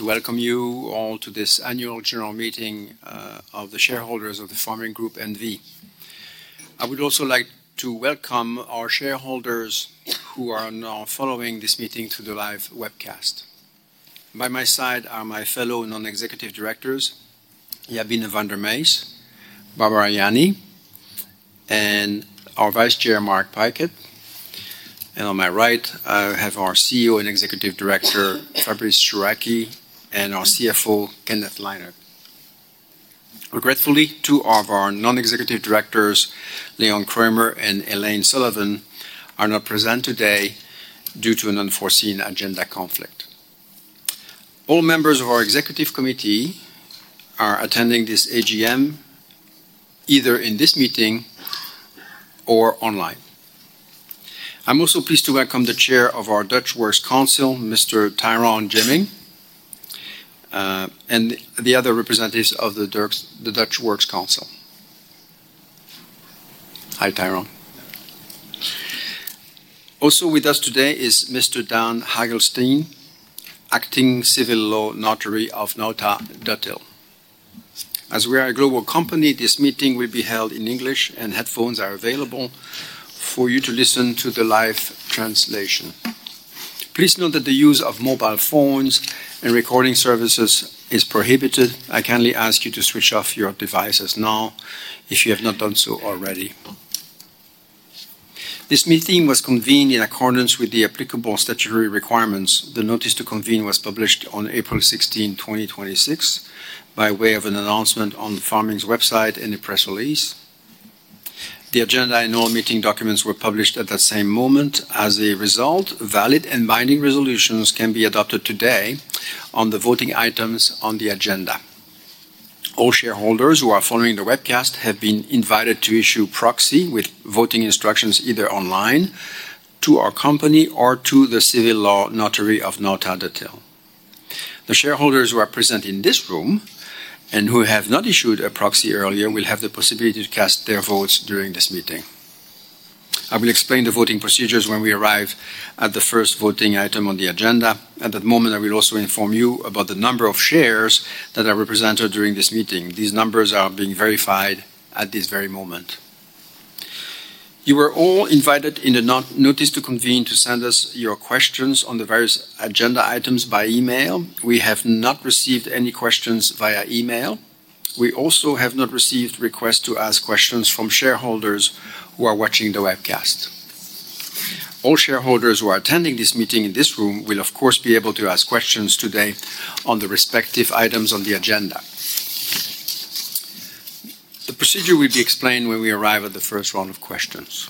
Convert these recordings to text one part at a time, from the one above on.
To welcome you all to this Annual General Meeting of the Shareholders of the Pharming Group N.V. I would also like to welcome our shareholders who are now following this meeting through the live webcast. By my side are my fellow Non-Executive Directors, Jabine van der Meijs, Barbara Yanni, and our Vice Chair, Mark Pykett. On my right, I have our CEO and Executive Director, Fabrice Chouraqui, and our CFO, Kenneth Lynard. Regretfully, two of our Non-Executive Directors, Leon Kruimer and Elaine Sullivan, are not present today due to an unforeseen agenda conflict. All members of our executive committee are attending this AGM either in this meeting or online. I'm also pleased to welcome the Chair of our Dutch Works Council, Mr. Tyron Jermin, and the other representatives of the Dutch Works Council. Hi, Tyron. Also with us today is Mr. Daan Hagelstein, acting Civil Law Notary of NautaDutilh. As we are a global company, this meeting will be held in English, and headphones are available for you to listen to the live translation. Please note that the use of mobile phones and recording services is prohibited. I kindly ask you to switch off your devices now if you have not done so already. This meeting was convened in accordance with the applicable statutory requirements. The notice to convene was published on April 16, 2026, by way of an announcement on Pharming's website and a press release. The agenda and all meeting documents were published at that same moment. As a result, valid and binding resolutions can be adopted today on the voting items on the agenda. All shareholders who are following the webcast have been invited to issue proxy with voting instructions either online, to our company, or to the Civil Law Notary of NautaDutilh. The shareholders who are present in this room and who have not issued a proxy earlier will have the possibility to cast their votes during this meeting. I will explain the voting procedures when we arrive at the first voting item on the agenda. At that moment, I will also inform you about the number of shares that are represented during this meeting. These numbers are being verified at this very moment. You were all invited in the notice to convene to send us your questions on the various agenda items by email. We have not received any questions via email. We also have not received requests to ask questions from shareholders who are watching the webcast. All shareholders who are attending this meeting in this room will of course be able to ask questions today on the respective items on the agenda. The procedure will be explained when we arrive at the first round of questions.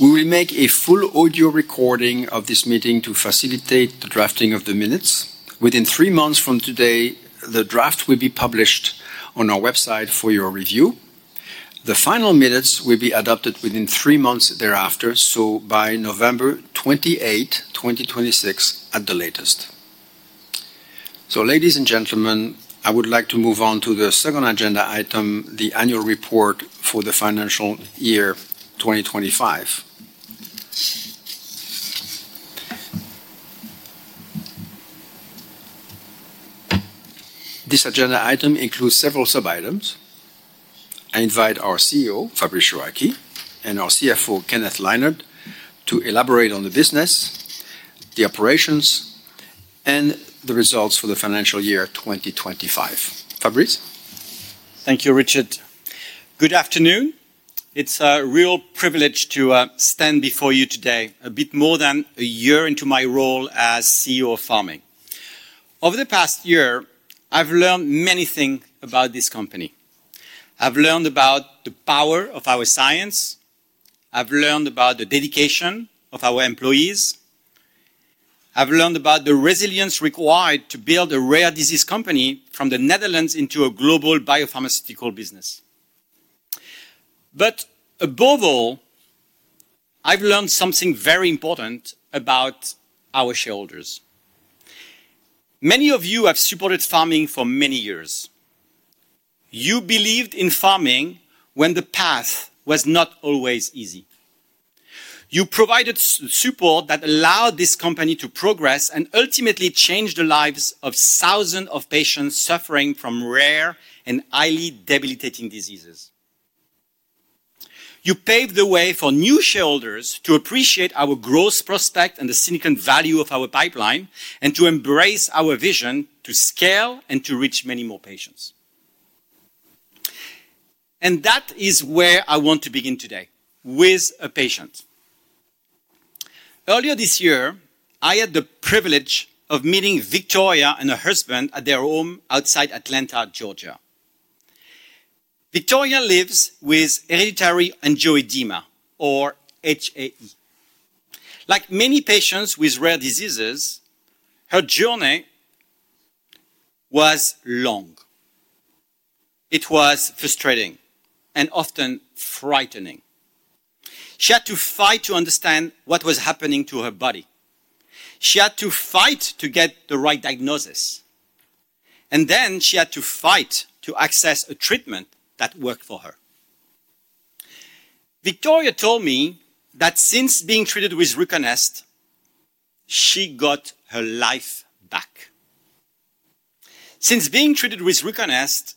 We will make a full audio recording of this meeting to facilitate the drafting of the minutes. Within three months from today, the draft will be published on our website for your review. The final minutes will be adopted within three months thereafter, by November 28, 2026, at the latest. Ladies and gentlemen, I would like to move on to the second agenda item, the annual report for the financial year 2025. This agenda item includes several sub-items. I invite our CEO, Fabrice Chouraqui, and our CFO, Kenneth Lynard, to elaborate on the business, the operations, and the results for the financial year 2025. Fabrice? Thank you, Richard. Good afternoon. It's a real privilege to stand before you today, a bit more than a year into my role as CEO of Pharming. Over the past year, I've learned many things about this company. I've learned about the power of our science. I've learned about the dedication of our employees. I've learned about the resilience required to build a rare disease company from the Netherlands into a global biopharmaceutical business. Above all, I've learned something very important about our shareholders. Many of you have supported Pharming for many years. You believed in Pharming when the path was not always easy. You provided support that allowed this company to progress and ultimately change the lives of thousands of patients suffering from rare and highly debilitating diseases. You paved the way for new shareholders to appreciate our growth prospect and the significant value of our pipeline, to embrace our vision to scale and to reach many more patients. That is where I want to begin today, with a patient. Earlier this year, I had the privilege of meeting Victoria and her husband at their home outside Atlanta, Georgia. Victoria lives with hereditary angioedema, or HAE. Like many patients with rare diseases, her journey was long. It was frustrating and often frightening. She had to fight to understand what was happening to her body. She had to fight to get the right diagnosis. Then she had to fight to access a treatment that worked for her. Victoria told me that since being treated with RUCONEST, she got her life back. Since being treated with RUCONEST,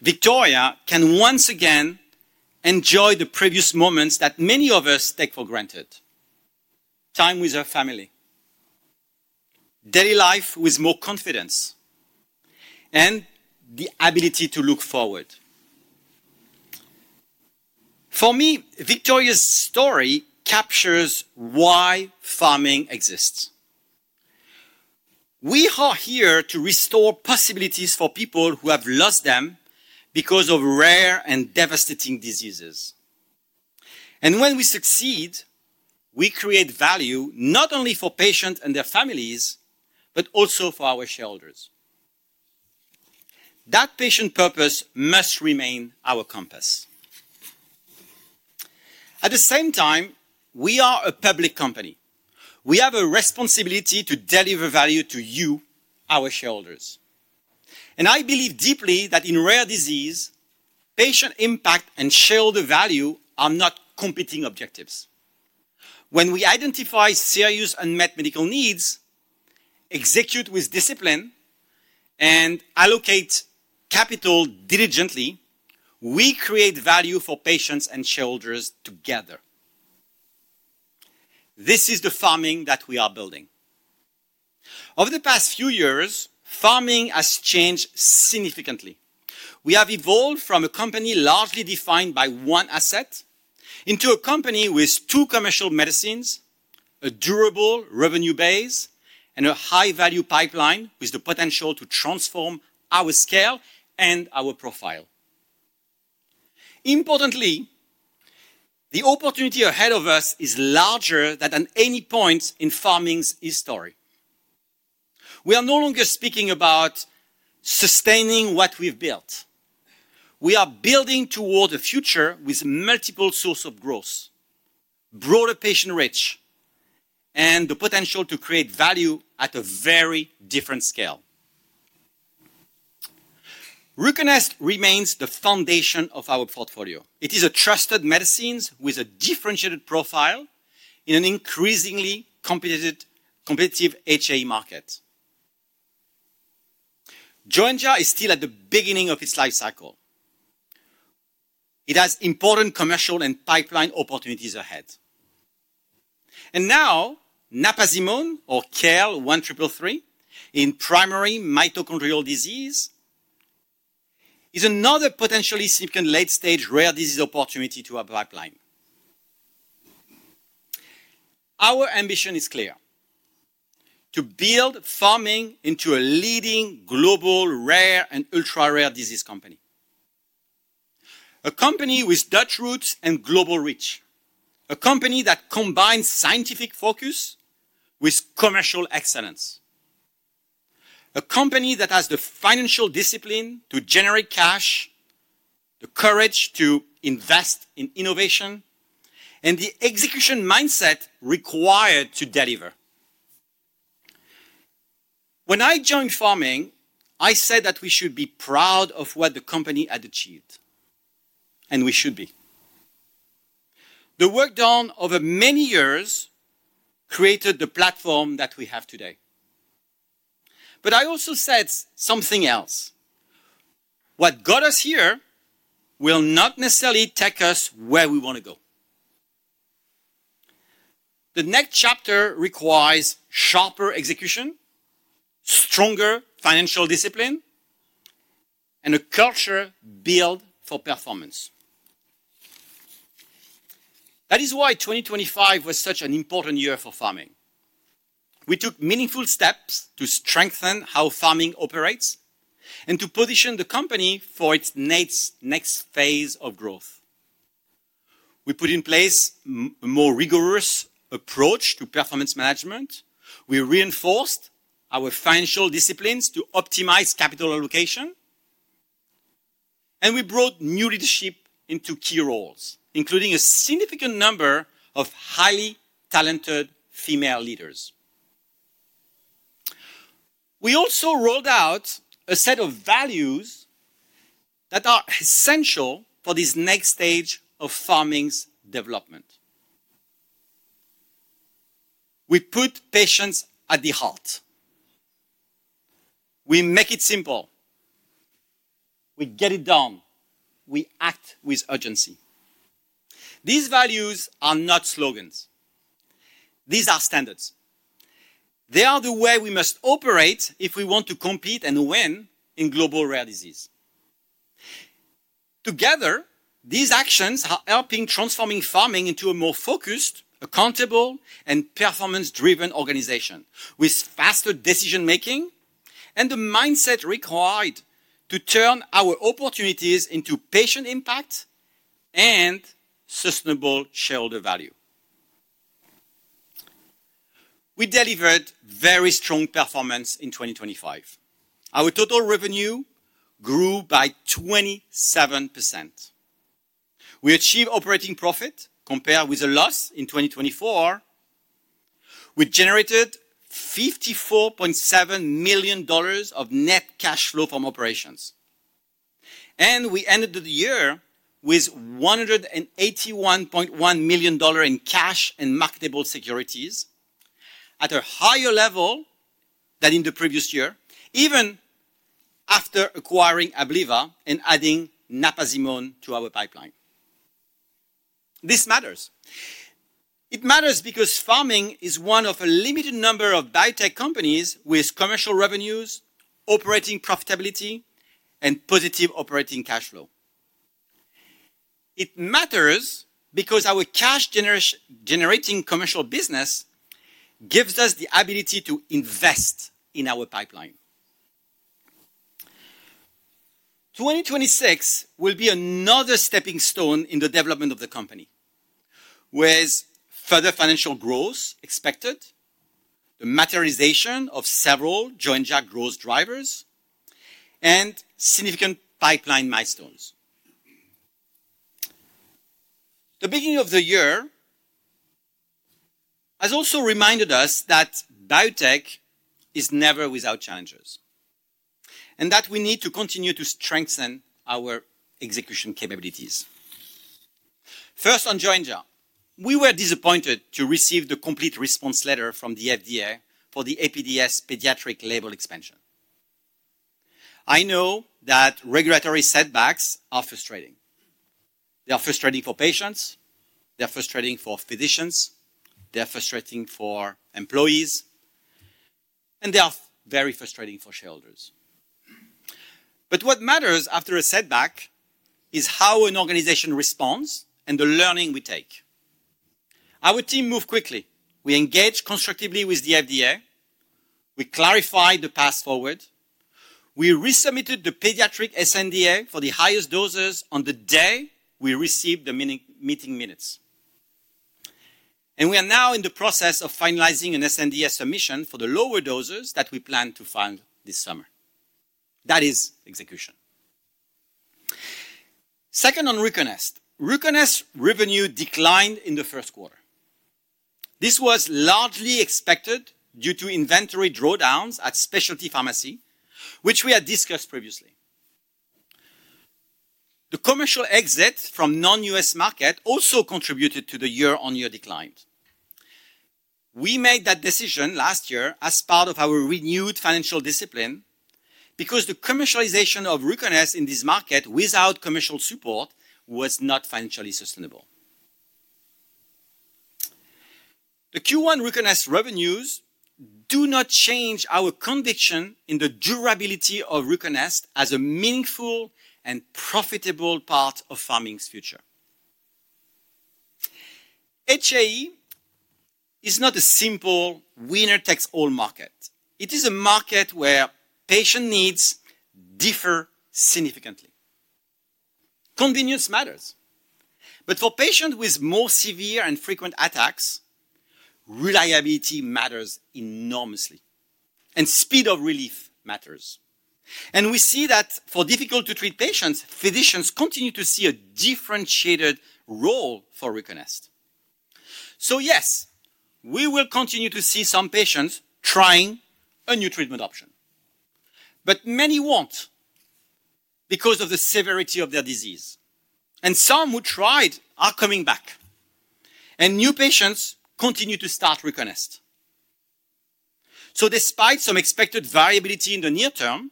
Victoria can once again enjoy the previous moments that many of us take for granted. Time with her family, daily life with more confidence, and the ability to look forward. For me, Victoria's story captures why Pharming exists. We are here to restore possibilities for people who have lost them because of rare and devastating diseases. When we succeed, we create value not only for patients and their families, but also for our shareholders. That patient purpose must remain our compass. At the same time, we are a public company. We have a responsibility to deliver value to you, our shareholders. I believe deeply that in rare disease, patient impact and shareholder value are not competing objectives. When we identify serious unmet medical needs, execute with discipline, and allocate capital diligently, we create value for patients and shareholders together. This is the Pharming that we are building. Over the past few years, Pharming has changed significantly. We have evolved from a company largely defined by one asset into a company with two commercial medicines, a durable revenue base, and a high-value pipeline with the potential to transform our scale and our profile. Importantly, the opportunity ahead of us is larger than at any point in Pharming's history. We are no longer speaking about sustaining what we've built. We are building toward a future with multiple source of growth, broader patient reach, and the potential to create value at a very different scale. RUCONEST remains the foundation of our portfolio. It is a trusted medicines with a differentiated profile in an increasingly competitive HAE market. Joenja is still at the beginning of its life cycle. It has important commercial and pipeline opportunities ahead. Now, napazimone, or KL1333, in primary mitochondrial disease is another potentially significant late-stage rare disease opportunity to our pipeline. Our ambition is clear: To build Pharming into a leading global rare and ultra-rare disease company. A company with Dutch roots and global reach. A company that combines scientific focus with commercial excellence. A company that has the financial discipline to generate cash, the courage to invest in innovation, and the execution mindset required to deliver. When I joined Pharming, I said that we should be proud of what the company had achieved, and we should be. The work done over many years created the platform that we have today. I also said something else. What got us here will not necessarily take us where we want to go. The next chapter requires sharper execution, stronger financial discipline, and a culture built for performance. That is why 2025 was such an important year for Pharming. We took meaningful steps to strengthen how Pharming operates and to position the company for its next phase of growth. We put in place a more rigorous approach to performance management. We reinforced our financial disciplines to optimize capital allocation. We brought new leadership into key roles, including a significant number of highly talented female leaders. We also rolled out a set of values that are essential for this next stage of Pharming's development. We put patients at the heart. We make it simple. We get it done. We act with urgency. These values are not slogans. These are standards. They are the way we must operate if we want to compete and win in global rare disease. Together, these actions are helping transforming Pharming into a more focused, accountable, and performance-driven organization, with faster decision-making and the mindset required to turn our opportunities into patient impact and sustainable shareholder value. We delivered very strong performance in 2025. Our total revenue grew by 27%. We achieved operating profit compared with a loss in 2024. We generated $54.7 million of net cash flow from operations, and we ended the year with $181.1 million in cash and marketable securities at a higher level than in the previous year, even after acquiring Abliva and adding napazimone to our pipeline. This matters. It matters because Pharming is one of a limited number of biotech companies with commercial revenues, operating profitability, and positive operating cash flow. It matters because our cash-generating commercial business gives us the ability to invest in our pipeline. 2026 will be another stepping stone in the development of the company, with further financial growth expected, the materialization of several Joenja growth drivers, and significant pipeline milestones. The beginning of the year has also reminded us that biotech is never without challenges, and that we need to continue to strengthen our execution capabilities. First, on Joenja. We were disappointed to receive the Complete Response Letter from the FDA for the APDS pediatric label expansion. I know that regulatory setbacks are frustrating. They are frustrating for patients, they are frustrating for physicians, they are frustrating for employees, and they are very frustrating for shareholders. What matters after a setback is how an organization responds and the learning we take. Our team moved quickly. We engaged constructively with the FDA. We clarified the path forward. We resubmitted the pediatric sNDA for the highest doses on the day we received the meeting minutes. We are now in the process of finalizing an sNDA submission for the lower doses that we plan to file this summer. That is execution. Second, on RUCONEST. RUCONEST revenue declined in the first quarter. This was largely expected due to inventory drawdowns at specialty pharmacy, which we had discussed previously. The commercial exit from non-U.S. market also contributed to the year-on-year decline. We made that decision last year as part of our renewed financial discipline because the commercialization of RUCONEST in this market without commercial support was not financially sustainable. The Q1 RUCONEST revenues do not change our conviction in the durability of RUCONEST as a meaningful and profitable part of Pharming's future. HAE is not a simple winner-takes-all market. It is a market where patient needs differ significantly. Convenience matters. For patients with more severe and frequent attacks, reliability matters enormously, and speed of relief matters. We see that for difficult-to-treat patients, physicians continue to see a differentiated role for RUCONEST. Yes, we will continue to see some patients trying a new treatment option, but many won't because of the severity of their disease. Some who tried are coming back, and new patients continue to start RUCONEST. Despite some expected variability in the near term,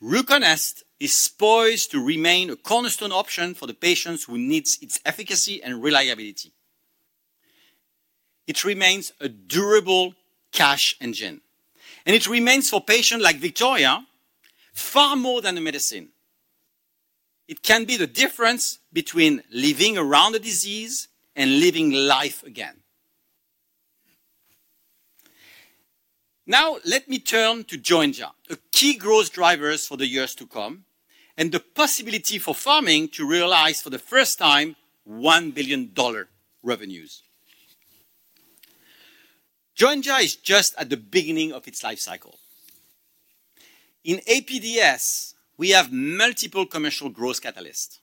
RUCONEST is poised to remain a cornerstone option for the patients who need its efficacy and reliability. It remains a durable cash engine, it remains for patients like Victoria, far more than a medicine. It can be the difference between living around a disease and living life again. Now let me turn to Joenja, a key growth driver for the years to come, and the possibility for Pharming to realize for the first time, $1 billion revenues. Joenja is just at the beginning of its life cycle. In APDS, we have multiple commercial growth catalysts.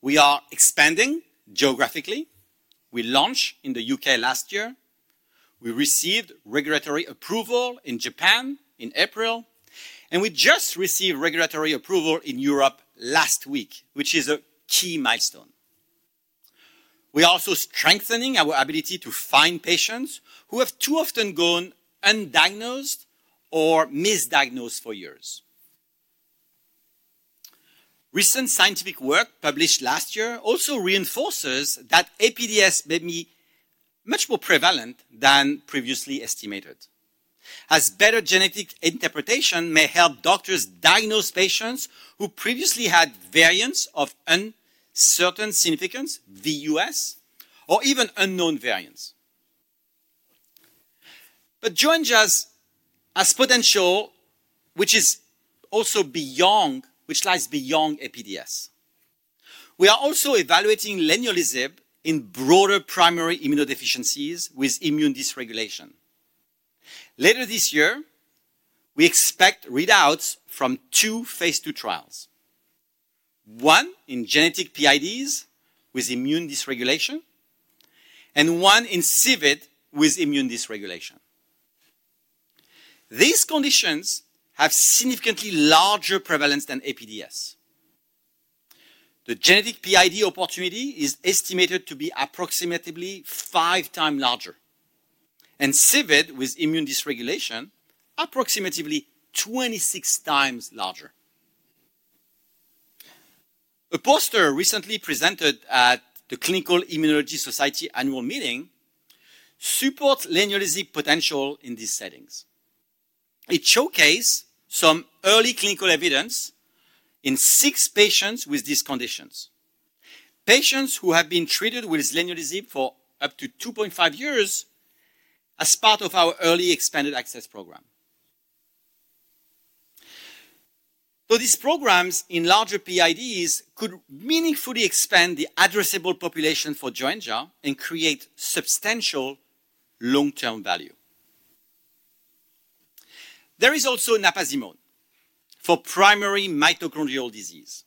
We are expanding geographically. We launched in the U.K. last year. We received regulatory approval in Japan in April, and we just received regulatory approval in Europe last week, which is a key milestone. We are also strengthening our ability to find patients who have too often gone undiagnosed or misdiagnosed for years. Recent scientific work published last year also reinforces that APDS may be much more prevalent than previously estimated, as better genetic interpretation may help doctors diagnose patients who previously had variants of uncertain significance, VUS, or even unknown variants. Joenja has potential which lies beyond APDS. We are also evaluating leniolisib in broader primary immunodeficiencies with immune dysregulation. This year, we expect readouts from two phase II trials, one in genetic PIDs with immune dysregulation and one in CVID with immune dysregulation. These conditions have significantly larger prevalence than APDS. The genetic PID opportunity is estimated to be approximately five times larger, and CVID with immune dysregulation, approximately 26 times larger. A poster recently presented at the Clinical Immunology Society annual meeting supports leniolisib potential in these settings. It showcased some early clinical evidence in six patients with these conditions, patients who have been treated with leniolisib for up to two point five years as part of our early expanded access program. These programs in larger PIDs could meaningfully expand the addressable population for Joenja and create substantial long-term value. There is also napazimone for primary mitochondrial disease.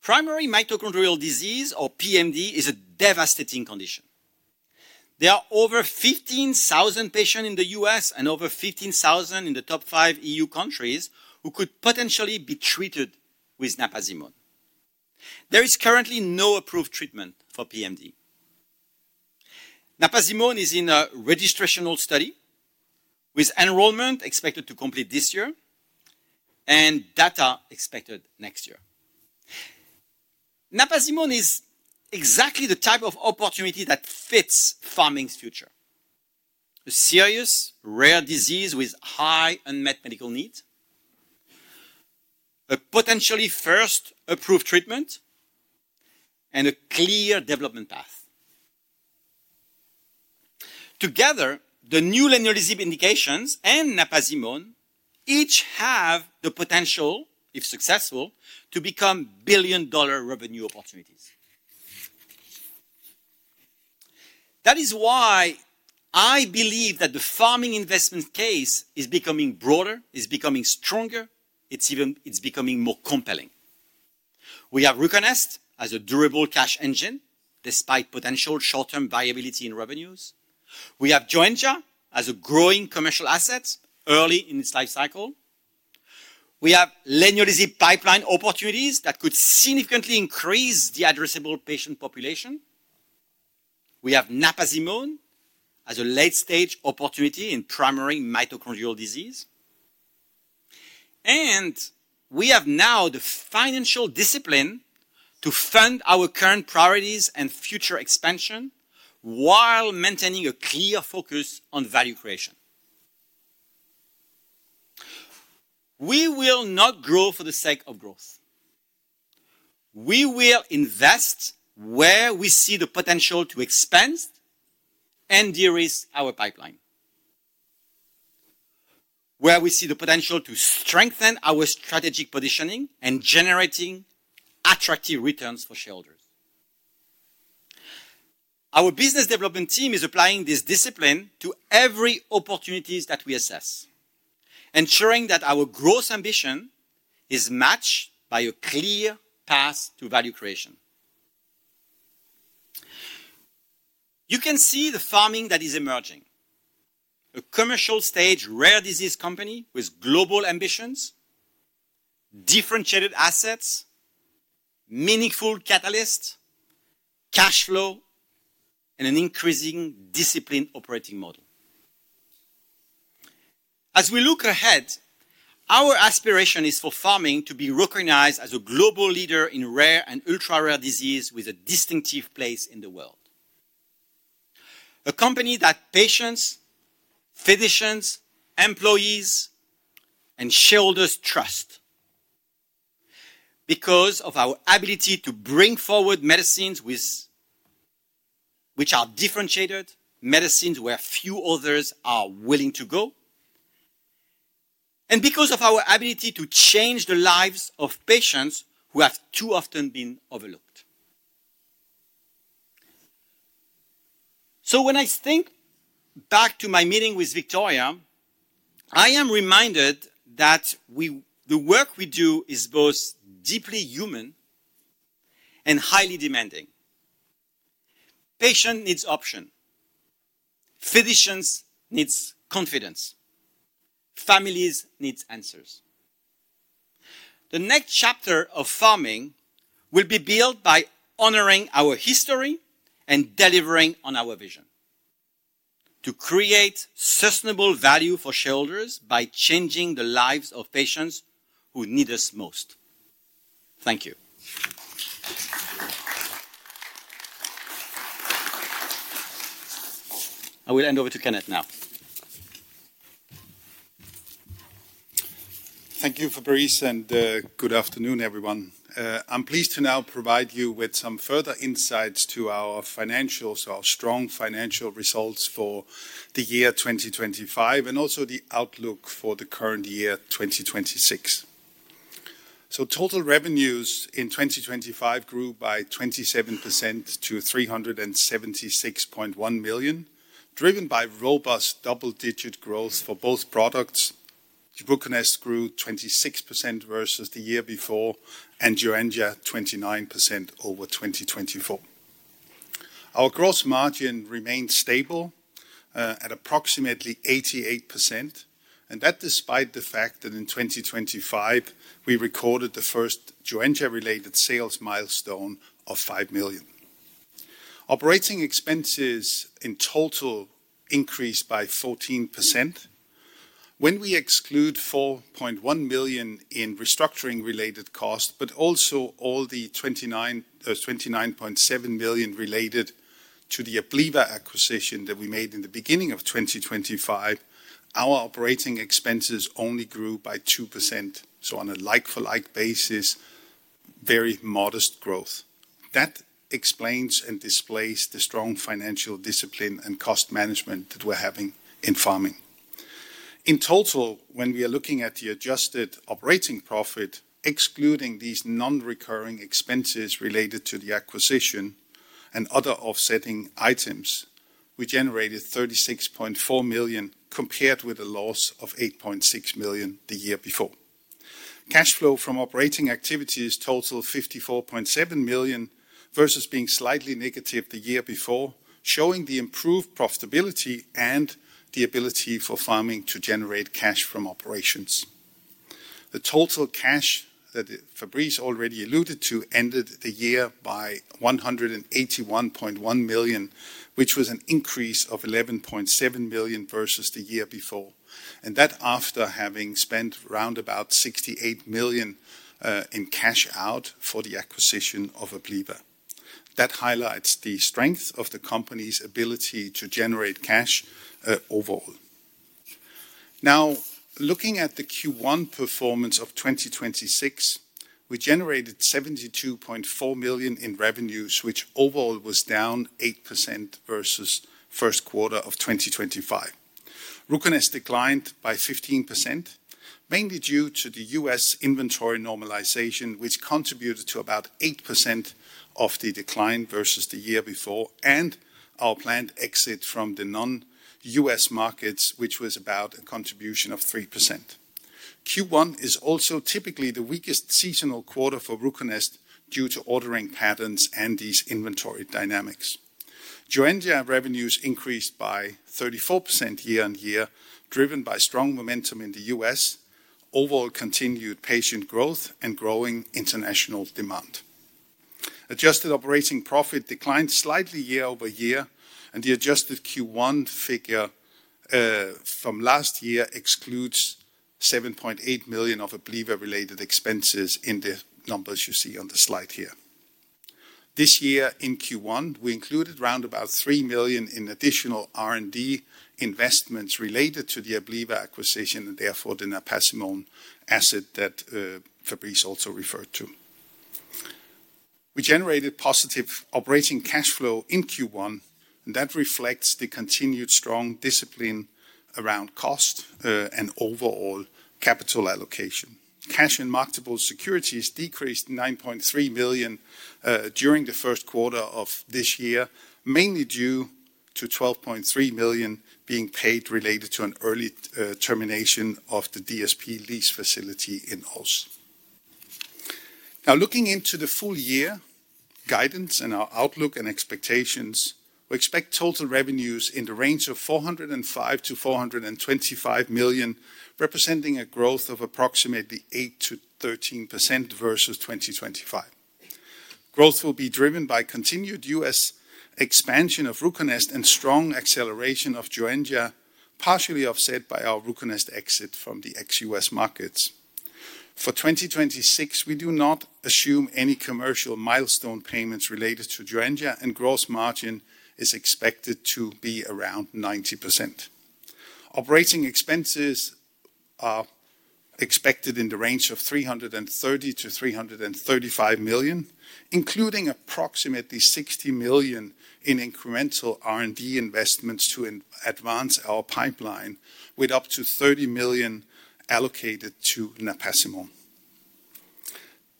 Primary mitochondrial disease, or PMD, is a devastating condition. There are over 15,000 patients in the U.S. and over 15,000 in the top five EU countries who could potentially be treated with napazimone. There is currently no approved treatment for PMD. Napazimone is in a registrational study with enrollment expected to complete this year and data expected next year. Napazimone is exactly the type of opportunity that fits Pharming's future. A serious rare disease with high unmet medical need, a potentially first approved treatment, and a clear development path. Together, the new leniolisib indications and napazimone each have the potential, if successful, to become $1 billion revenue opportunities. That is why I believe that the Pharming investment case is becoming broader, is becoming stronger. It's becoming more compelling. We are recognized as a durable cash engine despite potential short-term volatility in revenues. We have Joenja as a growing commercial asset early in its life cycle. We have leniolisib pipeline opportunities that could significantly increase the addressable patient population. We have napazimone as a late-stage opportunity in primary mitochondrial disease, and we have now the financial discipline to fund our current priorities and future expansion while maintaining a clear focus on value creation. We will not grow for the sake of growth. We will invest where we see the potential to expand and de-risk our pipeline, where we see the potential to strengthen our strategic positioning and generating attractive returns for shareholders. Our business development team is applying this discipline to every opportunities that we assess, ensuring that our growth ambition is matched by a clear path to value creation. You can see the Pharming that is emerging, a commercial-stage rare disease company with global ambitions, differentiated assets, meaningful catalyst, cash flow, and an increasing disciplined operating model. As we look ahead, our aspiration is for Pharming to be recognized as a global leader in rare and ultra-rare disease with a distinctive place in the world. A company that patients, physicians, employees, and shareholders trust because of our ability to bring forward medicines which are differentiated, medicines where few others are willing to go, and because of our ability to change the lives of patients who have too often been overlooked. When I think back to my meeting with Victoria, I am reminded that the work we do is both deeply human and highly demanding. Patient needs option. Physicians needs confidence. Families needs answers. The next chapter of Pharming will be built by honoring our history and delivering on our vision to create sustainable value for shareholders by changing the lives of patients who need us most. Thank you. I will hand over to Kenneth now. Thank you, Fabrice, and good afternoon, everyone. I'm pleased to now provide you with some further insights to our financials, our strong financial results for the year 2025, and also the outlook for the current year 2026. Total revenues in 2025 grew by 27% to $376.1 million, driven by robust double-digit growth for both products. RUCONEST grew 26% versus the year before, and Joenja 29% over 2024. Our gross margin remained stable at approximately 88%, and that despite the fact that in 2025, we recorded the first Joenja-related sales milestone of $5 million. Operating expenses in total increased by 14%. When we exclude $4.1 million in restructuring related costs, but also all the $29.7 million related to the Abliva acquisition that we made in the beginning of 2025, our operating expenses only grew by 2%. On a like-for-like basis, very modest growth. That explains and displays the strong financial discipline and cost management that we're having in Pharming. In total, when we are looking at the adjusted operating profit, excluding these non-recurring expenses related to the acquisition and other offsetting items, we generated $36.4 million, compared with a loss of $8.6 million the year before. Cash flow from operating activities totaled $54.7 million versus being slightly negative the year before, showing the improved profitability and the ability for Pharming to generate cash from operations. The total cash that Fabrice already alluded to ended the year by $181.1 million, which was an increase of $11.7 million versus the year before. That after having spent round about $68 million in cash out for the acquisition of Abliva. That highlights the strength of the company's ability to generate cash overall. Looking at the Q1 performance of 2026, we generated $72.4 million in revenues, which overall was down 8% versus first quarter of 2025. RUCONEST declined by 15%, mainly due to the U.S. inventory normalization, which contributed to about 8% of the decline versus the year before, and our planned exit from the non-U.S. markets, which was about a contribution of 3%. Q1 is also typically the weakest seasonal quarter for RUCONEST due to ordering patterns and these inventory dynamics. Joenja revenues increased by 34% year-on-year, driven by strong momentum in the U.S., overall continued patient growth, and growing international demand. Adjusted operating profit declined slightly year-over-year, and the adjusted Q1 figure from last year excludes $7.8 million of Abliva-related expenses in the numbers you see on the slide here. This year in Q1, we included round about $3 million in additional R&D investments related to the Abliva acquisition and therefore the napazimone asset that Fabrice also referred to. We generated positive operating cash flow in Q1, and that reflects the continued strong discipline around cost, and overall capital allocation. Cash and marketable securities decreased $9.3 million during the first quarter of this year, mainly due to $12.3 million being paid related to an early termination of the DSP lease facility in Oss. Now looking into the full year guidance and our outlook and expectations, we expect total revenues in the range of $405 million-$425 million, representing a growth of approximately 8%-13% versus 2025. Growth will be driven by continued U.S. expansion of RUCONEST and strong acceleration of Joenja, partially offset by our RUCONEST exit from the ex-U.S. markets. For 2026, we do not assume any commercial milestone payments related to Joenja, and gross margin is expected to be around 90%. Operating expenses are expected in the range of $330 million-$335 million, including approximately $60 million in incremental R&D investments to advance our pipeline with up to $30 million allocated to napazimone.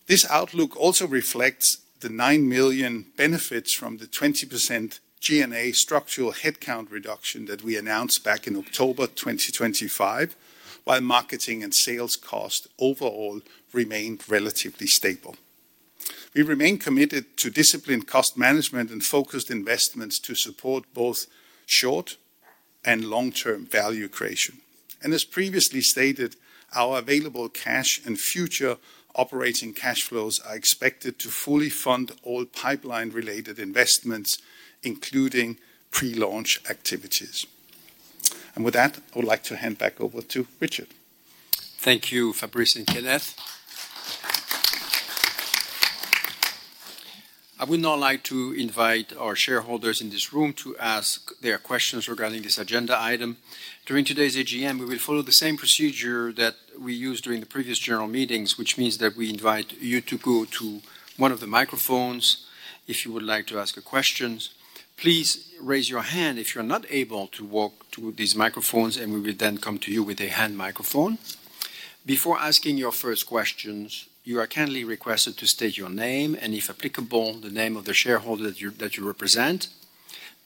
This outlook also reflects the $9 million benefits from the 20% G&A structural headcount reduction that we announced back in October 2025, while marketing and sales cost overall remained relatively stable. We remain committed to disciplined cost management and focused investments to support both short- and long-term value creation. As previously stated, our available cash and future operating cash flows are expected to fully fund all pipeline-related investments, including pre-launch activities. With that, I would like to hand back over to Richard. Thank you, Fabrice and Kenneth. I would now like to invite our shareholders in this room to ask their questions regarding this agenda item. During today's AGM, we will follow the same procedure that we used during the previous general meetings, which means that we invite you to go to one of the microphones if you would like to ask a question. Please raise your hand if you're not able to walk to these microphones, we will then come to you with a hand microphone. Before asking your first questions, you are kindly requested to state your name and, if applicable, the name of the shareholder that you represent.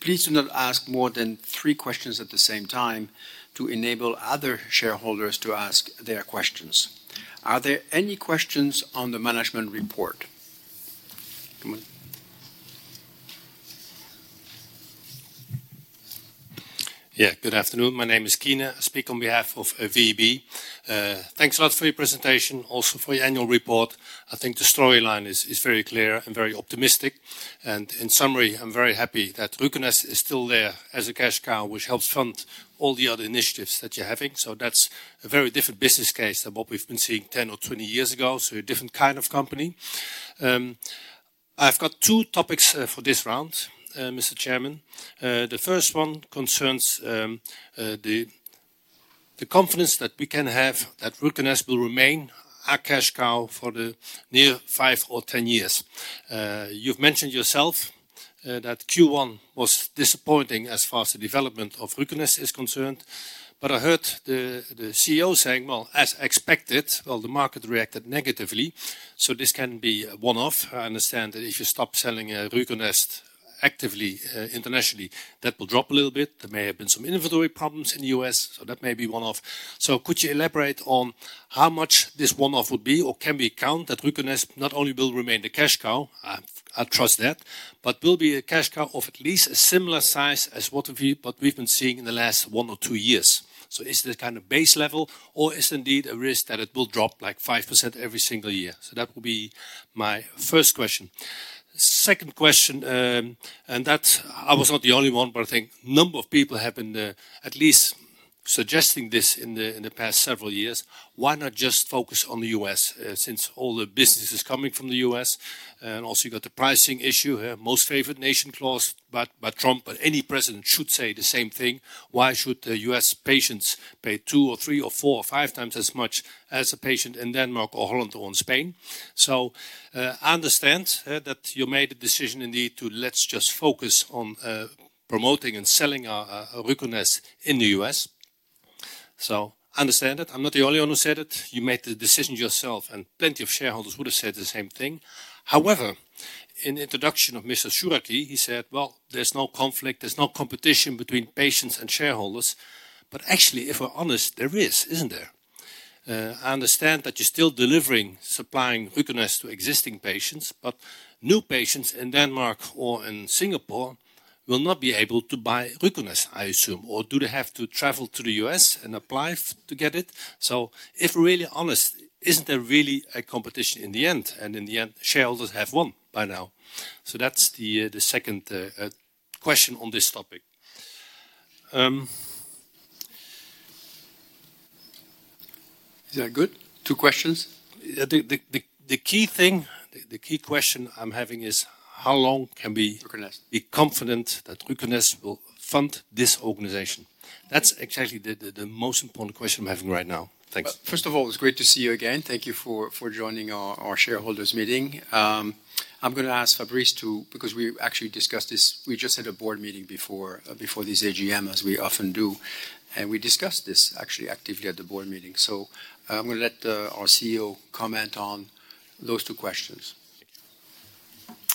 Please do not ask more than three questions at the same time to enable other shareholders to ask their questions. Are there any questions on the management report? Come on. Good afternoon. My name is Keyner. I speak on behalf of SVB. Thanks a lot for your presentation, also for your annual report. I think the storyline is very clear and very optimistic. In summary, I am very happy that RUCONEST is still there as a cash cow, which helps fund all the other initiatives that you are having. That is a very different business case than what we have been seeing 10 or 20 years ago, so a different kind of company. I have got two topics for this round, Mr. Chairman. The first one concerns the confidence that we can have that RUCONEST will remain our cash cow for the near five or 10 years. You have mentioned yourself that Q1 was disappointing as far as the development of RUCONEST is concerned. I heard the CEO saying, well, as expected, the market reacted negatively, so this can be a one-off. I understand that if you stop selling RUCONEST actively internationally, that will drop a little bit. There may have been some inventory problems in the U.S., so that may be one-off. Could you elaborate on how much this one-off would be, or can we count that RUCONEST not only will remain the cash cow, I trust that, but will be a cash cow of at least a similar size as what we've been seeing in the last one or two years? Is it a kind of base level or is it indeed a risk that it will drop 5% every single year? That would be my first question. Second question, I was not the only one, but I think a number of people have been at least suggesting this in the past several years. Why not just focus on the U.S. since all the business is coming from the U.S.? Also, you got the pricing issue, most favored nation clause. Trump, but any president should say the same thing. Why should the U.S. patients pay two or three or four or five times as much as a patient in Denmark or Holland or in Spain? I understand that you made a decision indeed to let's just focus on promoting and selling our RUCONEST in the U.S. I understand it. I'm not the only one who said it. You made the decision yourself, and plenty of shareholders would've said the same thing. However, in the introduction of Mr. Chouraqui, he said, "Well, there's no conflict, there's no competition between patients and shareholders." Actually, if we're honest, there is, isn't there? I understand that you're still delivering, supplying RUCONEST to existing patients, but new patients in Denmark or in Singapore will not be able to buy RUCONEST, I assume, or do they have to travel to the U.S. and apply to get it? If we're really honest, isn't there really a competition in the end? In the end, shareholders have won by now. That's the second question on this topic. Is that good? Two questions. The key question I'm having is how long- RUCONEST. ...be confident that RUCONEST will fund this organization? That's actually the most important question I'm having right now. Thanks. First of all, it's great to see you again. Thank you for joining our shareholders meeting. I'm going to ask Fabrice, because we actually discussed this. We just had a Board meeting before this AGM, as we often do. We discussed this actually actively at the board meeting. I'm going to let our CEO comment on those two questions.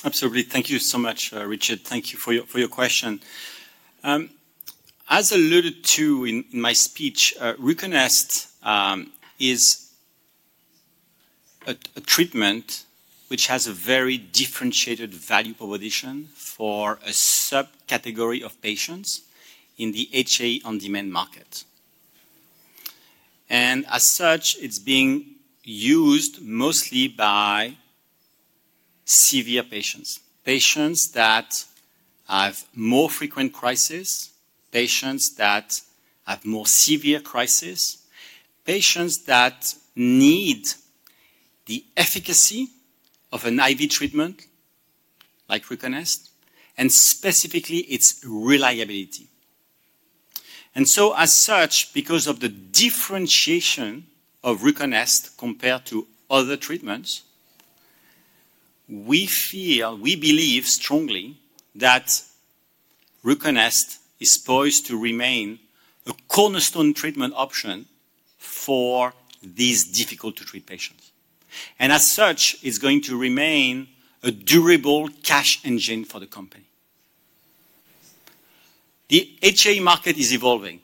Absolutely. Thank you so much, Richard. Thank you for your question. As alluded to in my speech, RUCONEST is a treatment which has a very differentiated value proposition for a subcategory of patients in the HAE on-demand market. As such, it's being used mostly by severe patients that have more frequent crisis, patients that have more severe crisis, patients that need the efficacy of [nicely] treatment like RUCONEST, and specifically its reliability. As such, because of the differentiation of RUCONEST compared to other treatments, we believe strongly that RUCONEST is poised to remain a cornerstone treatment option for these difficult-to-treat patients. As such, is going to remain a durable cash engine for the company. The HAE market is evolving.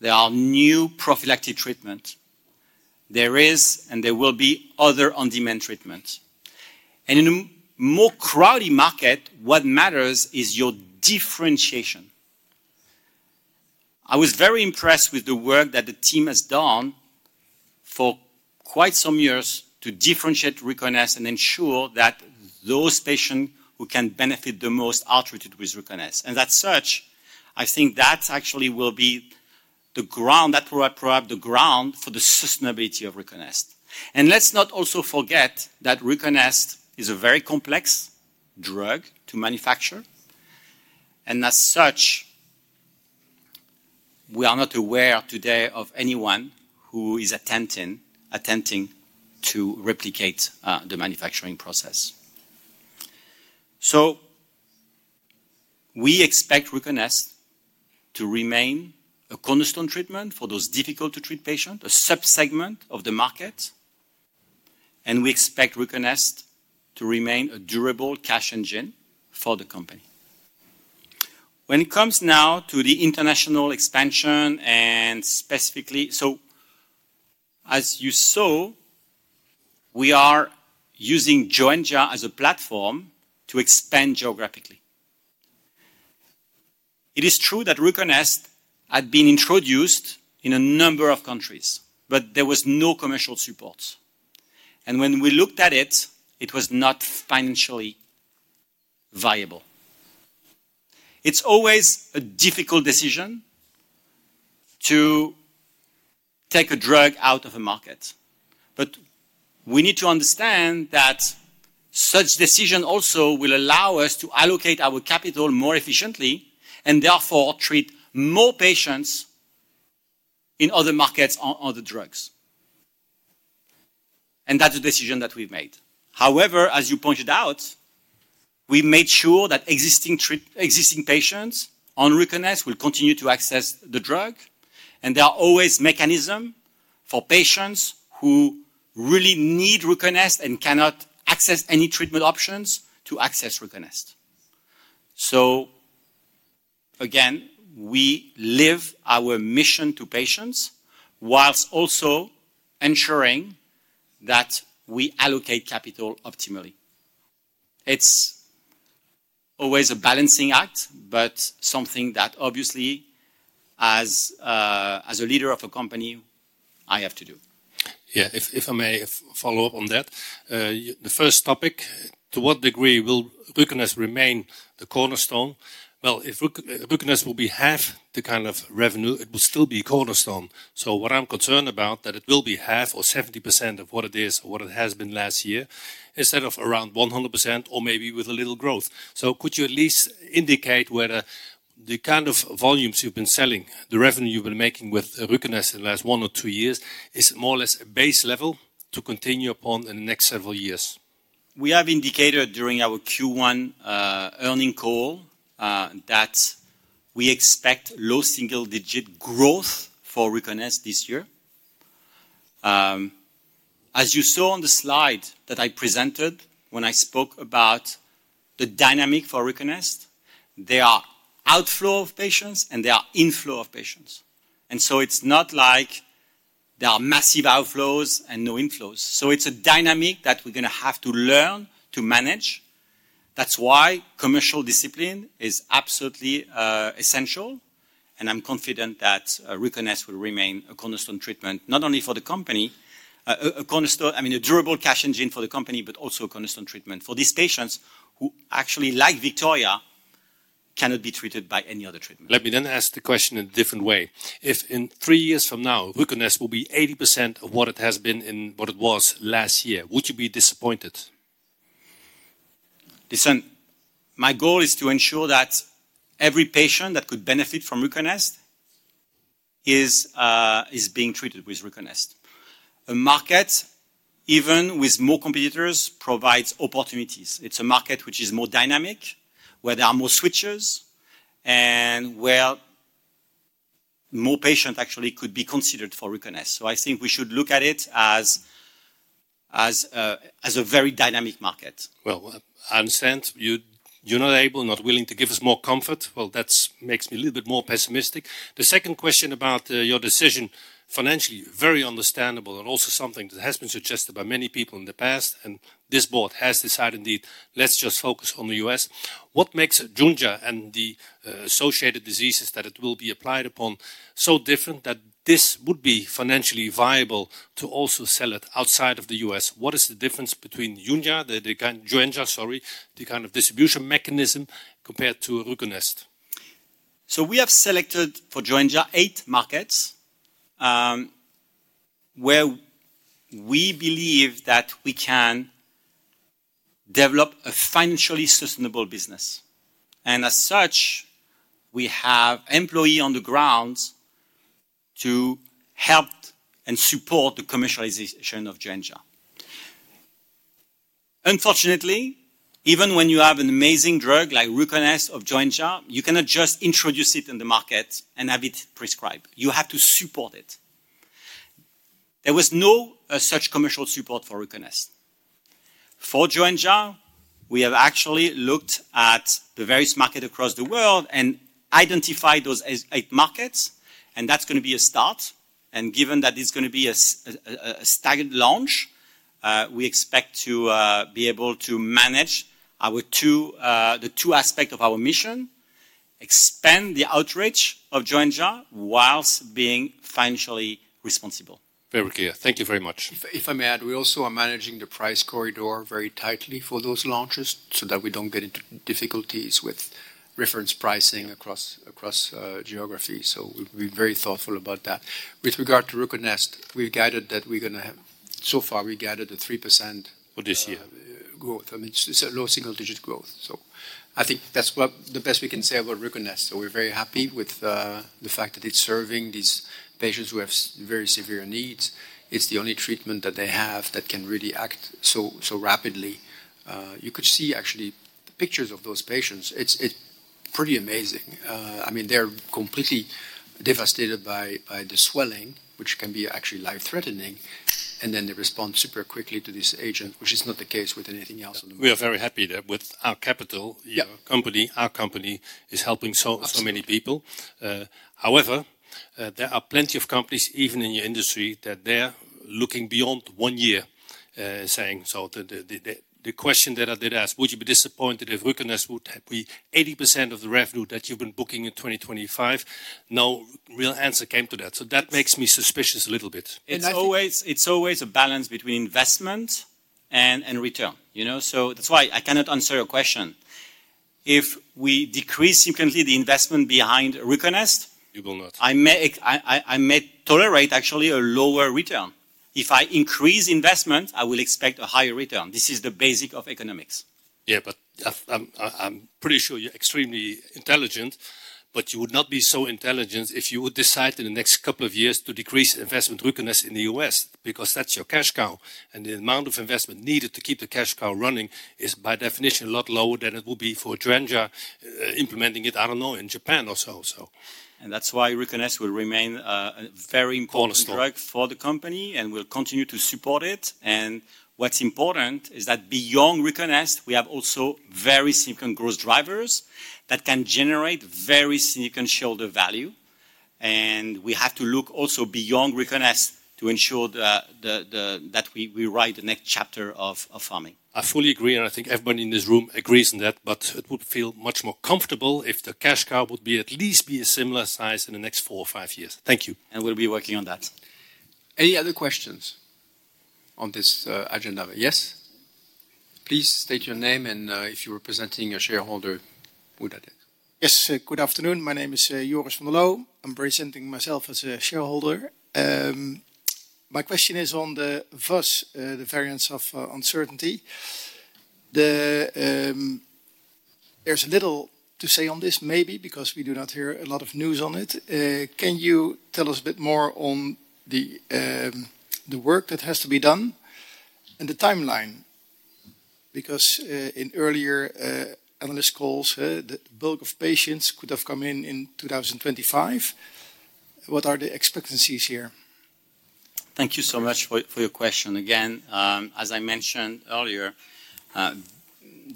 There are new prophylactic treatment. There is and there will be other on-demand treatment. In a more crowded market, what matters is your differentiation. I was very impressed with the work that the team has done for quite some years to differentiate RUCONEST and ensure that those patient who can benefit the most are treated with RUCONEST. That such, I think that actually will be the ground, that will prepare up the ground for the sustainability of RUCONEST. Let's not also forget that RUCONEST is a very complex drug to manufacture. As such, we are not aware today of anyone who is attempting to replicate the manufacturing process. We expect RUCONEST to remain a cornerstone treatment for those difficult-to-treat patients, a sub-segment of the market, and we expect RUCONEST to remain a durable cash engine for the company. When it comes now to the international expansion and specifically. As you saw, we are using Joenja as a platform to expand geographically. It is true that RUCONEST had been introduced in a number of countries, but there was no commercial support. When we looked at it was not financially viable. It's always a difficult decision to take a drug out of a market. We need to understand that such decision also will allow us to allocate our capital more efficiently and therefore treat more patients in other markets on other drugs. That's a decision that we've made. However, as you pointed out, we've made sure that existing patients on RUCONEST will continue to access the drug, and there are always mechanism for patients who really need RUCONEST and cannot access any treatment options to access RUCONEST. Again, we live our mission to patients whilst also ensuring that we allocate capital optimally. It's always a balancing act, but something that obviously, as a leader of a company, I have to do. Yeah, if I may follow up on that. The first topic, to what degree will RUCONEST remain the cornerstone? Well, if RUCONEST will be half the kind of revenue, it will still be cornerstone. What I'm concerned about, that it will be half or 70% of what it is or what it has been last year, instead of around 100% or maybe with a little growth. Could you at least indicate whether the kind of volumes you've been selling, the revenue you've been making with RUCONEST in the last one or two years is more or less a base level to continue upon in the next several years? We have indicated during our Q1 earning call that we expect low single-digit growth for RUCONEST this year. As you saw on the slide that I presented when I spoke about the dynamic for RUCONEST, there are outflow of patients and there are inflow of patients. It's not like there are massive outflows and no inflows. It's a dynamic that we're going to have to learn to manage. That's why commercial discipline is absolutely essential, and I'm confident that RUCONEST will remain a cornerstone treatment, not only for the company, a durable cash engine for the company, but also a cornerstone treatment for these patients who actually, like Victoria, cannot be treated by any other treatment. Let me then ask the question in a different way. If in three years from now, RUCONEST will be 80% of what it was last year, would you be disappointed? Listen, my goal is to ensure that every patient that could benefit from RUCONEST is being treated with RUCONEST. A market, even with more competitors, provides opportunities. It's a market which is more dynamic, where there are more switchers, and where more patients actually could be considered for RUCONEST. I think we should look at it as a very dynamic market. Well, I understand. You are not able, not willing to give us more comfort. Well, that makes me a little bit more pessimistic. The second question about your decision financially, very understandable and also something that has been suggested by many people in the past, this board has decided indeed, let us just focus on the U.S. What makes Joenja and the associated diseases that it will be applied upon so different that this would be financially viable to also sell it outside of the U.S.? What is the difference between Joenja, the kind of distribution mechanism compared to RUCONEST? We have selected for Joenja eight markets, where we believe that we can develop a financially sustainable business. As such, we have employee on the grounds to help and support the commercialization of Joenja. Unfortunately, even when you have an amazing drug like RUCONEST or Joenja, you cannot just introduce it in the market and have it prescribed. You have to support it. There was no such commercial support for RUCONEST. For Joenja, we have actually looked at the various market across the world and identified those as eight markets, and that's going to be a start. Given that it's going to be a staggered launch, we expect to be able to manage the two aspect of our mission, expand the outreach of Joenja whilst being financially responsible. Very clear. Thank you very much. If I may add, we also are managing the price corridor very tightly for those launches so that we don't get into difficulties with reference pricing across geography. We've been very thoughtful about that. With regard to RUCONEST, we've guided that we're going to have-- so far, we gathered a 3% for this year growth. It's a low single-digit growth. I think that's what the best we can say about RUCONEST. We're very happy with the fact that it's serving these patients who have very severe needs. It's the only treatment that they have that can really act so rapidly. You could see actually pictures of those patients. It's pretty amazing. They're completely devastated by the swelling, which can be actually life-threatening, and then they respond super quickly to this agent, which is not the case with anything else on the market. We are very happy that with our capital- Yeah. ...our company is helping so many people. Absolutely. There are plenty of companies, even in your industry, that they're looking beyond one year, saying so the question that I did ask, would you be disappointed if RUCONEST would be 80% of the revenue that you've been booking in 2025? No real answer came to that. That makes me suspicious a little bit. It's always a balance between investment and return. That's why I cannot answer your question. If we decrease significantly the investment behind RUCONEST- You will not. ...I may tolerate actually a lower return. If I increase investment, I will expect a higher return. This is the basic of economics. Yeah, but I'm pretty sure you're extremely intelligent, but you would not be so intelligent if you would decide in the next couple of years to decrease investment RUCONEST in the U.S., because that's your cash cow, and the amount of investment needed to keep the cash cow running is by definition a lot lower than it would be for Joenja implementing it, I don't know, in Japan or so. That's why RUCONEST will remain a very important- Cornerstone. ...drug for the company, we'll continue to support it. What's important is that beyond RUCONEST, we have also very significant growth drivers that can generate very significant shareholder value. We have to look also beyond RUCONEST to ensure that we write the next chapter of Pharming. I fully agree, and I think everybody in this room agrees on that, but it would feel much more comfortable if the cash cow would be at least be a similar size in the next four or five years. Thank you. We'll be working on that. Any other questions on this agenda? Yes. Please state your name and if you are representing a shareholder, who that is. Yes. Good afternoon. My name is Joris van der Louw. I am presenting myself as a shareholder. My question is on the VUS, the variants of uncertain significance. There is little to say on this, maybe because we do not hear a lot of news on it. Can you tell us a bit more on the work that has to be done and the timeline? Because in earlier analyst calls, the bulk of patients could have come in in 2025. What are the expectancies here? Thank you so much for your question. Again, as I mentioned earlier,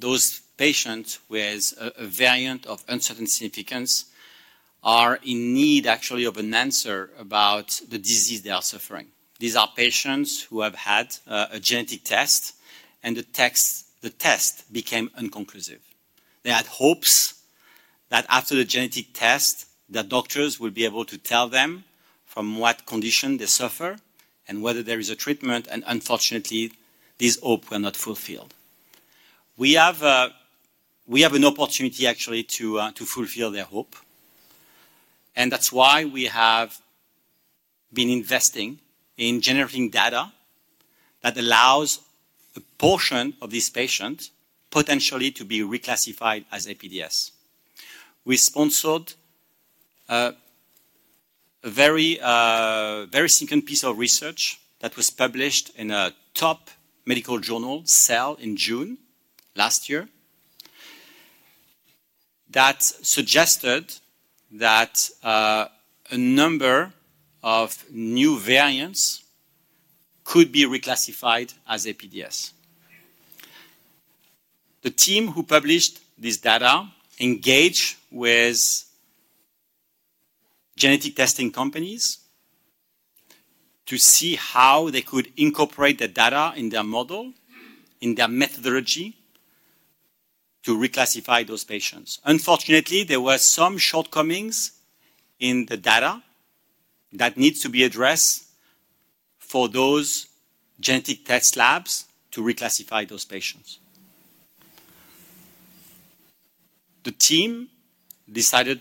those patients with a variants of uncertain significance are in need actually of an answer about the disease they are suffering. These are patients who have had a genetic test, and the test became inconclusive. They had hopes that after the genetic test, the doctors will be able to tell them from what condition they suffer and whether there is a treatment. Unfortunately, this hope were not fulfilled. We have an opportunity actually to fulfill their hope. That's why we have been investing in generating data that allows a portion of these patients potentially to be reclassified as APDS. We sponsored a very significant piece of research that was published in a top medical journal, "Cell" in June last year. That suggested that a number of new variants could be reclassified as APDS. The team who published this data engaged with genetic testing companies to see how they could incorporate the data in their model, in their methodology to reclassify those patients. Unfortunately, there were some shortcomings in the data that needs to be addressed for those genetic test labs to reclassify those patients. The team decided,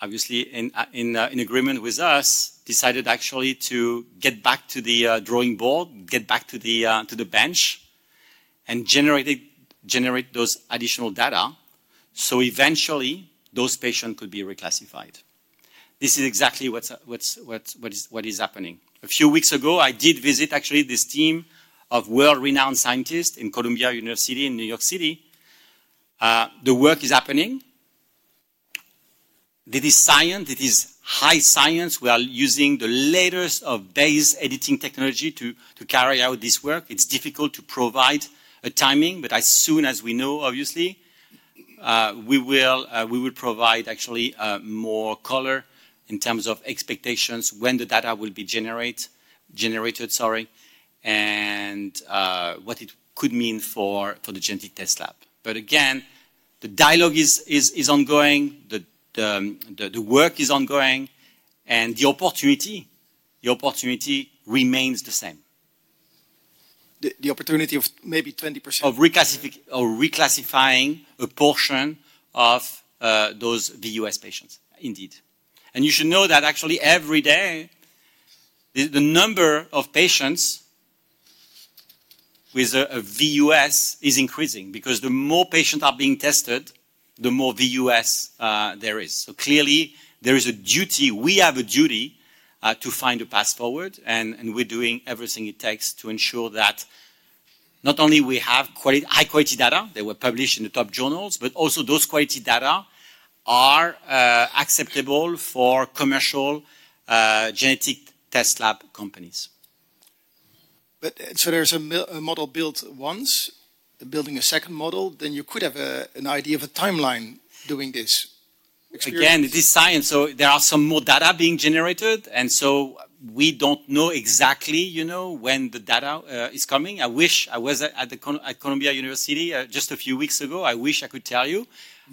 obviously in agreement with us, decided actually to get back to the drawing board, get back to the bench and generate those additional data, so eventually those patients could be reclassified. This is exactly what is happening. A few weeks ago, I did visit actually this team of world-renowned scientists in Columbia University in New York City. The work is happening. It is science. It is high science. We are using the latest of base editing technology to carry out this work. It's difficult to provide a timing, but as soon as we know, obviously, we will provide actually more color in terms of expectations when the data will be generated, sorry, and what it could mean for the genetic test lab. Again, the dialogue is ongoing, the work is ongoing, and the opportunity remains the same. The opportunity of maybe 20%- Of reclassifying a portion of those VUS patients, indeed. You should know that actually every day, the number of patients with a VUS is increasing, because the more patients are being tested, the more VUS there is. Clearly, there is a duty. We have a duty to find a path forward, and we're doing everything it takes to ensure that not only we have high-quality data, they were published in the top journals, but also those quality data are acceptable for commercial genetic test lab companies. There's a model built once. Building a second model, you could have an idea of a timeline doing this. This is science, there are some more data being generated. We don't know exactly when the data is coming. I was at Columbia University just a few weeks ago. I wish I could tell you.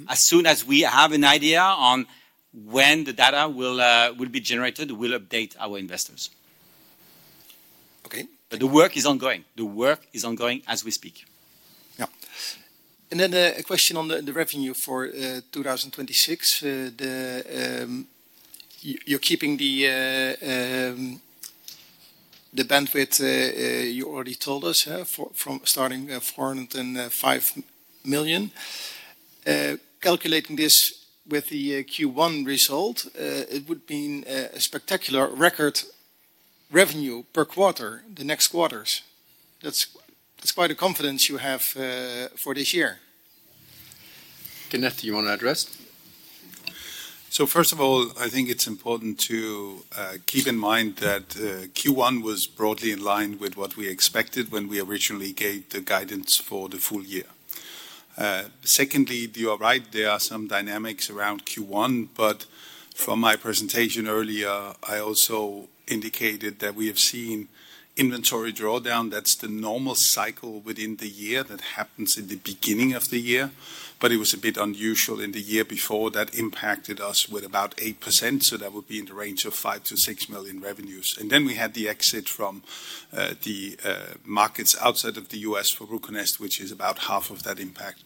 As soon as we have an idea on when the data will be generated, we'll update our investors. Okay. The work is ongoing. The work is ongoing as we speak. Yeah. A question on the revenue for 2026. You're keeping the bandwidth, you already told us, starting at $405 million. Calculating this with the Q1 result, it would mean a spectacular record revenue per quarter the next quarters. That's quite a confidence you have for this year. Kenneth, you want to address? First of all, I think it's important to keep in mind that Q1 was broadly in line with what we expected when we originally gave the guidance for the full year. Secondly, you are right, there are some dynamics around Q1. From my presentation earlier, I also indicated that we have seen inventory drawdown. That's the normal cycle within the year that happens in the beginning of the year. It was a bit unusual in the year before that impacted us with about 8%, so that would be in the range of $5 million-$6 million revenues. We had the exit from the markets outside of the U.S. for RUCONEST, which is about half of that impact.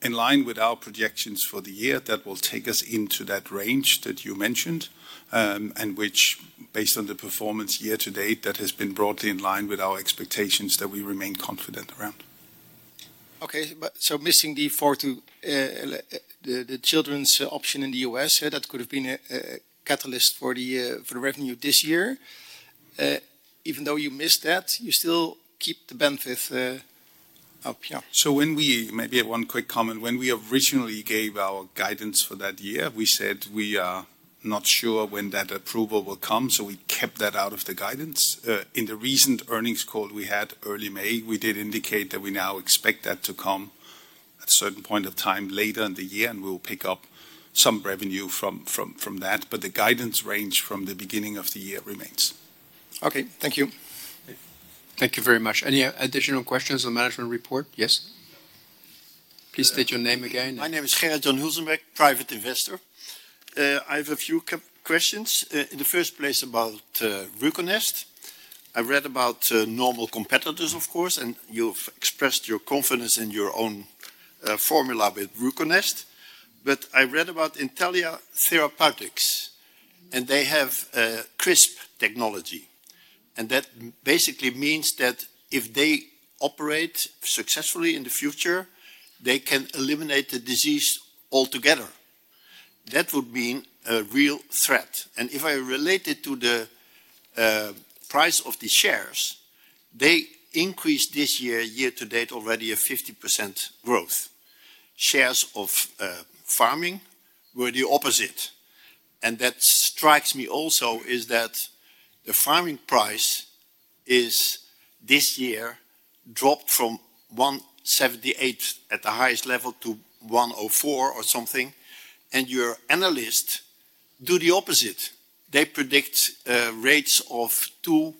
In line with our projections for the year, that will take us into that range that you mentioned, and which, based on the performance year to date, that has been broadly in line with our expectations that we remain confident around. Okay. Missing the children's option in the U.S., that could have been a catalyst for the revenue this year. Even though you missed that, you still keep the bandwidth up, yeah. Maybe one quick comment. When we originally gave our guidance for that year, we said we are not sure when that approval will come, so we kept that out of the guidance. In the recent earnings call we had early May, we did indicate that we now expect that to come at a certain point of time later in the year, and we will pick up some revenue from that, but the guidance range from the beginning of the year remains. Okay. Thank you. Thank you very much. Any additional questions on management report? Yes. Please state your name again. My name is Gerjon Hilsenberg, private investor. I have a few questions. In the first place about RUCONEST. I read about normal competitors, of course, and you've expressed your confidence in your own formula with RUCONEST. I read about Intellia Therapeutics, and they have CRISPR technology. That basically means that if they operate successfully in the future, they can eliminate the disease altogether. That would mean a real threat. If I relate it to the price of the shares, they increased this year to date, already a 50% growth. Shares of Pharming were the opposite. That strikes me also is that the Pharming price is this year dropped from $178 at the highest level to $104 or something. Your analysts do the opposite. They predict rates of $2,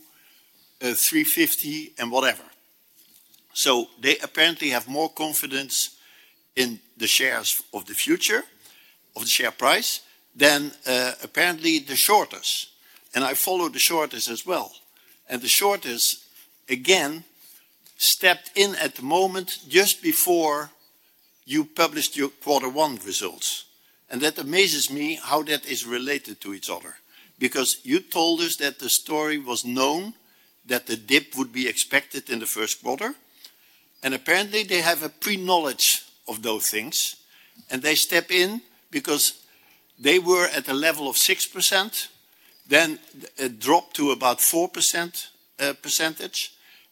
$350 and whatever. They apparently have more confidence in the shares of the future, of the share price, than apparently the shorters. I follow the shorters as well. The shorters, again, stepped in at the moment just before you published your quarter one results. That amazes me how that is related to each other. You told us that the story was known, that the dip would be expected in the first quarter. Apparently they have a pre-knowledge of those things, and they step in because they were at a level of 6%, then it dropped to about 4%,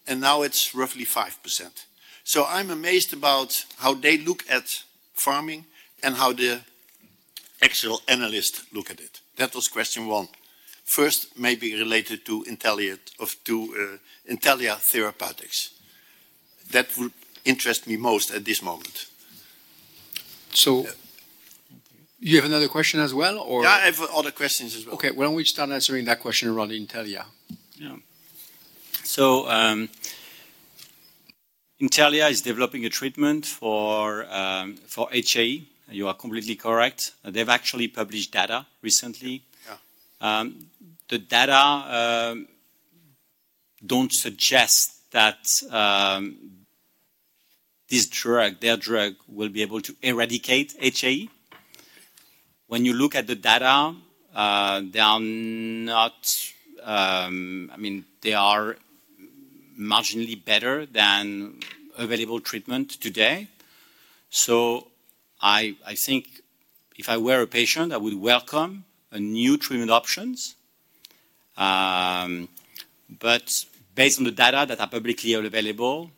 and now it's roughly 5%. I'm amazed about how they look at Pharming and how the actual analysts look at it. That was question one. First maybe related to Intellia Therapeutics. That would interest me most at this moment. You have another question as well? Yeah, I have other questions as well. Okay. Why don't we start answering that question around Intellia? Yeah. Intellia is developing a treatment for HAE. You are completely correct. They've actually published data recently. Yeah. The data don't suggest that their drug will be able to eradicate HAE. When you look at the data, they are marginally better than available treatment today. I think if I were a patient, I would welcome a new treatment option. Based on the data that are publicly available,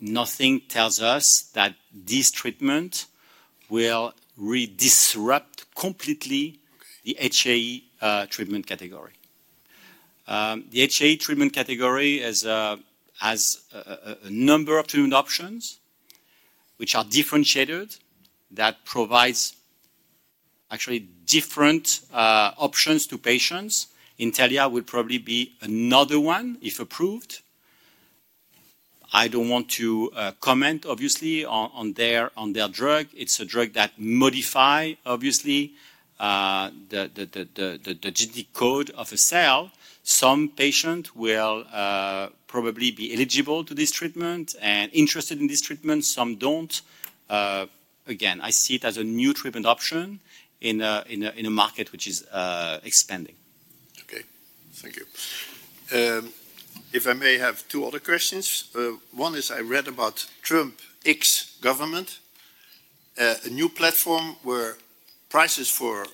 nothing tells us that this treatment will redisrupt completely- Okay. ...the HAE treatment category. The HAE treatment category has a number of treatment options, which are differentiated, that provides actually different options to patients. Intellia will probably be another one if approved. I don't want to comment, obviously, on their drug. It's a drug that modifies, obviously, the genetic code of a cell. Some patients will probably be eligible to this treatment and interested in this treatment, some don't. Again, I see it as a new treatment option in a market which is expanding. Okay. Thank you. If I may have two other questions. One is, I read about Trump ex government, a new platform where prices for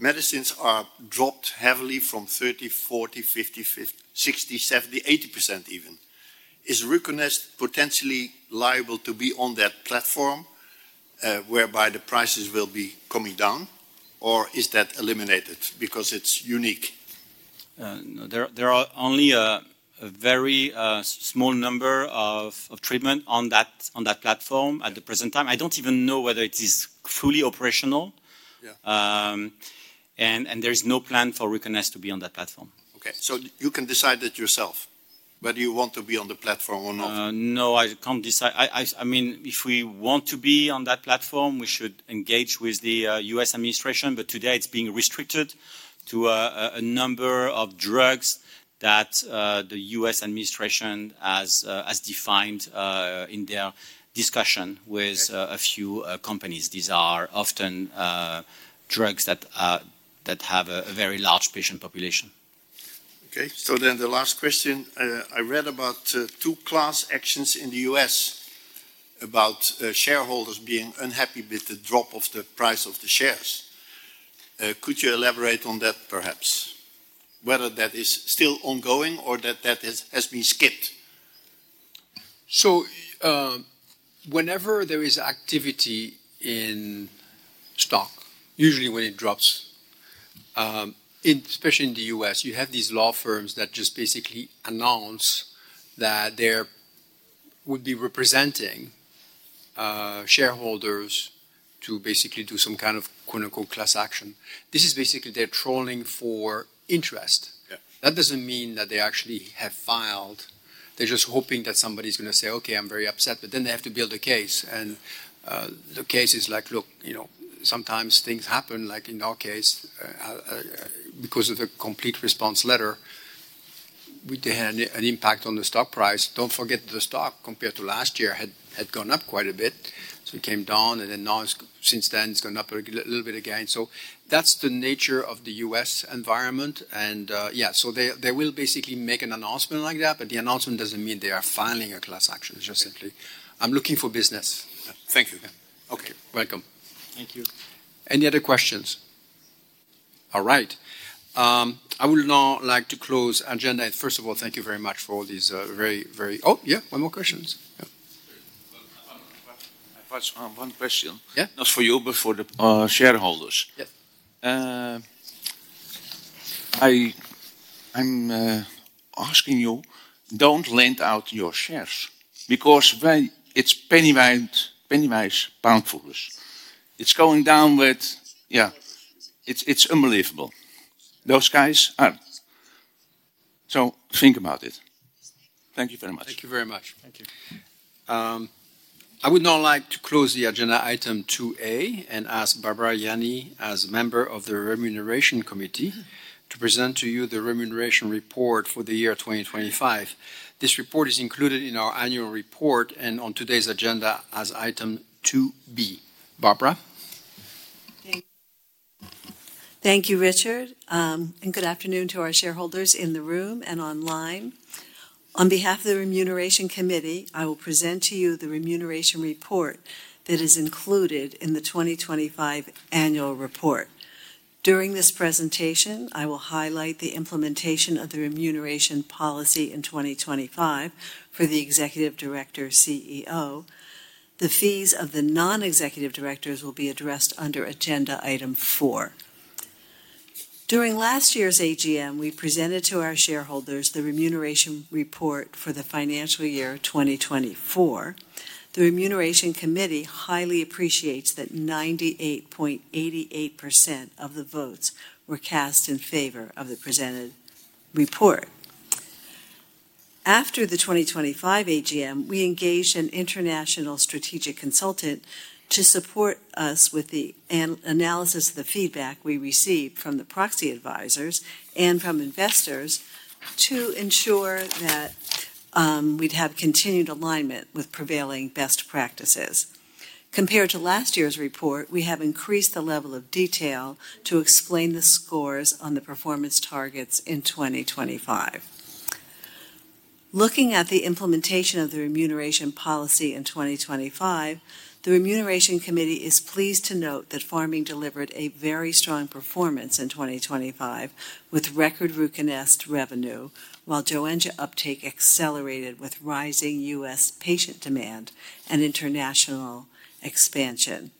medicines are dropped heavily from 30%, 40%, 50%, 60%, 70%, 80% even. Is RUCONEST potentially liable to be on that platform, whereby the prices will be coming down? Is that eliminated because it's unique? No. There are only a very small number of treatments on that platform at the present time. I don't even know whether it is fully operational. Yeah. There is no plan for RUCONEST to be on that platform. Okay, you can decide it yourself whether you want to be on the platform or not? No, I can't decide. If we want to be on that platform, we should engage with the U.S. administration, but today it's being restricted to a number of drugs that the U.S. administration has defined in their discussion- Okay. ...a few companies. These are often drugs that have a very large patient population. The last question. I read about two class actions in the U.S. about shareholders being unhappy with the drop of the price of the shares. Could you elaborate on that, perhaps? Whether that is still ongoing or that has been skipped. Whenever there is activity in stock, usually when it drops, especially in the U.S., you have these law firms that just basically announce that they would be representing shareholders to basically do some kind of class action. This is basically, they're trolling for interest. Yeah. That doesn't mean that they actually have filed. They're just hoping that somebody's going to say, "Okay, I'm very upset." They have to build a case, and the case is like, look, sometimes things happen, like in our case, because of the Complete Response Letter, we had an impact on the stock price. Don't forget the stock, compared to last year, had gone up quite a bit. It came down and then now since then, it's gone up a little bit again. That's the nature of the U.S. environment. Yeah, they will basically make an announcement like that, but the announcement doesn't mean they are filing a class action. It's just simply, "I'm looking for business. Thank you. Yeah. Okay. Welcome. Thank you. Any other questions? All right. I would now like to close agenda. First of all, thank you very much for all these very Oh, yeah, one more questions. Yeah. Sure. Well, I've one question. Yeah. Not for you, but for the shareholders. Yeah. I'm asking you, don't lend out your shares because when it's pennywise, pound-foolish. It's going downward. Yeah. It's unbelievable. Those guys are. Think about it. Thank you very much. Thank you very much. Thank you. I would now like to close the agenda Item 2A and ask Barbara Yanni, as a member of the Remuneration Committee, to present to you the Remuneration Report for the year 2025. This report is included in our annual report and on today's agenda as Item 2B. Barbara? Thank you, Richard. Good afternoon to our shareholders in the room and online. On behalf of the Remuneration Committee, I will present to you the Remuneration Report that is included in the 2025 Annual Report. During this presentation, I will highlight the implementation of the Remuneration Policy in 2025 for the Executive Director CEO. The fees of the Non-executive Directors will be addressed under agenda Item 4. During last year's AGM, we presented to our shareholders the Remuneration Report for the financial year 2024. The Remuneration Committee highly appreciates that 98.88% of the votes were cast in favor of the presented report. After the 2025 AGM, we engaged an international strategic consultant to support us with the analysis of the feedback we received from the proxy advisors and from investors to ensure that we'd have continued alignment with prevailing best practices. Compared to last year's report, we have increased the level of detail to explain the scores on the performance targets in 2025. Looking at the implementation of the remuneration policy in 2025, the Remuneration Committee is pleased to note that Pharming delivered a very strong performance in 2025, with record RUCONEST revenue, while Joenja uptake accelerated with rising U.S. patient demand and international expansion.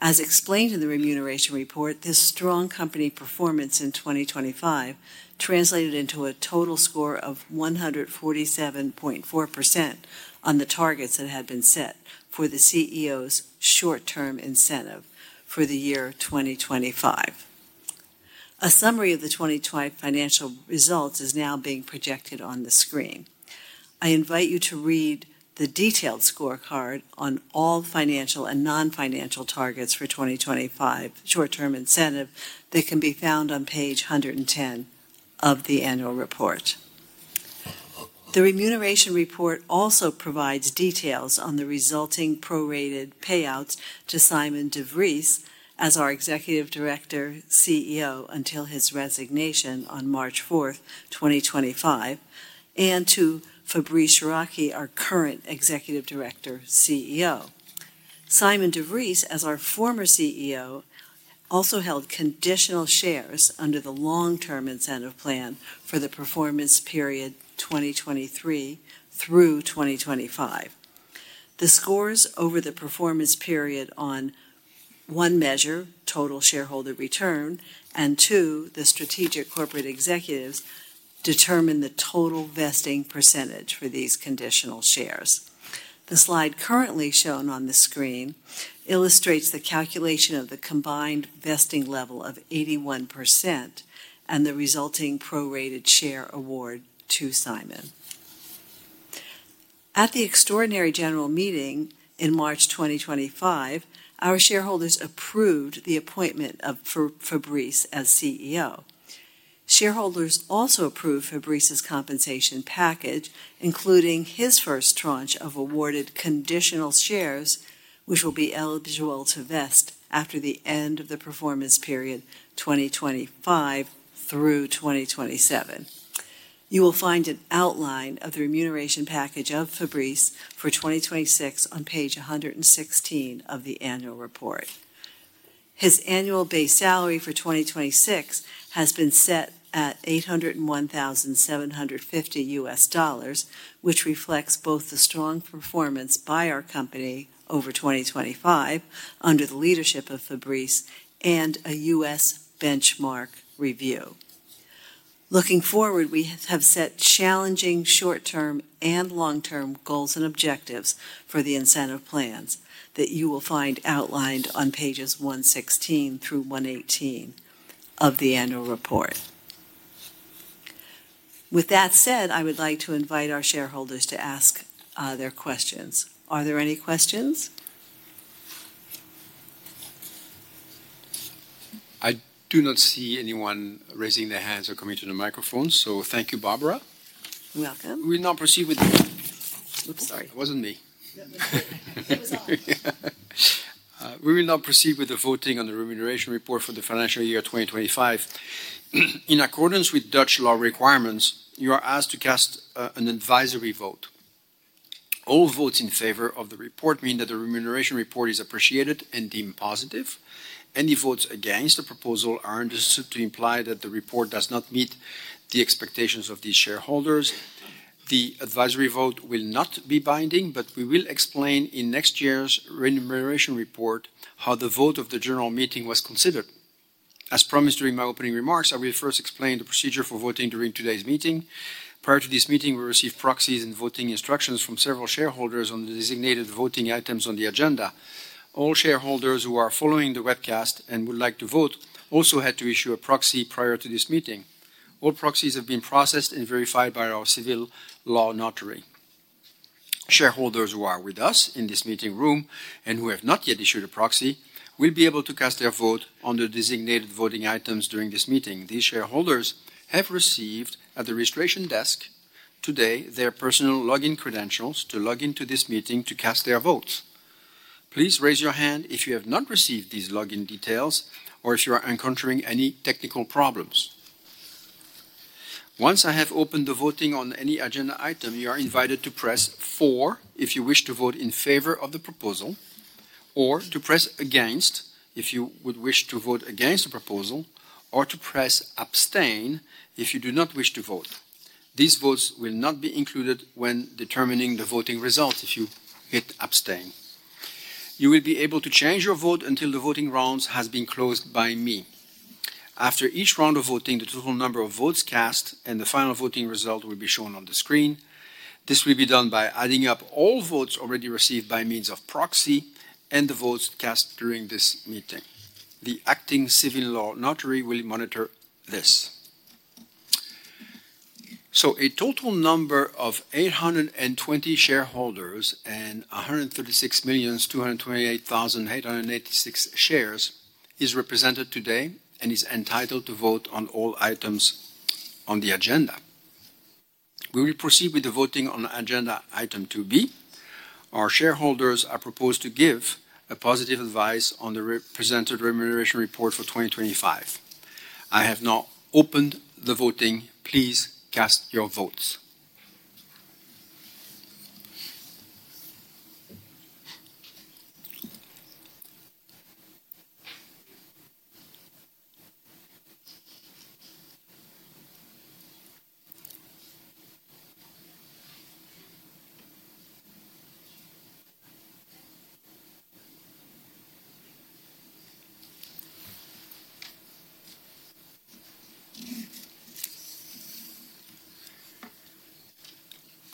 As explained in the remuneration report, this strong company performance in 2025 translated into a total score of 147.4% on the targets that had been set for the CEO's short-term incentive for the year 2025. A summary of the 2025 financial results is now being projected on the screen. I invite you to read the detailed scorecard on all financial and non-financial targets for 2025 short-term incentive that can be found on page 110 of the annual report. The remuneration report also provides details on the resulting prorated payouts to Sijmen de Vries as our Executive Director, CEO until his resignation on March 4th, 2025, and to Fabrice Chouraqui, our current Executive Director, CEO. Sijmen de Vries, as our former CEO, also held conditional shares under the long-term incentive plan for the performance period 2023 through 2025. The scores over the performance period on one measure, total shareholder return, and two, the strategic corporate executives, determine the total vesting percentage for these conditional shares. The slide currently shown on the screen illustrates the calculation of the combined vesting level of 81% and the resulting prorated share award to Sijmen. At the extraordinary general meeting in March 2025, our shareholders approved the appointment of Fabrice as CEO. Shareholders also approved Fabrice's compensation package, including his first tranche of awarded conditional shares, which will be eligible to vest after the end of the performance period 2025 through 2027. You will find an outline of the remuneration package of Fabrice for 2026 on page 116 of the annual report. His annual base salary for 2026 has been set at $801,750, which reflects both the strong performance by our company over 2025 under the leadership of Fabrice and a U.S. benchmark review. Looking forward, we have set challenging short-term and long-term goals and objectives for the incentive plans that you will find outlined on pages 116 through 118 of the annual report. With that said, I would like to invite our shareholders to ask their questions. Are there any questions? I do not see anyone raising their hands or coming to the microphone, so thank you, Barbara. You're welcome. We'll now proceed with. Oops, sorry. It wasn't me. It was off. We will now proceed with the voting on the remuneration report for the financial year 2025. In accordance with Dutch law requirements, you are asked to cast an advisory vote. All votes in favor of the report mean that the remuneration report is appreciated and deemed positive. Any votes against the proposal are understood to imply that the report does not meet the expectations of these shareholders. The advisory vote will not be binding, but we will explain in next year's remuneration report how the vote of the general meeting was considered. As promised during my opening remarks, I will first explain the procedure for voting during today's meeting. Prior to this meeting, we received proxies and voting instructions from several shareholders on the designated voting items on the agenda. All shareholders who are following the webcast and would like to vote also had to issue a proxy prior to this meeting. All proxies have been processed and verified by our Civil Law Notary. Shareholders who are with us in this meeting room and who have not yet issued a proxy will be able to cast their vote on the designated voting items during this meeting. These shareholders have received, at the registration desk today, their personal login credentials to log in to this meeting to cast their votes. Please raise your hand if you have not received these login details or if you are encountering any technical problems. Once I have opened the voting on any agenda item, you are invited to press four if you wish to vote in favor of the proposal, or to press against if you would wish to vote against the proposal, or to press abstain if you do not wish to vote. These votes will not be included when determining the voting results if you hit abstain. You will be able to change your vote until the voting rounds has been closed by me. After each round of voting, the total number of votes cast and the final voting result will be shown on the screen. This will be done by adding up all votes already received by means of proxy and the votes cast during this meeting. The acting civil law notary will monitor this. A total number of 820 shareholders and 136,228,886 shares is represented today and is entitled to vote on all items on the agenda. We will proceed with the voting on agenda Item 2B. Our shareholders are proposed to give a positive advice on the presented remuneration report for 2025. I have now opened the voting. Please cast your votes.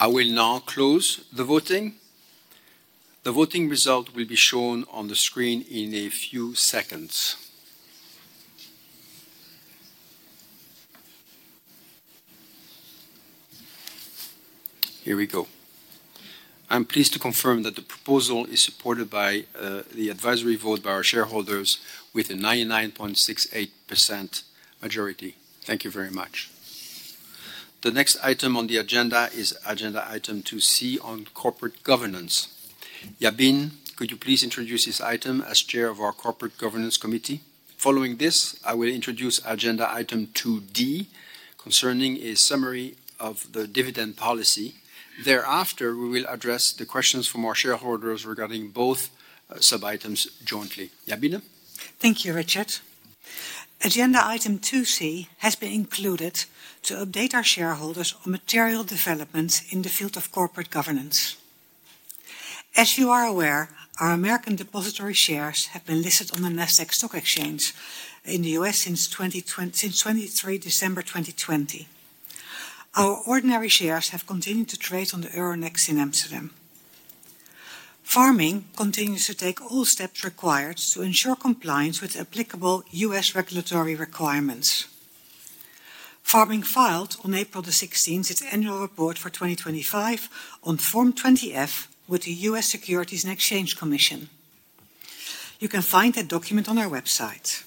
I will now close the voting. The voting result will be shown on the screen in a few seconds. Here we go. I'm pleased to confirm that the proposal is supported by the advisory vote by our shareholders with a 99.68% majority. Thank you very much. The next item on the agenda is agenda Item 2C on Corporate Governance. Jabine, could you please introduce this item as chair of our Corporate Governance Committee? Following this, I will introduce agenda Item 2D, concerning a summary of the dividend policy. Thereafter, we will address the questions from our shareholders regarding both sub-items jointly. Jabine? Thank you, Richard. Agenda Item 2C has been included to update our shareholders on material developments in the field of corporate governance. As you are aware, our American Depositary Shares have been listed on the Nasdaq Stock Market in the U.S. since December 23, 2020. Our ordinary shares have continued to trade on the Euronext in Amsterdam. Pharming continues to take all steps required to ensure compliance with applicable U.S. regulatory requirements. Pharming filed on April the 16th its annual report for 2025 on Form 20-F with the U.S. Securities and Exchange Commission. You can find that document on our website.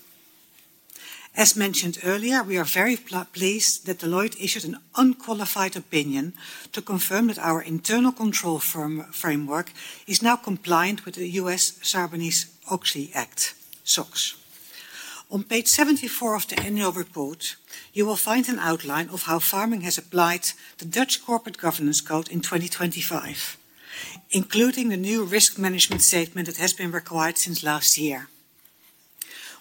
As mentioned earlier, we are very pleased that Deloitte issued an unqualified opinion to confirm that our internal control framework is now compliant with the U.S. Sarbanes-Oxley Act, SOX. On page 74 of the annual report, you will find an outline of how Pharming has applied the Dutch Corporate Governance Code in 2025, including the new risk management statement that has been required since last year.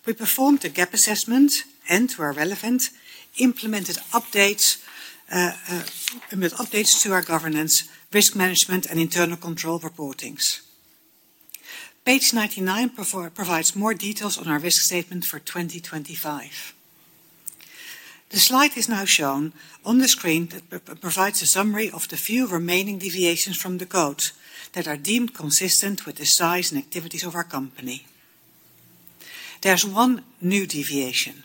We performed a gap assessment and, where relevant, implemented updates to our governance, risk management, and internal control reportings. Page 99 provides more details on our risk statement for 2025. The slide is now shown on the screen that provides a summary of the few remaining deviations from the code that are deemed consistent with the size and activities of our company. There is one new deviation.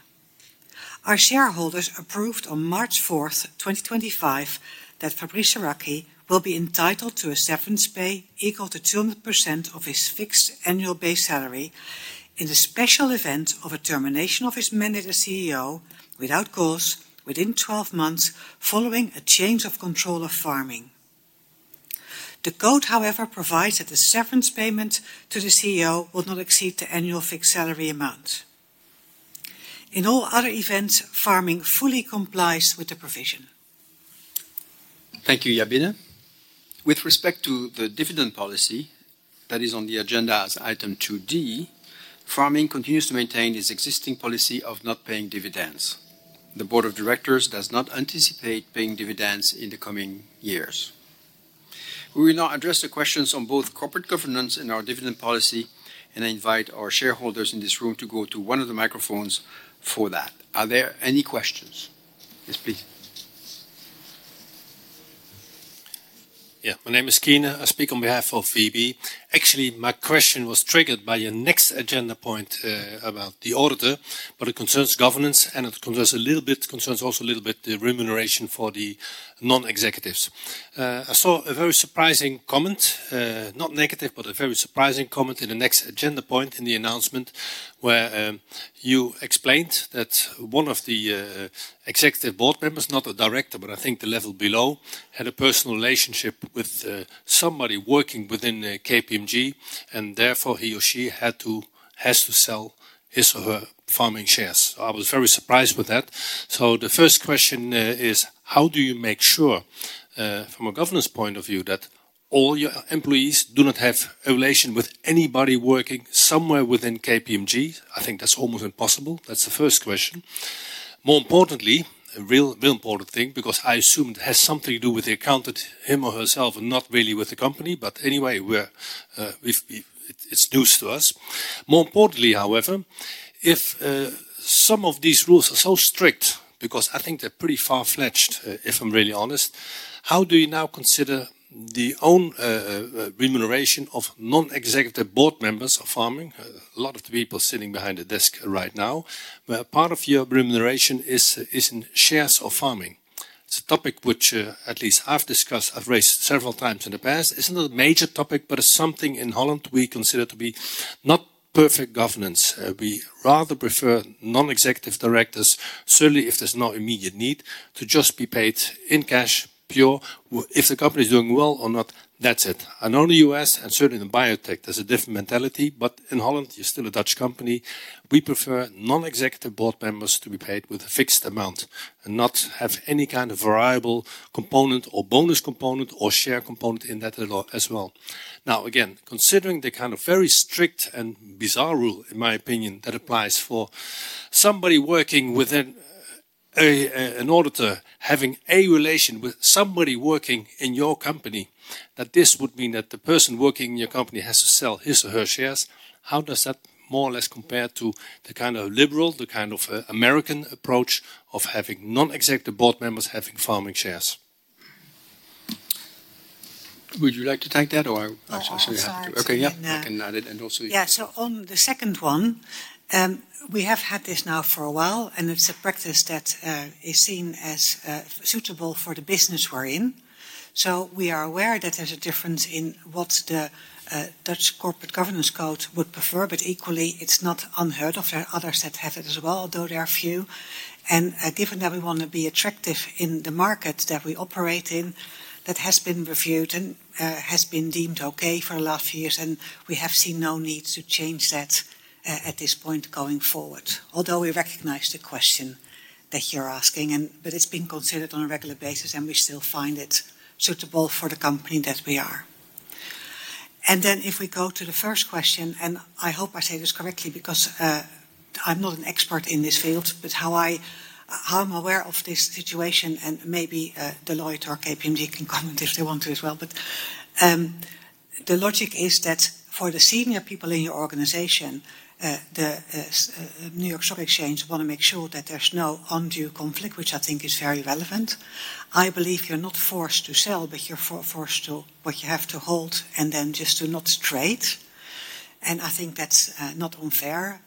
Our shareholders approved on March 4th, 2025, that Fabrice Chouraqui will be entitled to a severance pay equal to 200% of his fixed annual base salary in the special event of a termination of his mandate as CEO, without cause, within 12 months following a change of control of Pharming. The code, however, provides that the severance payment to the CEO will not exceed the annual fixed salary amount. In all other events, Pharming fully complies with the provision. Thank you, Jabine. With respect to the dividend policy, that is on the agenda as item 2D, Pharming continues to maintain its existing policy of not paying dividends. The Board of Directors does not anticipate paying dividends in the coming years. We will now address the questions on both corporate governance and our dividend policy. I invite our shareholders in this room to go to one of the microphones for that. Are there any questions? Yes, please. Yeah. My name is Keyner. I speak on behalf of SVB. Actually, my question was triggered by your next agenda point, about the auditor, but it concerns governance, and it concerns also a little bit the remuneration for the non-executives. I saw a very surprising comment, not negative, but a very surprising comment in the next agenda point in the announcement, where you explained that one of the Executive Board members, not a Director, but I think the level below, had a personal relationship with somebody working within KPMG, and therefore he or she has to sell his or her Pharming shares. I was very surprised with that. The first question is, how do you make sure, from a governance point of view, that all your employees do not have a relation with anybody working somewhere within KPMG? I think that's almost impossible. That's the first question. More importantly, a real important thing, because I assume it has something to do with the account that him or herself and not really with the company, but anyway, it's news to us. More importantly, Some of these rules are so strict, because I think they're pretty far-fetched, if I'm really honest. How do you now consider the own remuneration of Non-executive Board members of Pharming? A lot of the people sitting behind the desk right now, where part of your remuneration is in shares of Pharming. It's a topic which at least I've discussed, I've raised several times in the past. It's not a major topic, it's something in Holland we consider to be not perfect governance. We rather prefer Non-executive Directors, certainly if there's no immediate need, to just be paid in cash, pure. If the company is doing well or not, that's it. I know in the U.S., and certainly in biotech, there's a different mentality, but in Holland, you're still a Dutch company. We prefer Non-executive Board members to be paid with a fixed amount and not have any kind of variable component or bonus component or share component in that a lot as well. Again, considering the kind of very strict and bizarre rule, in my opinion, that applies for somebody working with an auditor, having a relation with somebody working in your company, that this would mean that the person working in your company has to sell his or her shares. How does that more or less compare to the kind of liberal, the kind of American approach of having Non-executive Board members having Pharming shares? Would you like to take that? Or I assume you have to. Oh, I'm sorry. Okay, yeah. I can add it and also. Yeah. On the second one, we have had this now for a while, and it's a practice that is seen as suitable for the business we're in. We are aware that there's a difference in what the Dutch Corporate Governance Code would prefer, but equally, it's not unheard of. There are others that have it as well, although there are few. Given that we want to be attractive in the market that we operate in, that has been reviewed and has been deemed okay for the last years, and we have seen no need to change that at this point going forward. We recognize the question that you're asking, but it's been considered on a regular basis, and we still find it suitable for the company that we are. If we go to the first question, and I hope I say this correctly because I'm not an expert in this field, but how I'm aware of this situation, and maybe Deloitte or KPMG can comment if they want to as well. The logic is that for the senior people in your organization, the New York Stock Exchange want to make sure that there's no undue conflict, which I think is very relevant. I believe you're not forced to sell, but you're forced to what you have to hold and then just to not trade. I think that's not unfair.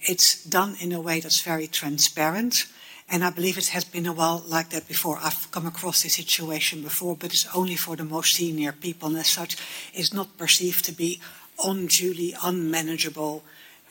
It's done in a way that's very transparent, and I believe it has been a while like that before. I've come across this situation before, but it's only for the most senior people, and as such, it's not perceived to be unduly unmanageable,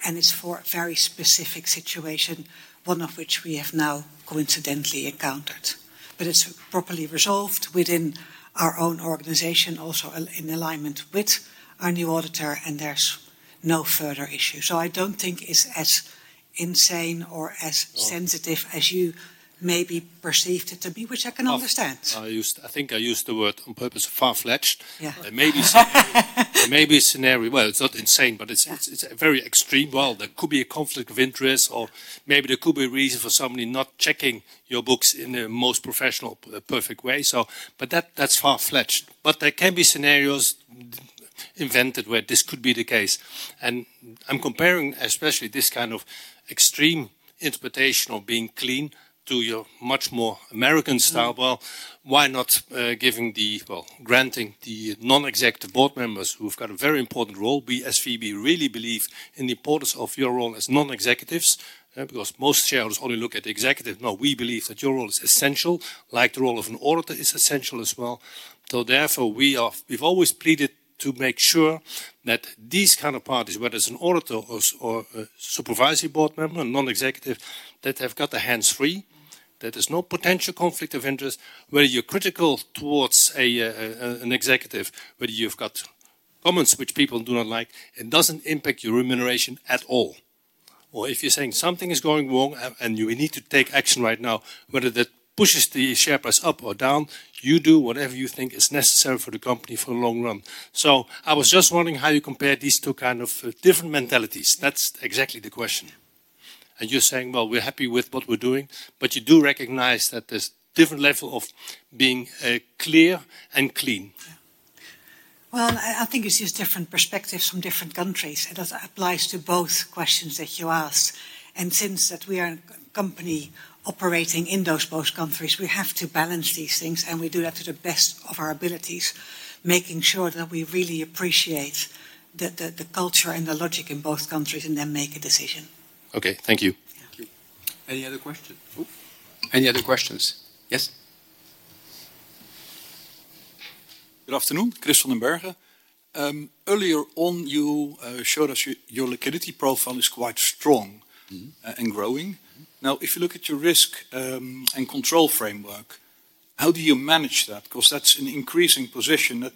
and it's for a very specific situation, one of which we have now coincidentally encountered. It's properly resolved within our own organization, also in alignment with our new auditor, and there's no further issue. I don't think it's as insane or as sensitive as you maybe perceived it to be, which I can understand. I think I used the word on purpose, far-fetched. Yeah. There may be a scenario, it's not insane, but it's very extreme. There could be a conflict of interest, or maybe there could be a reason for somebody not checking your books in the most professional, perfect way. That's far-fetched. There can be scenarios invented where this could be the case. I'm comparing especially this kind of extreme interpretation of being clean to your much more American style. Why not granting the non-executive board members who've got a very important role. We, SVB, really believe in the importance of your role as non-executives, because most shareholders only look at the executives. No, we believe that your role is essential, like the role of an auditor is essential as well. Therefore, we've always pleaded to make sure that these kind of parties, whether it's an auditor or a supervisory board member, a non-executive, that they've got their hands free. There is no potential conflict of interest. Whether you're critical towards an executive, whether you've got comments which people do not like, it doesn't impact your remuneration at all. If you're saying something is going wrong and we need to take action right now, whether that pushes the share price up or down, you do whatever you think is necessary for the company for the long run. I was just wondering how you compare these two kind of different mentalities. That's exactly the question. You're saying, "Well, we're happy with what we're doing," but you do recognize that there's different level of being clear and clean. Well, I think it's just different perspectives from different countries. That applies to both questions that you asked. Since that we are a company operating in those both countries, we have to balance these things, and we do that to the best of our abilities, making sure that we really appreciate the culture and the logic in both countries, and then make a decision. Okay. Thank you. Yeah. Any other question? Any other questions? Yes. Good afternoon. Chris van den Berg. Earlier on, you showed us your liquidity profile is quite strong and growing. If you look at your risk and control framework, how do you manage that? That's an increasing position that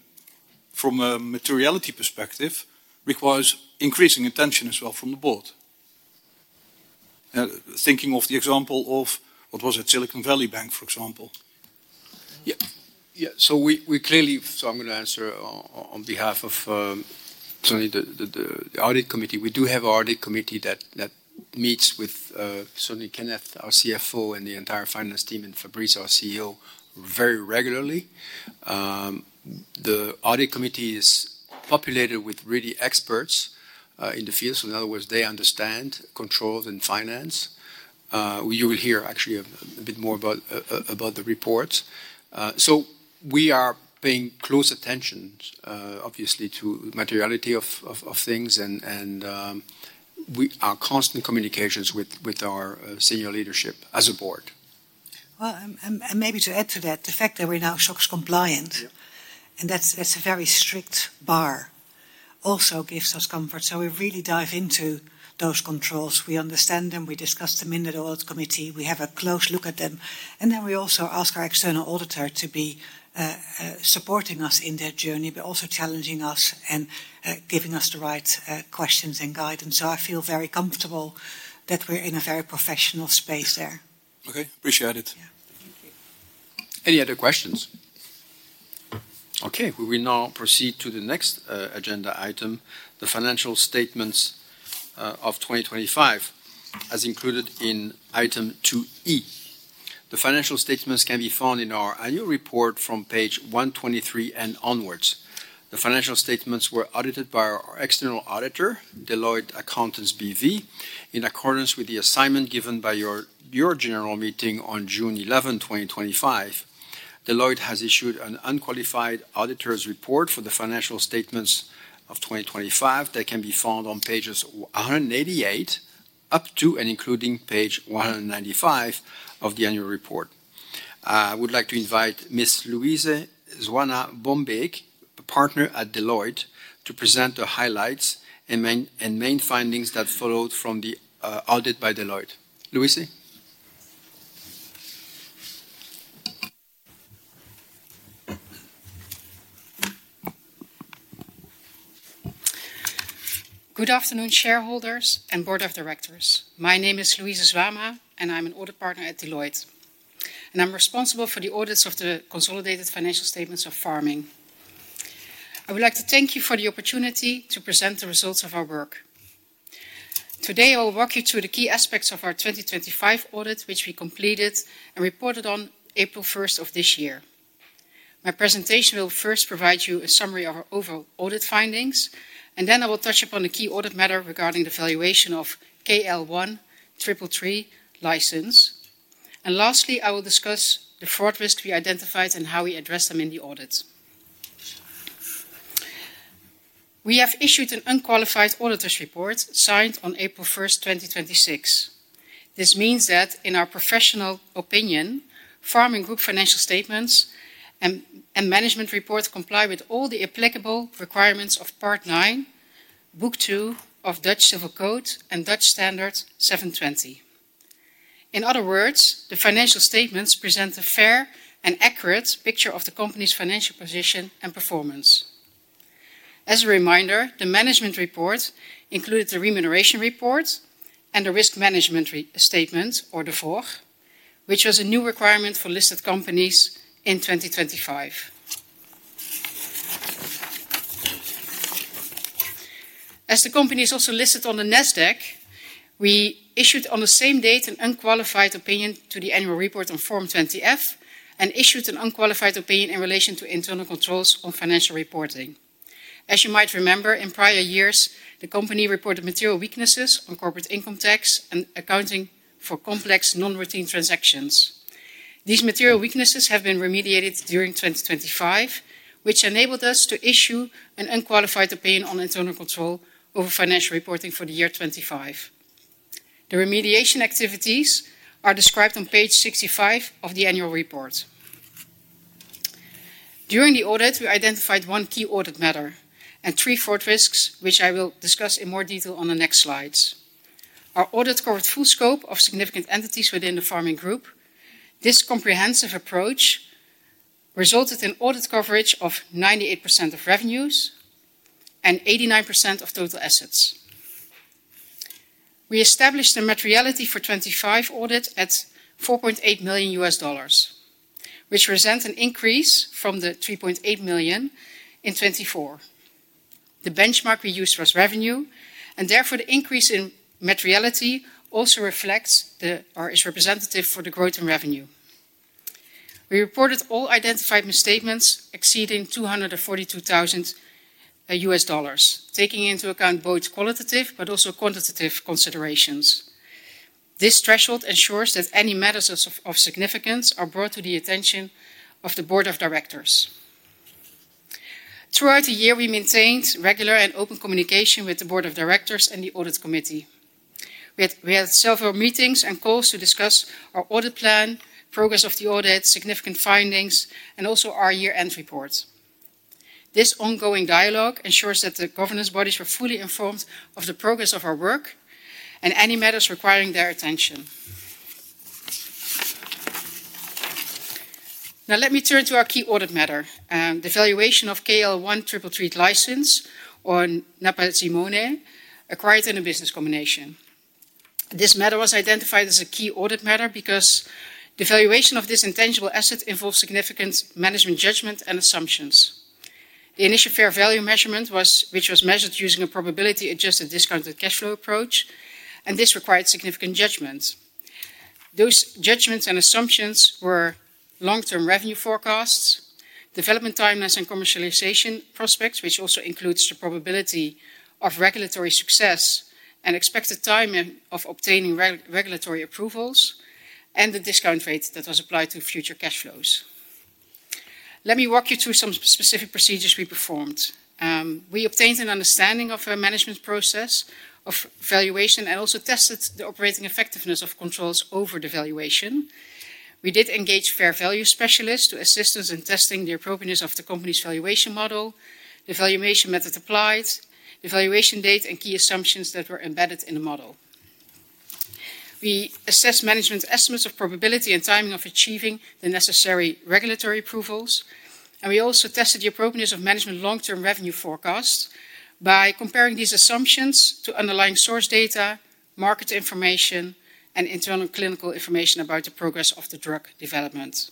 from a materiality perspective, requires increasing attention as well from the Board. Thinking of the example of, what was it? Silicon Valley Bank, for example. I'm going to answer on behalf of Sonny, the audit committee. We do have audit committee that meets with [Sonny], Kenneth, our CFO, and the entire finance team, and Fabrice, our CEO, very regularly. The audit committee is populated with really experts in the field. In other words, they understand controls and finance. You will hear actually a bit more about the reports. We are paying close attention, obviously, to materiality of things and our constant communications with our senior leadership as a Board. Well, maybe to add to that, the fact that we're now SOX compliant- Yeah ...that's a very strict bar, also gives us comfort. We really dive into those controls. We understand them, we discuss them in the Audit Committee, we have a close look at them. Then we also ask our external auditor to be supporting us in that journey, but also challenging us and giving us the right questions and guidance. I feel very comfortable that we're in a very professional space there. Okay. Appreciate it. Yeah. Thank you. Any other questions? We will now proceed to the next agenda item, the financial statements of 2025 as included in Item 2E. The financial statements can be found in our annual report from page 123 and onwards. The financial statements were audited by our external auditor, Deloitte Accountants B.V., in accordance with the assignment given by your general meeting on June 11, 2025. Deloitte has issued an unqualified auditor's report for the financial statements of 2025 that can be found on pages 188 up to and including page 195 of the annual report. I would like to invite Ms. Louise Zwama, a partner at Deloitte, to present the highlights and main findings that followed from the audit by Deloitte. Louise? Good afternoon, shareholders and board of directors. My name is Louise Zwama, and I'm an audit partner at Deloitte. I'm responsible for the audits of the consolidated financial statements of Pharming. I would like to thank you for the opportunity to present the results of our work. Today, I will walk you through the key aspects of our 2025 audit, which we completed and reported on April 1st of this year. My presentation will first provide you a summary of our overall audit findings. Then I will touch upon the key audit matter regarding the valuation of KL1333 license. Lastly, I will discuss the fraud risk we identified and how we addressed them in the audit. We have issued an unqualified auditor's report signed on April 1st, 2026. This means that in our professional opinion, Pharming Group financial statements and management reports comply with all the applicable requirements of Part 9, Book 2 of Dutch Civil Code and Dutch Standard 720. In other words, the financial statements present a fair and accurate picture of the company's financial position and performance. As a reminder, the management report included the remuneration report and the risk management statement or the VOR, which was a new requirement for listed companies in 2025. As the company is also listed on the Nasdaq, we issued on the same date an unqualified opinion to the annual report on Form 20-F and issued an unqualified opinion in relation to internal controls on financial reporting. As you might remember, in prior years, the company reported material weaknesses on corporate income tax and accounting for complex non-routine transactions. These material weaknesses have been remediated during 2025, which enabled us to issue an unqualified opinion on internal control over financial reporting for the year 2025. The remediation activities are described on page 65 of the annual report. During the audit, we identified one key audit matter and three fraud risks, which I will discuss in more detail on the next slides. Our audit covered full scope of significant entities within the Pharming Group. This comprehensive approach resulted in audit coverage of 98% of revenues and 89% of total assets. We established the materiality for 2025 audit at $4.8 million, which represents an increase from the $3.8 million in 2024. Therefore, the benchmark we used was revenue, and the increase in materiality also reflects the, or is representative for the growth in revenue. We reported all identified misstatements exceeding $242,000, taking into account both qualitative but also quantitative considerations. This threshold ensures that any matters of significance are brought to the attention of the Board of Directors. Throughout the year, we maintained regular and open communication with the board of directors and the audit committee. We had several meetings and calls to discuss our audit plan, progress of the audit, significant findings, and also our year-end report. This ongoing dialogue ensures that the governance bodies were fully informed of the progress of our work and any matters requiring their attention. Let me turn to our key audit matter, the valuation of KL1333 license on napazimone acquired in a business combination. This matter was identified as a key audit matter because the valuation of this intangible asset involves significant management judgment and assumptions. The initial fair value measurement, which was measured using a probability-adjusted discounted cash flow approach, and this required significant judgment. Those judgments and assumptions were long-term revenue forecasts, development timelines, and commercialization prospects, which also includes the probability of regulatory success and expected timing of obtaining regulatory approvals, and the discount rates that was applied to future cash flows. Let me walk you through some specific procedures we performed. We obtained an understanding of our management process of valuation and also tested the operating effectiveness of controls over the valuation. We did engage fair value specialists to assist us in testing the appropriateness of the company's valuation model, the valuation method applied, the valuation date, and key assumptions that were embedded in the model. We assessed management's estimates of probability and timing of achieving the necessary regulatory approvals, we also tested the appropriateness of management long-term revenue forecasts by comparing these assumptions to underlying source data, market information, and internal clinical information about the progress of the drug development.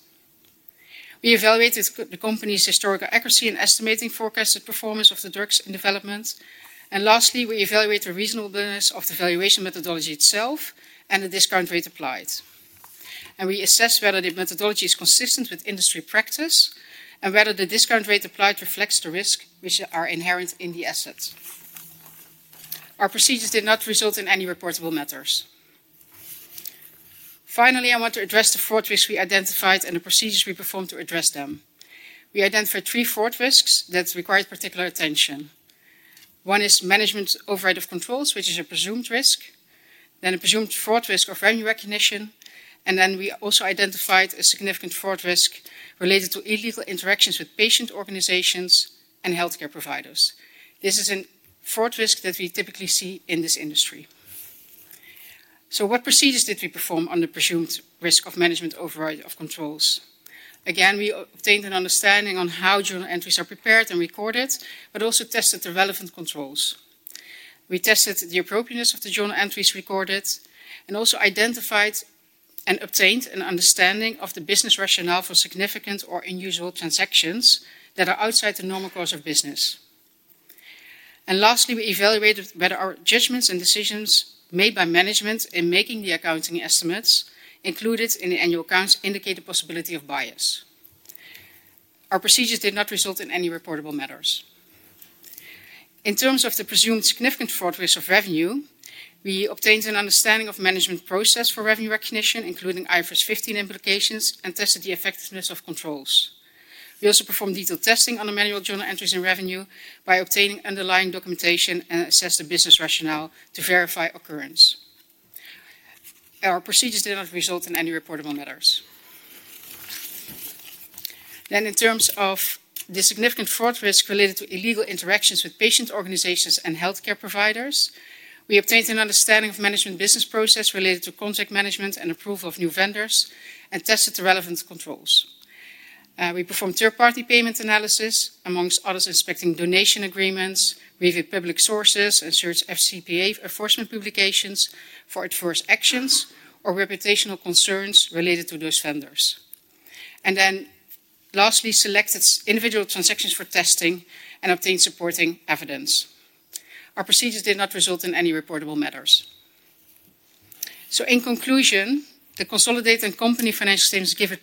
We evaluated the company's historical accuracy in estimating forecasted performance of the drugs in development. Lastly, we evaluate the reasonableness of the valuation methodology itself and the discount rate applied. We assess whether the methodology is consistent with industry practice, and whether the discount rate applied reflects the risk which are inherent in the asset. Our procedures did not result in any reportable matters. Finally, I want to address the fraud risk we identified and the procedures we performed to address them. We identified three fraud risks that required particular attention. One is management's override of controls, which is a presumed risk. A presumed fraud risk of revenue recognition, and then we also identified a significant fraud risk related to illegal interactions with patient organizations and healthcare providers. This is a fraud risk that we typically see in this industry. What procedures did we perform on the presumed risk of management override of controls? Again, we obtained an understanding on how journal entries are prepared and recorded, but also tested the relevant controls. We tested the appropriateness of the journal entries recorded, and also identified and obtained an understanding of the business rationale for significant or unusual transactions that are outside the normal course of business. Lastly, we evaluated whether our judgments and decisions made by management in making the accounting estimates included in the annual accounts indicate a possibility of bias. Our procedures did not result in any reportable matters. In terms of the presumed significant fraud risk of revenue, we obtained an understanding of management process for revenue recognition, including IFRS 15 implications, and tested the effectiveness of controls. We also performed detailed testing on the manual journal entries and revenue by obtaining underlying documentation and assessed the business rationale to verify occurrence. Our procedures did not result in any reportable matters. In terms of the significant fraud risk related to illegal interactions with patient organizations and healthcare providers, we obtained an understanding of management business process related to contract management and approval of new vendors, and tested the relevant controls. We performed third-party payment analysis, among others, inspecting donation agreements, reviewed public sources, and searched FCPA enforcement publications for adverse actions or reputational concerns related to those vendors. Lastly, selected individual transactions for testing and obtained supporting evidence. Our procedures did not result in any reportable matters. In conclusion, the consolidated and company financial statements give a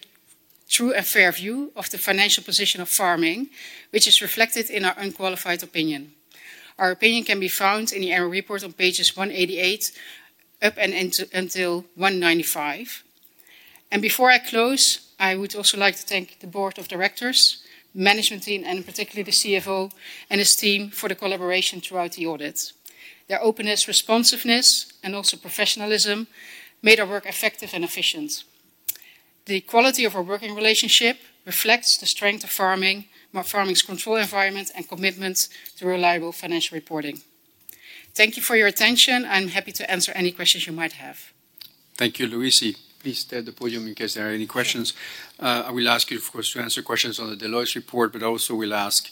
true and fair view of the financial position of Pharming, which is reflected in our unqualified opinion. Our opinion can be found in the annual report on pages 188 up until 195. Before I close, I would also like to thank the Board of Directors, management team, and particularly the CFO and his team for the collaboration throughout the audit. Their openness, responsiveness, and also professionalism, made our work effective and efficient. The quality of our working relationship reflects the strength of Pharming's control environment and commitment to reliable financial reporting. Thank you for your attention. I am happy to answer any questions you might have. Thank you, Louise. Please stay at the podium in case there are any questions. I will ask you, of course, to answer questions on the Deloitte's report, but also will ask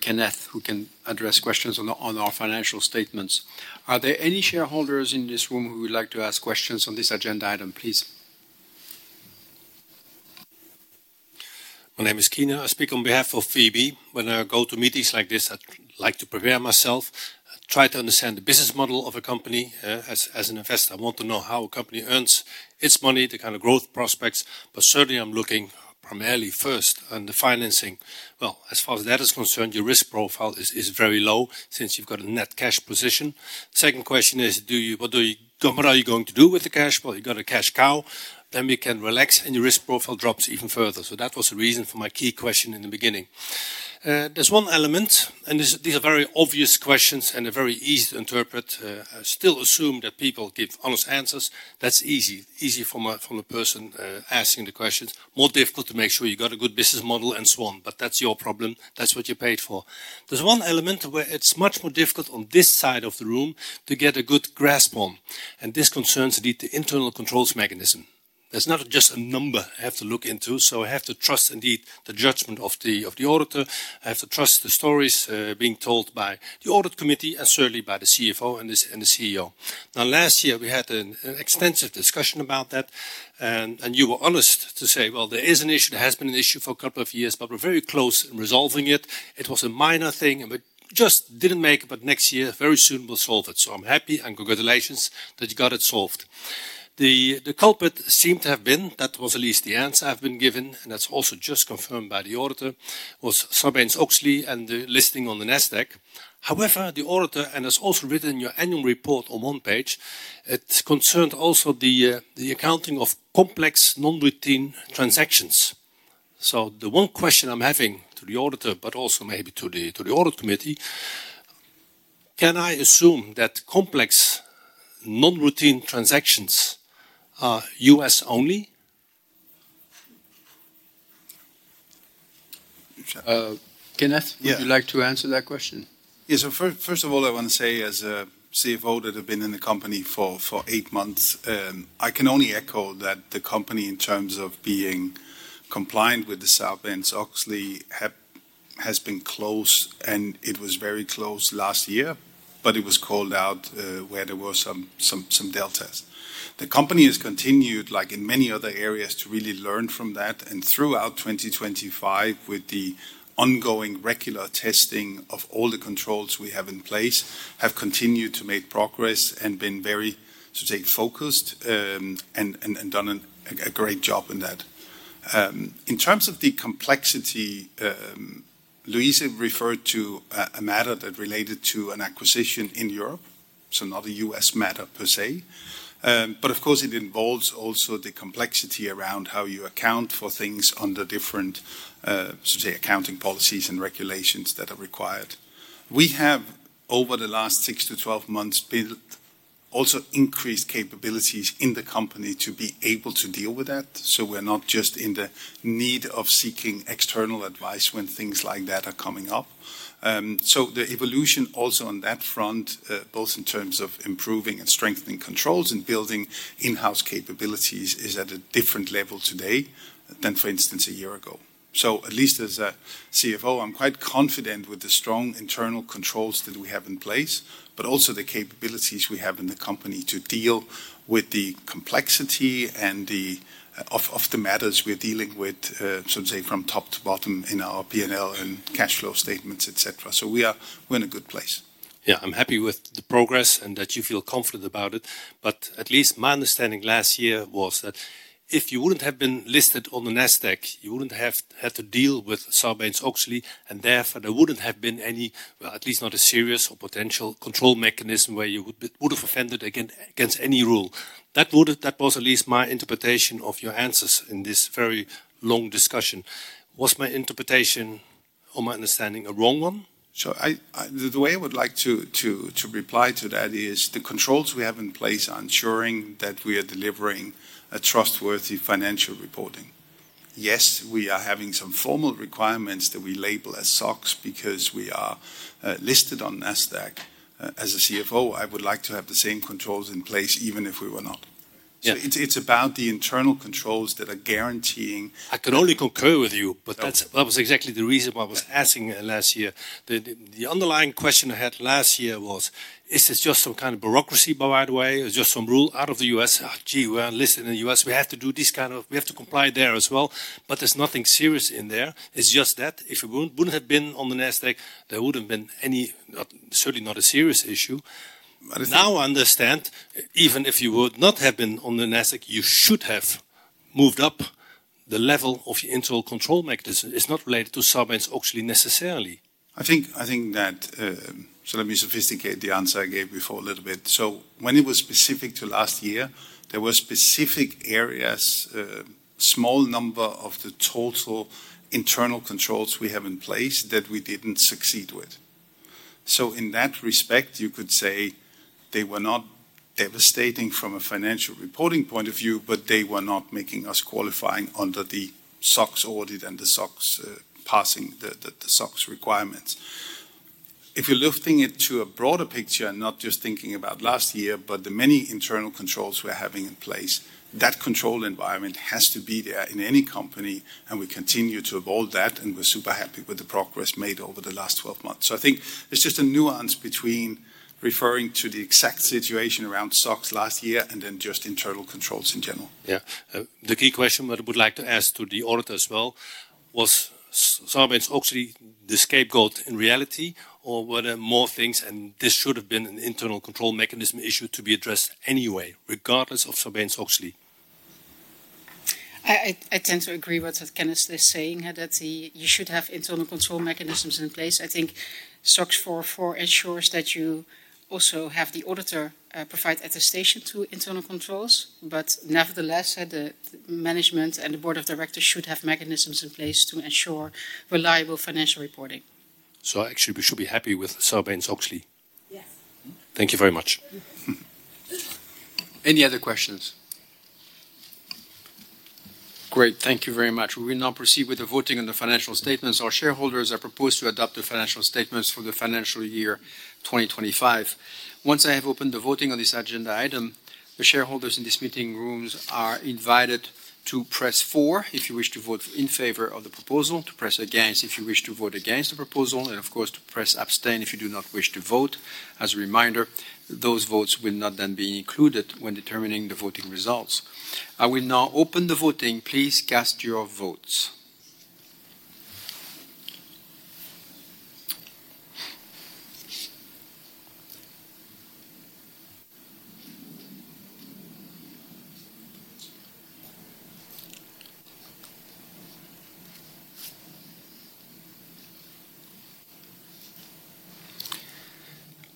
Kenneth, who can address questions on our financial statements. Are there any shareholders in this room who would like to ask questions on this agenda item, please? My name is Keyner. I speak on behalf of SVB. When I go to meetings like this, I like to prepare myself, try to understand the business model of a company. As an investor, I want to know how a company earns its money, the kind of growth prospects, but certainly, I'm looking primarily first on the financing. As far as that is concerned, your risk profile is very low since you've got a net cash position. Second question is, what are you going to do with the cash? You've got a cash cow, then we can relax and your risk profile drops even further. That was the reason for my key question in the beginning. There's one element, and these are very obvious questions, and they're very easy to interpret. I still assume that people give honest answers. That's easy for the person asking the questions. More difficult to make sure you've got a good business model and so on. That's your problem. That's what you're paid for. There's one element where it's much more difficult on this side of the room to get a good grasp on, and this concerns indeed the internal controls mechanism. That's not just a number I have to look into. I have to trust, indeed, the judgment of the auditor. I have to trust the stories being told by the audit committee and certainly by the CFO and the CEO. Last year, we had an extensive discussion about that, and you were honest to say, "Well, there is an issue. There has been an issue for a couple of years, but we're very close in resolving it. It was a minor thing." Just didn't make it, but next year very soon we'll solve it. I'm happy, and congratulations that you got it solved. The culprit seemed to have been, that was at least the answer I've been given, and that's also just confirmed by the auditor, was Sarbanes-Oxley and the listing on the Nasdaq. The auditor, and it's also written in your annual report on one page, it concerned also the accounting of complex non-routine transactions. The one question I'm having to the auditor, but also maybe to the audit committee, can I assume that complex non-routine transactions are U.S. only? Kenneth? Yeah. Would you like to answer that question? First of all, I want to say as a CFO that I've been in the company for eight months, I can only echo that the company, in terms of being compliant with the Sarbanes-Oxley, has been close, and it was very close last year, but it was called out where there were some deltas. The company has continued, like in many other areas, to really learn from that, and throughout 2025, with the ongoing regular testing of all the controls we have in place, have continued to make progress and been very sort of focused, and done a great job in that. In terms of the complexity, Louise referred to a matter that related to an acquisition in Europe, so not a U.S. matter per se. Of course, it involves also the complexity around how you account for things under different, let's say, accounting policies and regulations that are required. We have, over the last 6-12 months, built also increased capabilities in the company to be able to deal with that. We're not just in the need of seeking external advice when things like that are coming up. The evolution also on that front, both in terms of improving and strengthening controls and building in-house capabilities, is at a different level today than, for instance, a year ago. At least as a CFO, I'm quite confident with the strong internal controls that we have in place, but also the capabilities we have in the company to deal with the complexity of the matters we are dealing with, let's say, from top to bottom in our P&L and cash flow statements, etc. We are in a good place. Yeah. I'm happy with the progress and that you feel confident about it. At least my understanding last year was that if you wouldn't have been listed on the Nasdaq, you wouldn't have had to deal with Sarbanes-Oxley, and therefore, there wouldn't have been any, well, at least not a serious or potential control mechanism where you would have offended against any rule. That was at least my interpretation of your answers in this very long discussion. Was my interpretation or my understanding a wrong one? The way I would like to reply to that is the controls we have in place are ensuring that we are delivering a trustworthy financial reporting. Yes, we are having some formal requirements that we label as SOX because we are listed on Nasdaq. As a CFO, I would like to have the same controls in place even if we were not. Yeah. It's about the internal controls that are guaranteeing. I can only concur with you. That was exactly the reason why I was asking last year. The underlying question I had last year was, is this just some kind of bureaucracy by the way? Or just some rule out of the U.S.? We are listed in the U.S., we have to comply there as well. There's nothing serious in there. It's just that if it wouldn't have been on the Nasdaq, there wouldn't been, certainly not a serious issue. But if- I understand, even if you would not have been on the Nasdaq, you should have moved up the level of your internal control mechanism. It's not related to Sarbanes-Oxley necessarily. I think that, let me sophisticate the answer I gave before a little bit. When it was specific to last year, there were specific areas, a small number of the total internal controls we have in place that we didn't succeed with. In that respect, you could say they were not devastating from a financial reporting point of view, but they were not making us qualifying under the SOX audit and the SOX passing, the SOX requirements. If you're lifting it to a broader picture, not just thinking about last year, but the many internal controls we're having in place, that control environment has to be there in any company, and we continue to evolve that, and we're super happy with the progress made over the last 12 months. I think it's just a nuance between referring to the exact situation around SOX last year and then just internal controls in general. Yeah. The key question that I would like to ask to the auditor as well, was Sarbanes-Oxley the scapegoat in reality, or were there more things and this should have been an internal control mechanism issue to be addressed anyway, regardless of Sarbanes-Oxley? I tend to agree what Kenneth is saying, that you should have internal control mechanisms in place. I think SOX 404 ensures that you also have the auditor provide attestation to internal controls. Nevertheless, the management and the board of directors should have mechanisms in place to ensure reliable financial reporting. Actually we should be happy with Sarbanes-Oxley? Yes. Thank you very much. Any other questions? Great. Thank you very much. We will now proceed with the voting on the financial statements. Our shareholders are proposed to adopt the financial statements for the financial year 2025. Once I have opened the voting on this agenda item, the shareholders in these meeting rooms are invited to press four if you wish to vote in favor of the proposal, to press against if you wish to vote against the proposal, and of course, to press abstain if you do not wish to vote. As a reminder, those votes will not then be included when determining the voting results. I will now open the voting. Please cast your votes.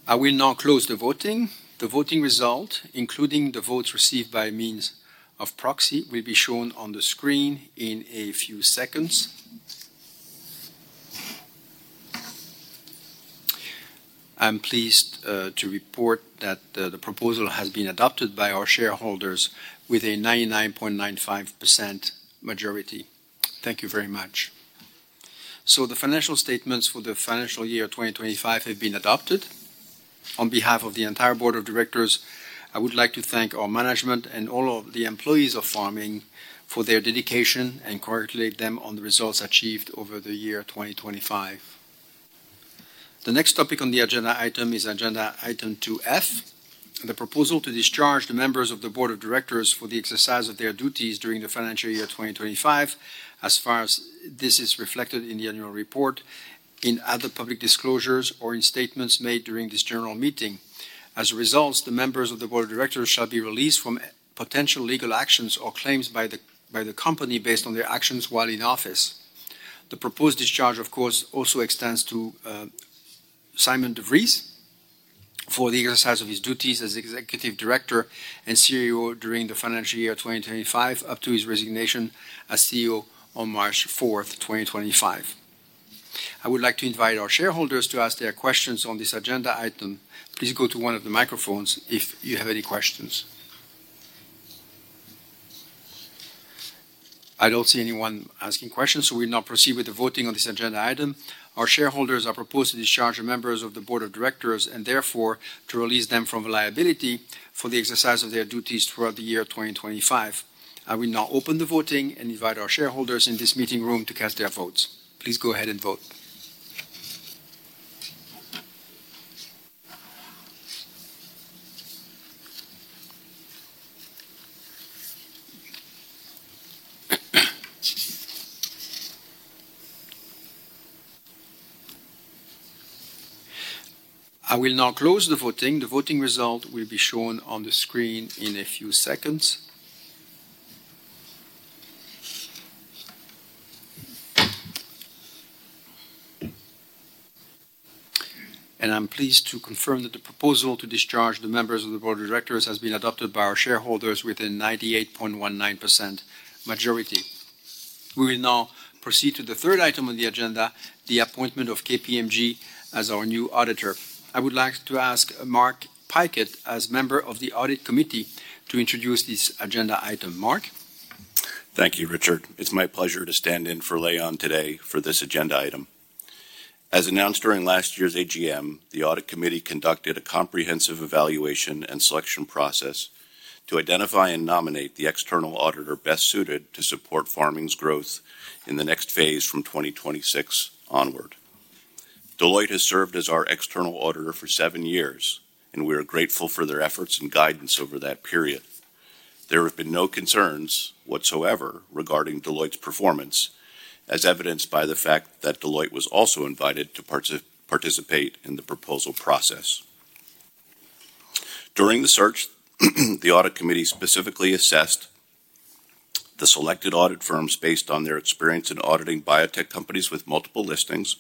I will now close the voting. The voting result, including the votes received by means of proxy, will be shown on the screen in a few seconds. I'm pleased to report that the proposal has been adopted by our shareholders with a 99.95% majority. Thank you very much. The financial statements for the financial year 2025 have been adopted. On behalf of the entire Board of Directors, I would like to thank our management and all of the employees of Pharming for their dedication, and congratulate them on the results achieved over the year 2025. The next topic on the agenda item is agenda Item 2F, the proposal to discharge the members of the Board of Directors for the exercise of their duties during the financial year 2025, as far as this is reflected in the annual report, in other public disclosures, or in statements made during this general meeting. As a result, the members of the board of directors shall be released from potential legal actions or claims by the company based on their actions while in office. The proposed discharge, of course, also extends to Sijmen de Vries for the exercise of his duties as executive director and CEO during the financial year 2025, up to his resignation as CEO on March 4th, 2025. I would like to invite our shareholders to ask their questions on this agenda item. Please go to one of the microphones if you have any questions. I don't see anyone asking questions. We'll now proceed with the voting on this agenda item. Our shareholders are proposed to discharge the members of the Board of Directors and therefore to release them from liability for the exercise of their duties throughout the year 2025. I will now open the voting and invite our shareholders in this meeting room to cast their votes. Please go ahead and vote. I will now close the voting. The voting result will be shown on the screen in a few seconds. I'm pleased to confirm that the proposal to discharge the members of the Board of Directors has been adopted by our shareholders with a 98.19% majority. We will now proceed to the third item on the agenda, the appointment of KPMG as our new auditor. I would like to ask Mark Pykett as member of the Audit Committee to introduce this agenda item. Mark? Thank you, Richard. It's my pleasure to stand in for Leon today for this agenda item. As announced during last year's AGM, the audit committee conducted a comprehensive evaluation and selection process to identify and nominate the external auditor best suited to support Pharming's growth in the next phase from 2026 onward. Deloitte has served as our external auditor for seven years, and we are grateful for their efforts and guidance over that period. There have been no concerns whatsoever regarding Deloitte's performance, as evidenced by the fact that Deloitte was also invited to participate in the proposal process. During the search, the audit committee specifically assessed the selected audit firms based on their experience in auditing biotech companies with multiple listings,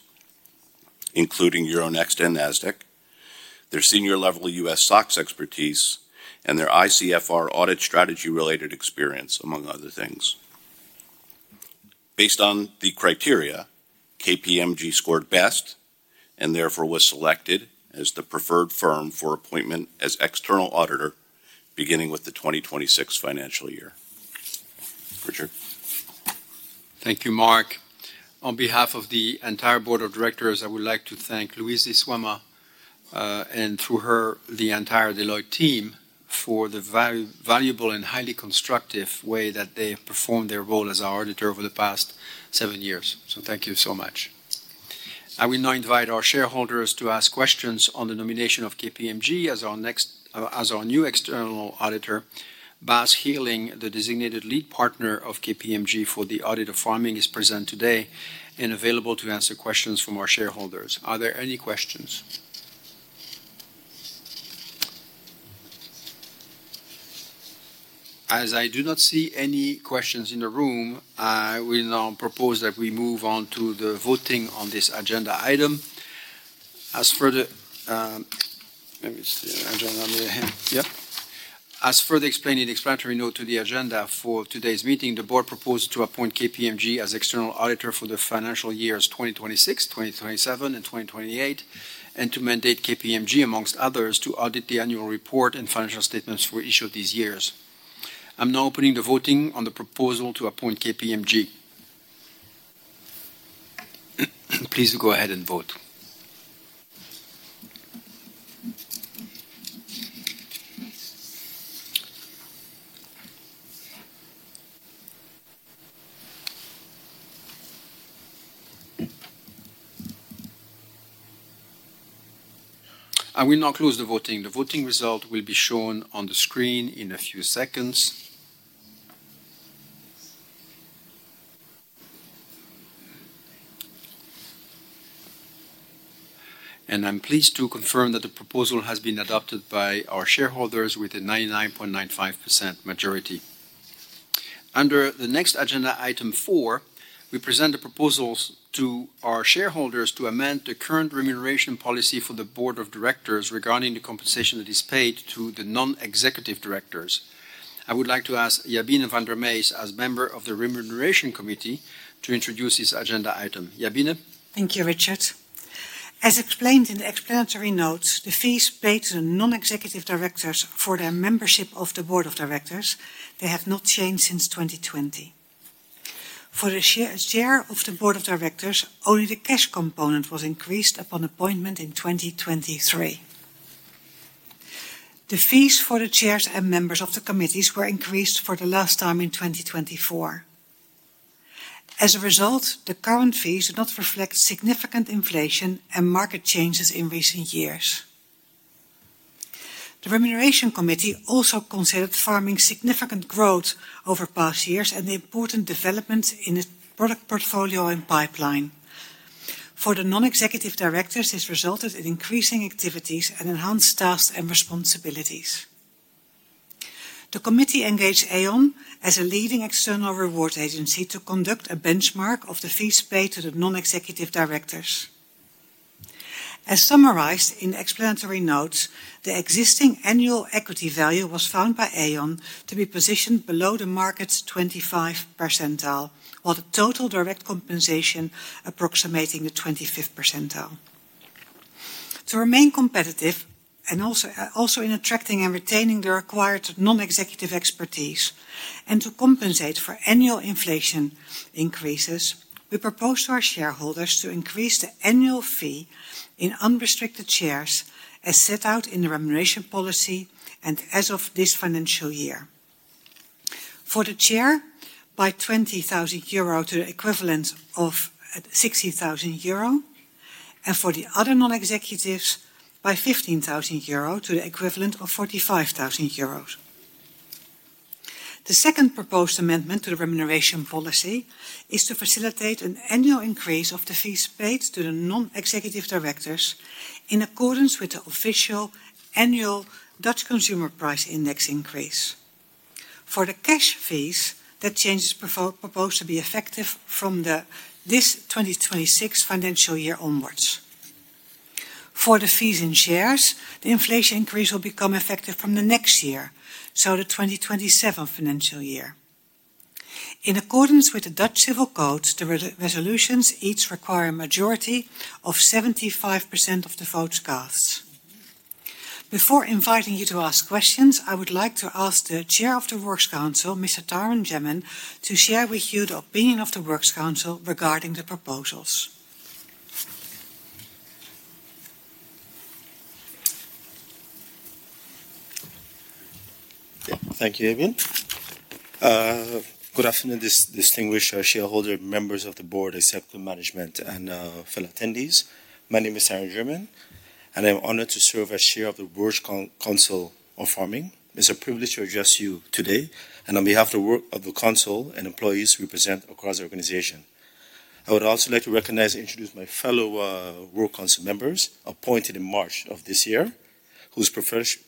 including Euronext and Nasdaq, their senior-level U.S. SOX expertise, and their ICFR audit strategy-related experience, among other things. Based on the criteria, KPMG scored best and therefore was selected as the preferred firm for appointment as external auditor beginning with the 2026 financial year. Richard? Thank you, Mark. On behalf of the entire board of directors, I would like to thank Louise Zwama, and through her, the entire Deloitte team, for the valuable and highly constructive way that they have performed their role as our auditor over the past seven years. Thank you so much. I will now invite our shareholders to ask questions on the nomination of KPMG as our new external auditor. Bas [Geerling], the designated lead partner of KPMG for the audit of Pharming, is present today and available to answer questions from our shareholders. Are there any questions? As I do not see any questions in the room, I will now propose that we move on to the voting on this agenda item. Let me see the agenda on the other hand. Yep. As further explained in the explanatory note to the agenda for today's meeting, the board proposed to appoint KPMG as external auditor for the financial years 2026, 2027, and 2028, and to mandate KPMG, amongst others, to audit the annual report and financial statements for each of these years. I'm now opening the voting on the proposal to appoint KPMG. Please go ahead and vote. I will now close the voting. The voting result will be shown on the screen in a few seconds. I'm pleased to confirm that the proposal has been adopted by our shareholders with a 99.95% majority. Under the next agenda, Item 4, we present the proposals to our shareholders to amend the current remuneration policy for the Board of Directors regarding the compensation that is paid to the Non-executive Directors. I would like to ask Jabine van der Meijs as member of the Remuneration Committee to introduce this agenda item. Jabine? Thank you, Richard. As explained in the explanatory notes, the fees paid to the Non-executive Directors for their membership of the Board of Directors, they have not changed since 2020. For the Chair of the Board of Directors, only the cash component was increased upon appointment in 2023. The fees for the chairs and members of the committees were increased for the last time in 2024. As a result, the current fees do not reflect significant inflation and market changes in recent years. The Remuneration Committee also considered Pharming's significant growth over past years and the important developments in its product portfolio and pipeline. For the Non-executive Directors, this resulted in increasing activities and enhanced tasks and responsibilities. The committee engaged Aon as a leading external reward agency to conduct a benchmark of the fees paid to the Non-executive Directors. As summarized in the explanatory notes, the existing annual equity value was found by Aon to be positioned below the market's 25 percentile, while the total direct compensation approximating the 25th percentile. To remain competitive, and also in attracting and retaining the required non-executive expertise, and to compensate for annual inflation increases, we propose to our shareholders to increase the annual fee in unrestricted shares as set out in the remuneration policy and as of this financial year. For the chair, by 20,000 euro to the equivalent of 60,000 euro, and for the other non-executives, by 15,000 euro to the equivalent of 45,000 euros. The second proposed amendment to the remuneration policy is to facilitate an annual increase of the fees paid to the Non-executive Directors in accordance with the official annual Dutch Consumer Price Index increase. For the cash fees, that change is proposed to be effective from this 2026 financial year onwards. For the fees in shares, the inflation increase will become effective from the next year, so the 2027 financial year. In accordance with the Dutch Civil Code, the resolutions each require a majority of 75% of the votes cast. Before inviting you to ask questions, I would like to ask the Chair of the Works Council, Mr. Tyron Jermin, to share with you the opinion of the Works Council regarding the proposals. Thank you, Jabine. Good afternoon, distinguished shareholder, members of the Board, accepted management, and fellow attendees. My name is Tyron Jermin, and I'm honored to serve as Chair of the Works Council of Pharming Group. It's a privilege to address you today and on behalf of the Council and employees we present across the organization. I would also like to recognize and introduce my fellow Works Council members, appointed in March of this year, whose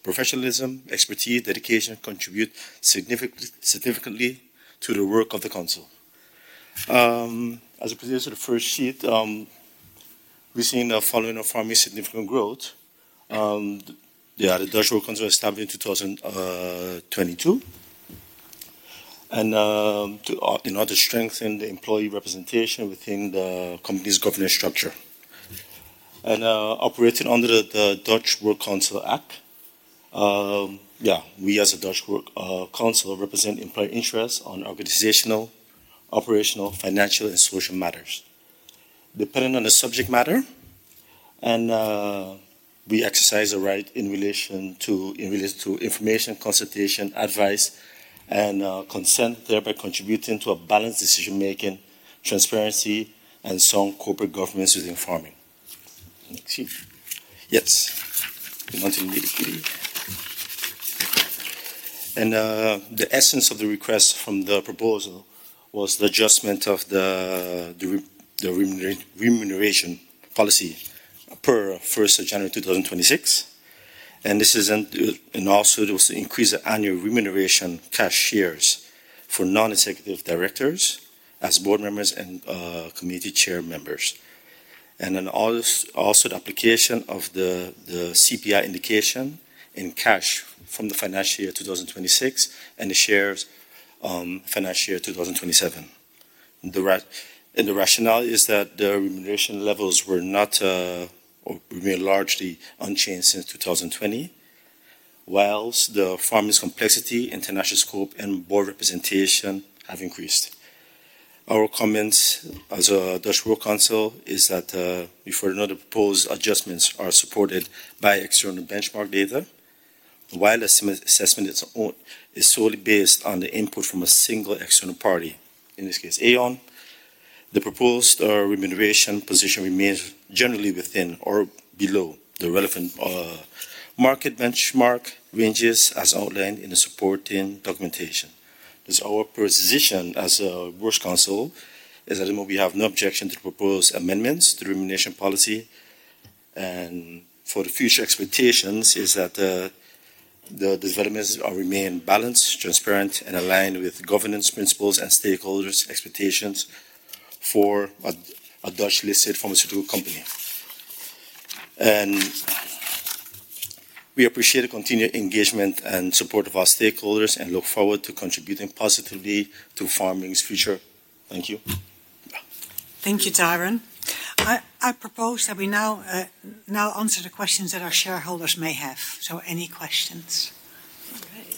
professionalism, expertise, dedication contribute significantly to the work of the Council. As opposed to the first sheet, we've seen the following of Pharming Group's significant growth. The Dutch Works Council was established in 2022. In order to strengthen the employee representation within the company's governance structure. Operating under the Dutch Works Council Act, we as a Dutch Works Council represent employee interests on organizational, operational, financial, and social matters. Depending on the subject matter, we exercise a right in relation to information, consultation, advice, and consent, thereby contributing to a balanced decision-making, transparency, and sound corporate governance within Pharming. Next sheet. Yes. The essence of the request from the proposal was the adjustment of the remuneration policy per January 1st, 2026. Also it was to increase the annual remuneration cash shares for Non-executive Directors as board members and committee chair members. Also the application of the CPI indication in cash from the financial year 2026, and the shares financial year 2027. The rationale is that the remuneration levels remain largely unchanged since 2020, whilst Pharming's complexity, international scope, and Board representation have increased. Our comments as a Dutch Works Council is that we found the proposed adjustments are supported by external benchmark data. While assessment is solely based on the input from a single external party, in this case, Aon, the proposed remuneration position remains generally within or below the relevant market benchmark ranges as outlined in the supporting documentation. Our position as a works council is that we have no objection to propose amendments to the remuneration policy. For the future expectations is that the developments remain balanced, transparent, and aligned with governance principles and stakeholders' expectations for a Dutch-listed pharmaceutical company. We appreciate the continued engagement and support of our stakeholders, and look forward to contributing positively to Pharming's future. Thank you. Thank you, Tyron. I propose that we now answer the questions that our shareholders may have. Any questions? Okay.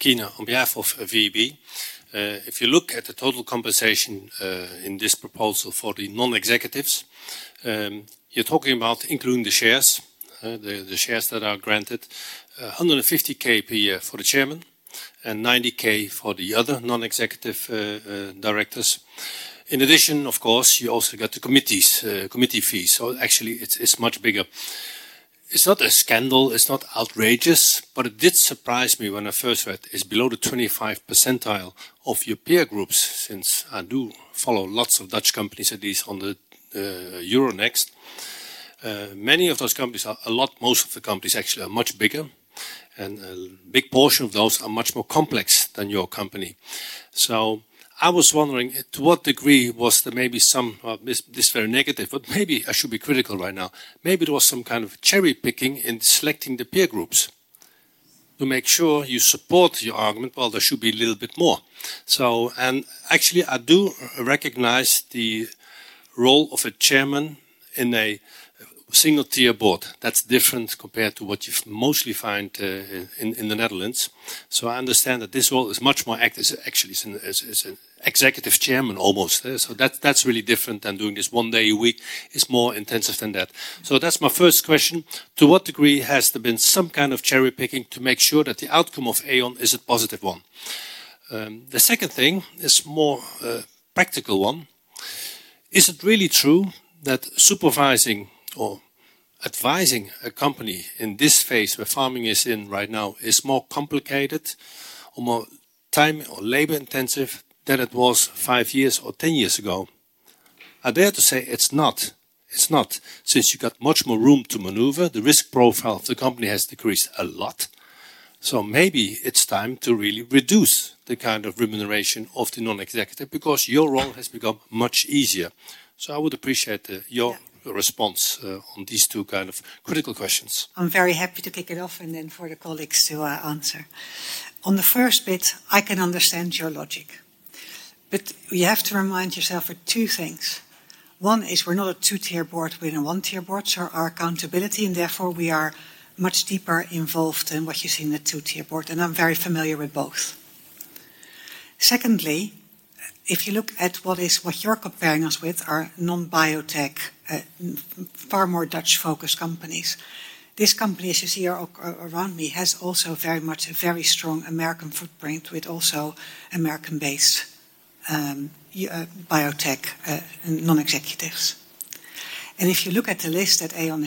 Keyner, on behalf of SVB. If you look at the total compensation in this proposal for the Non-executive Directors, you're talking about including the shares, the shares that are granted, 150,000 per year for the chairman and 90,000 for the other Non-executive Directors. Of course, you also got the committee fees. Actually, it's much bigger. It's not a scandal, it's not outrageous. It did surprise me when I first read it's below the 25 percentile of your peer groups, since I do follow lots of Dutch companies, at least on the Euronext. Most of the companies actually are much bigger. A big portion of those are much more complex than your company. I was wondering, to what degree was there maybe. This is very negative. Maybe I should be critical right now. Maybe there was some kind of cherry-picking in selecting the peer groups to make sure you support your argument, well, there should be a little bit more. Actually, I do recognize the role of a chairman in a single-tier board. That's different compared to what you mostly find in the Netherlands. I understand that this role actually, is an Executive Chairman almost. That's really different than doing this one day a week. It's more intensive than that. That's my first question. To what degree has there been some kind of cherry-picking to make sure that the outcome of Aon is a positive one? The second thing is more practical one. Is it really true that supervising or advising a company in this phase, where Pharming is in right now, is more complicated or more time or labor-intensive than it was five years or 10 years ago? I dare to say it's not. Since you got much more room to maneuver, the risk profile of the company has decreased a lot. Maybe it's time to really reduce the kind of remuneration of the non-executive, because your role has become much easier. I would appreciate your response on these two kind of critical questions. I am very happy to kick it off and then for the colleagues to answer. On the first bit, I can understand your logic. You have to remind yourself of two things. One is we are not a two-tier Board, we are a one-tier board, our accountability, and therefore, we are much deeper involved than what you see in a two-tier board, and I am very familiar with both. Secondly, if you look at what you are comparing us with, are non-biotech, far more Dutch-focused companies. This company, as you see around me, has also very much a very strong American footprint, with also American-based biotech non-executives. If you look at the list at Aon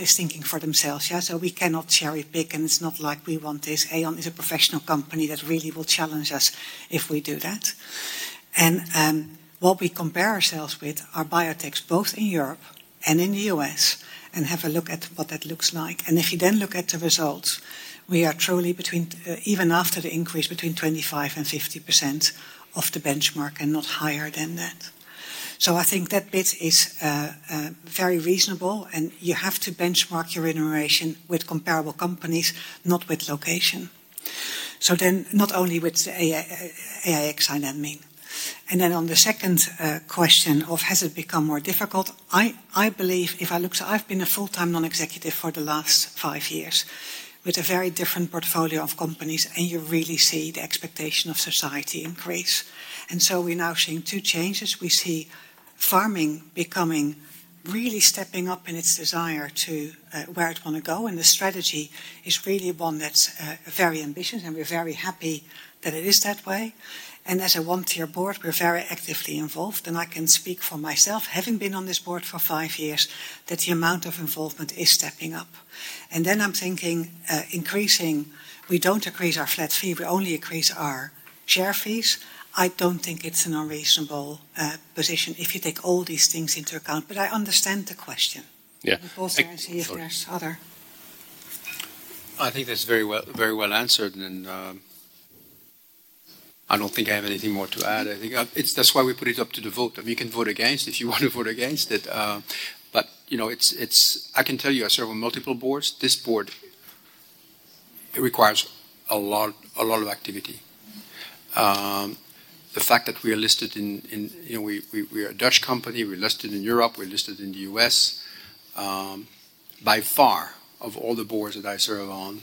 is thinking for themselves. We cannot cherry-pick, and it is not like we want this. Aon is a professional company that really will challenge us if we do that. What we compare ourselves with are biotechs, both in Europe and in the U.S., and have a look at what that looks like. If you then look at the results, we are truly between, even after the increase, between 25% and 50% of the benchmark, and not higher than that. I think that bit is very reasonable, and you have to benchmark your remuneration with comparable companies, not with location. Not only with AEX, I mean. On the second question of has it become more difficult? I've been a full-time non-executive for the last five years with a very different portfolio of companies, and you really see the expectation of society increase. We're now seeing two changes. We see Pharming becoming really stepping up in its desire to where it want to go. The strategy is really one that's very ambitious. We're very happy that it is that way. As a one-tier board, we're very actively involved. I can speak for myself, having been on this board for five years, that the amount of involvement is stepping up. I'm thinking, we don't increase our flat fee, we only increase our share fees. I don't think it's an unreasonable position if you take all these things into account. I understand the question. Yeah. Richard can see if there's other. I think that's very well answered. I don't think I have anything more to add. I think that's why we put it up to the vote. You can vote against if you want to vote against it. I can tell you, I serve on multiple boards. This board, it requires a lot of activity. The fact that we are a Dutch company, we're listed in Europe, we're listed in the U.S. By far, of all the boards that I serve on.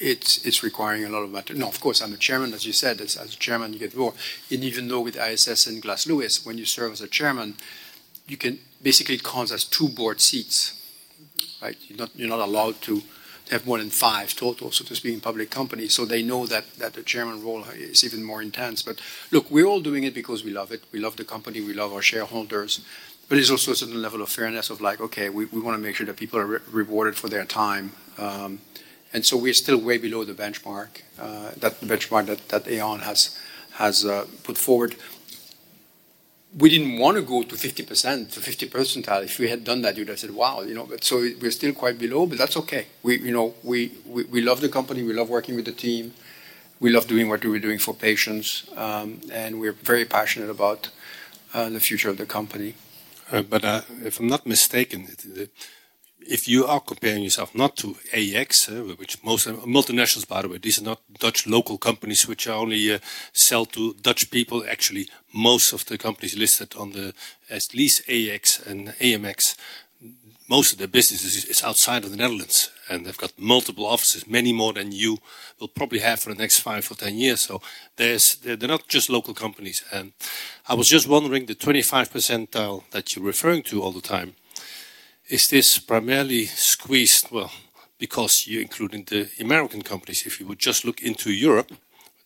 No, of course, I'm the chairman, as you said. As chairman, you get more. Even though with ISS and Glass Lewis, when you serve as a chairman, you can basically count as two board seats. Right. You're not allowed to have more than five total. Just being a public company, they know that the chairman role is even more intense. Look, we're all doing it because we love it. We love the company, we love our shareholders. There's also a certain level of fairness of like, okay, we want to make sure that people are rewarded for their time. We're still way below the benchmark that Aon has put forward. We didn't want to go to 50%, 50 percentile. If we had done that, you'd have said, "Wow." We're still quite below, but that's okay. We love the company, we love working with the team, we love doing what we're doing for patients, and we're very passionate about the future of the company. If I'm not mistaken, if you are comparing yourself not to AEX, which most multinationals, by the way, these are not Dutch local companies which only sell to Dutch people. Actually, most of the companies listed on the, at least AEX and AMX, most of their business is outside of the Netherlands and they've got multiple offices, many more than you will probably have for the next five or 10 years. They're not just local companies. I was just wondering, the 25 percentile that you're referring to all the time, is this primarily squeezed, well, because you're including the American companies? If you would just look into Europe, there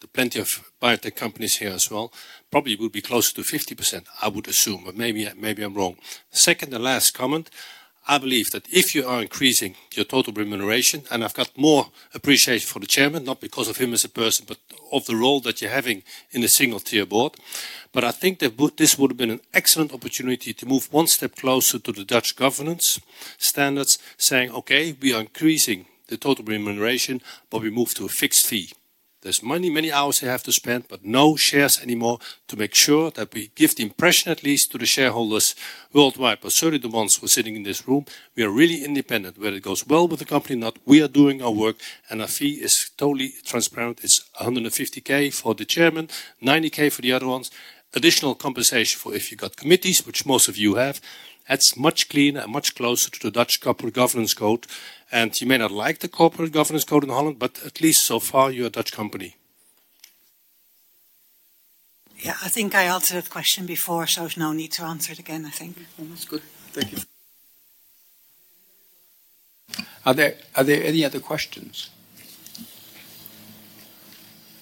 are plenty of biotech companies here as well, probably would be closer to 50%, I would assume. Maybe I'm wrong. Second and last comment. I believe that if you are increasing your total remuneration, and I've got more appreciation for the chairman, not because of him as a person, but of the role that you're having in the single-tier board. I think that this would've been an excellent opportunity to move one step closer to the Dutch governance standards, saying, "Okay, we are increasing the total remuneration, but we move to a fixed fee." There's many hours they have to spend, but no shares anymore to make sure that we give the impression, at least to the shareholders worldwide, but certainly the ones who are sitting in this room, we are really independent. Whether it goes well with the company or not, we are doing our work, and our fee is totally transparent. It's 150,000 for the chairman, 90,000 for the other ones. Additional compensation for if you got committees, which most of you have. That's much cleaner and much closer to the Dutch Corporate Governance Code. You may not like the Corporate Governance Code in Holland, but at least so far, you're a Dutch company. Yeah, I think I answered that question before, so there's no need to answer it again, I think. That's good. Thank you. Are there any other questions?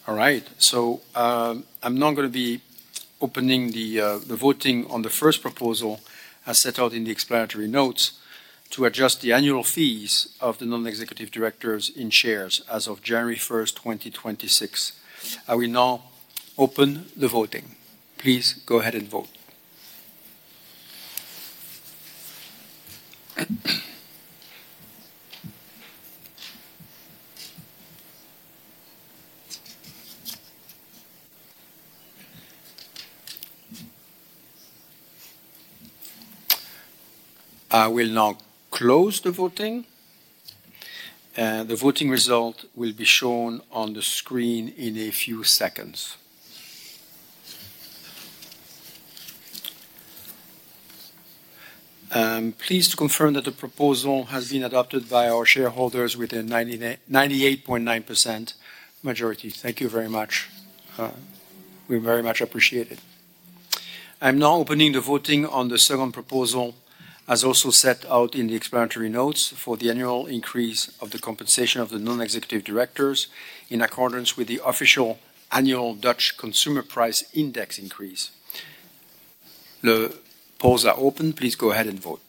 All right. I'm now going to be opening the voting on the first proposal, as set out in the explanatory notes, to adjust the annual fees of the Non-executive Directors in shares as of January 1st, 2026. I will now open the voting. Please go ahead and vote. I will now close the voting. The voting result will be shown on the screen in a few seconds. I'm pleased to confirm that the proposal has been adopted by our shareholders with a 98.9% majority. Thank you very much. We very much appreciate it. I'm now opening the voting on the second proposal, as also set out in the explanatory notes, for the annual increase of the compensation of the non-executive directors in accordance with the official annual Dutch Consumer Price Index increase. The polls are open. Please go ahead and vote.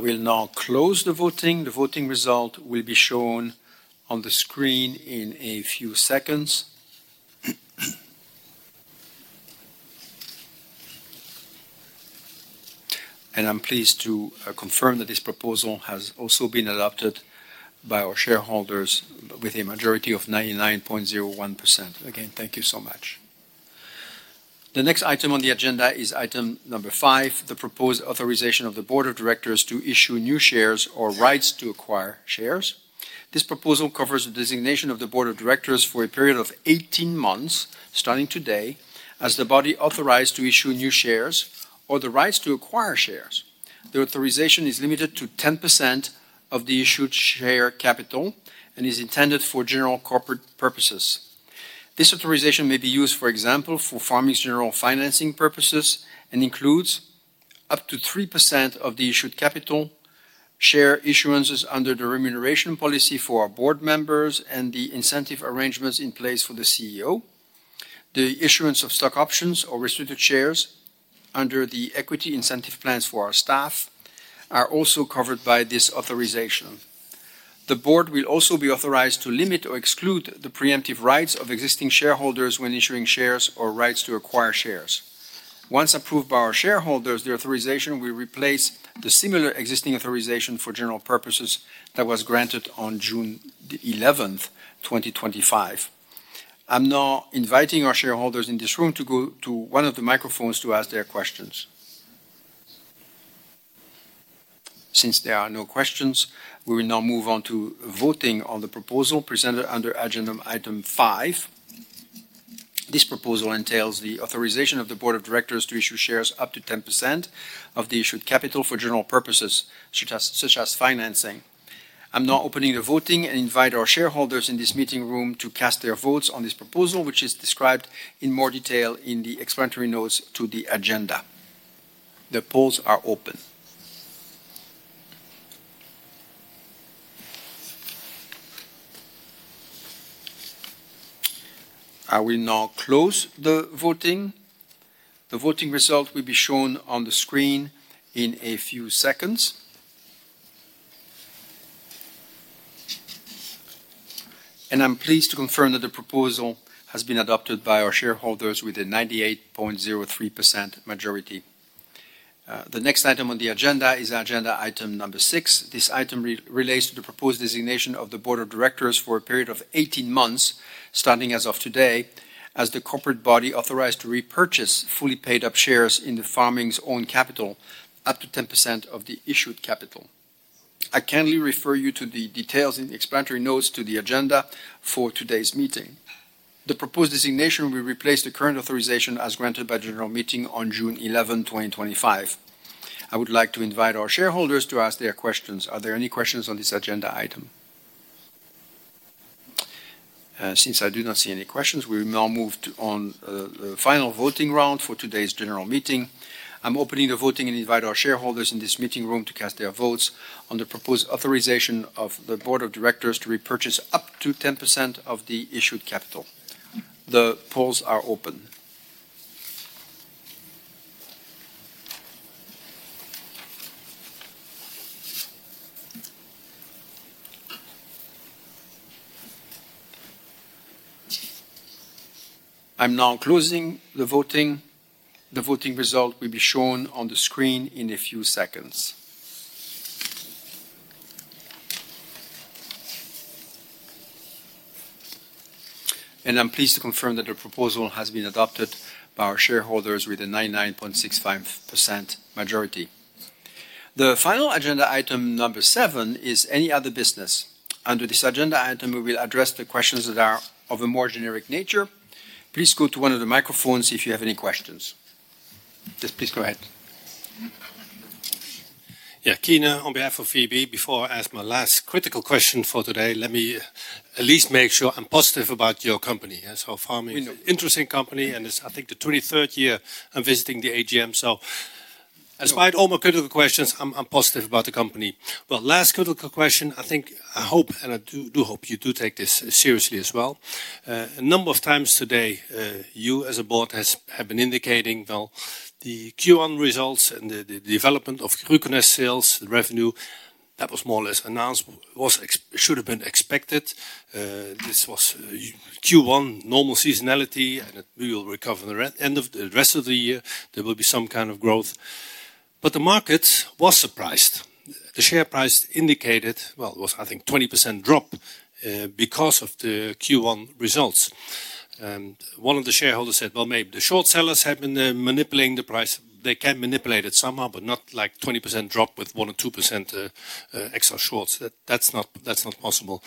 I will now close the voting. The voting result will be shown on the screen in a few seconds. I'm pleased to confirm that this proposal has also been adopted by our shareholders with a majority of 99.01%. Again, thank you so much. The next item on the agenda is item number five, the proposed authorization of the board of directors to issue new shares or rights to acquire shares. This proposal covers the designation of the Board of Directors for a period of 18 months, starting today, as the body authorized to issue new shares or the rights to acquire shares. The authorization is limited to 10% of the issued share capital and is intended for general corporate purposes. This authorization may be used, for example, for Pharming's general financing purposes and includes up to 3% of the issued capital, share issuances under the remuneration policy for our Board members, and the incentive arrangements in place for the CEO. The issuance of stock options or restricted shares under the equity incentive plans for our staff are also covered by this authorization. The Board will also be authorized to limit or exclude the preemptive rights of existing shareholders when issuing shares or rights to acquire shares. Once approved by our shareholders, the authorization will replace the similar existing authorization for general purposes that was granted on June 11th, 2025. I'm now inviting our shareholders in this room to go to one of the microphones to ask their questions. Since there are no questions, we will now move on to voting on the proposal presented under agenda Item 5. This proposal entails the authorization of the Board of Directors to issue shares up to 10% of the issued capital for general purposes, such as financing. I'm now opening the voting and invite our shareholders in this meeting room to cast their votes on this proposal, which is described in more detail in the explanatory notes to the agenda. The polls are open. I will now close the voting. The voting result will be shown on the screen in a few seconds. I'm pleased to confirm that the proposal has been adopted by our shareholders with a 98.03% majority. The next item on the agenda is agenda item number six. This item relates to the proposed designation of the Board of Directors for a period of 18 months, starting as of today, as the corporate body authorized to repurchase fully paid-up shares in Pharming's own capital, up to 10% of the issued capital. I kindly refer you to the details in the explanatory notes to the agenda for today's meeting. The proposed designation will replace the current authorization as granted by general meeting on June 11, 2025. I would like to invite our shareholders to ask their questions. Are there any questions on this agenda item? Since I do not see any questions, we will now move on the final voting round for today's general meeting. I'm opening the voting and invite our shareholders in this meeting room to cast their votes on the proposed authorization of the board of directors to repurchase up to 10% of the issued capital. The polls are open. I'm now closing the voting. The voting result will be shown on the screen in a few seconds. I'm pleased to confirm that the proposal has been adopted by our shareholders with a 99.65% majority. The final agenda item number seven is any other business. Under this agenda item, we will address the questions that are of a more generic nature. Please go to one of the microphones if you have any questions. Yes, please go ahead. Yeah. Keanan on behalf of SVB. Before I ask my last critical question for today, let me at least make sure I'm positive about your company. We know. interesting company, and it's, I think, the 23rd year I'm visiting the AGM. So despite all my critical questions, I'm positive about the company. Last critical question, I think, I hope, and I do hope you do take this seriously as well. A number of times today, you as a board have been indicating, well, the Q1 results and the development of [Glucyonance] sales, the revenue, that was more or less announced, should have been expected. This was Q1 normal seasonality, and we will recover the rest of the year, there will be some kind of growth. The market was surprised. The share price indicated, well, it was, I think, 20% drop because of the Q1 results. One of the shareholders said, "Well, maybe the short sellers have been manipulating the price." They can manipulate it somehow, but not like 20% drop with 1% or 2% extra shorts. That's not possible.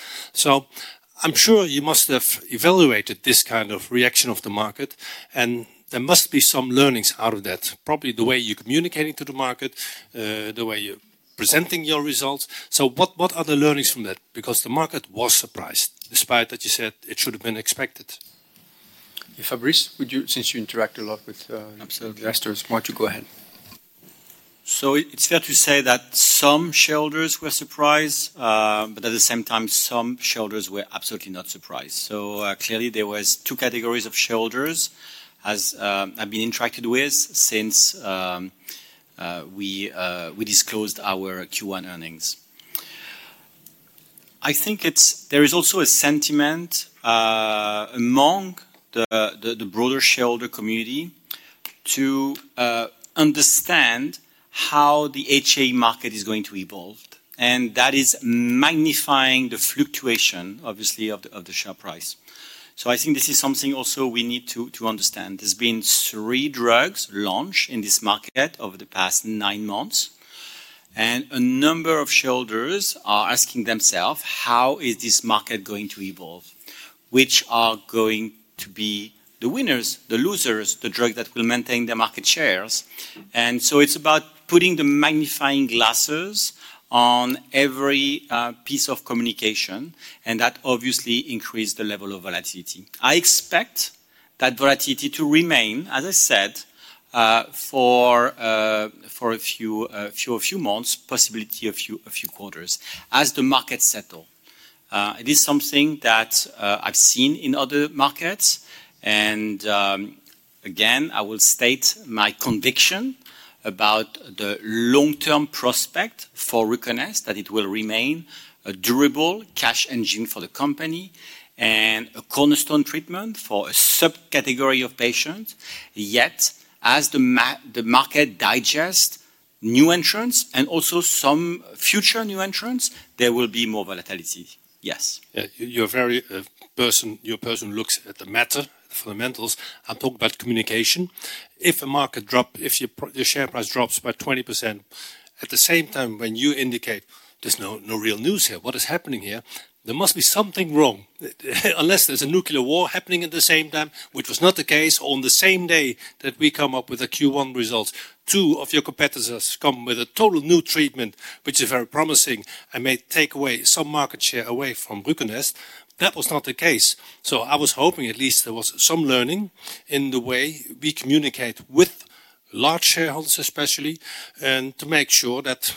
I'm sure you must have evaluated this kind of reaction of the market, and there must be some learnings out of that. Probably the way you're communicating to the market, the way you're presenting your results. What are the learnings from that? Because the market was surprised, despite that you said it should have been expected. Fabrice, since you interact a lot- Absolutely. ...investors, why don't you go ahead? It's fair to say that some shareholders were surprised, but at the same time, some shareholders were absolutely not surprised. Clearly there were two categories of shareholders as I've been interacted with since we disclosed our Q1 earnings. I think there is also a sentiment among the broader shareholder community to understand how the HAE market is going to evolve, and that is magnifying the fluctuation, obviously, of the share price. I think this is something also we need to understand. There's been three drugs launched in this market over the past nine months, and a number of shareholders are asking themselves, how is this market going to evolve? Which are going to be the winners, the losers, the drug that will maintain the market shares? It's about putting the magnifying glasses on every piece of communication, and that obviously increase the level of volatility. I expect that volatility to remain, as I said, for a few months, possibility a few quarters, as the market settle. It is something that I've seen in other markets, and again, I will state my conviction about the long-term prospect for RUCONEST, that it will remain a durable cash engine for the company and a cornerstone treatment for a subcategory of patients. As the market digest new entrants and also some future new entrants, there will be more volatility. Yes. You're a person who looks at the matter, fundamentals. I'll talk about communication. If your share price drops by 20%, at the same time when you indicate there's no real news here, what is happening here? There must be something wrong. Unless there's a nuclear war happening at the same time, which was not the case, on the same day that we come up with the Q1 results, two of your competitors come with a total new treatment, which is very promising, and may take away some market share away from RUCONEST. That was not the case. I was hoping at least there was some learning in the way we communicate with large shareholders, especially, and to make sure that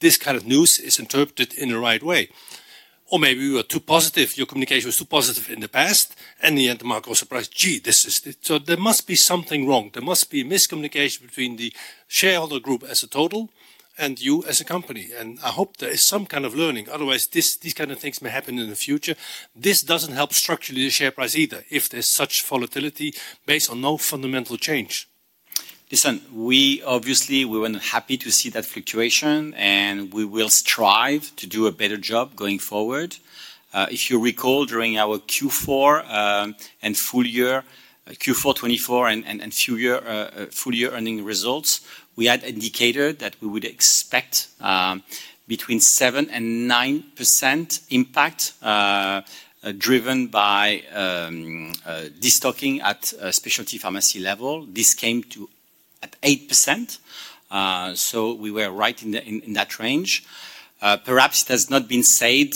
this kind of news is interpreted in the right way. Maybe we were too positive, your communication was too positive in the past, and in the end the market was surprised. Gee, this is it. There must be something wrong. There must be miscommunication between the shareholder group as a total and you as a company. I hope there is some kind of learning. Otherwise, these kind of things may happen in the future. This doesn't help structurally the share price either, if there is such volatility based on no fundamental change. Obviously, we were not happy to see that fluctuation, we will strive to do a better job going forward. If you recall, during our Q4 2024 and full year earnings results, we had indicated that we would expect between 7% and 9% impact, driven by de-stocking at a specialty pharmacy level. This came at 8%. We were right in that range. Perhaps it has not been said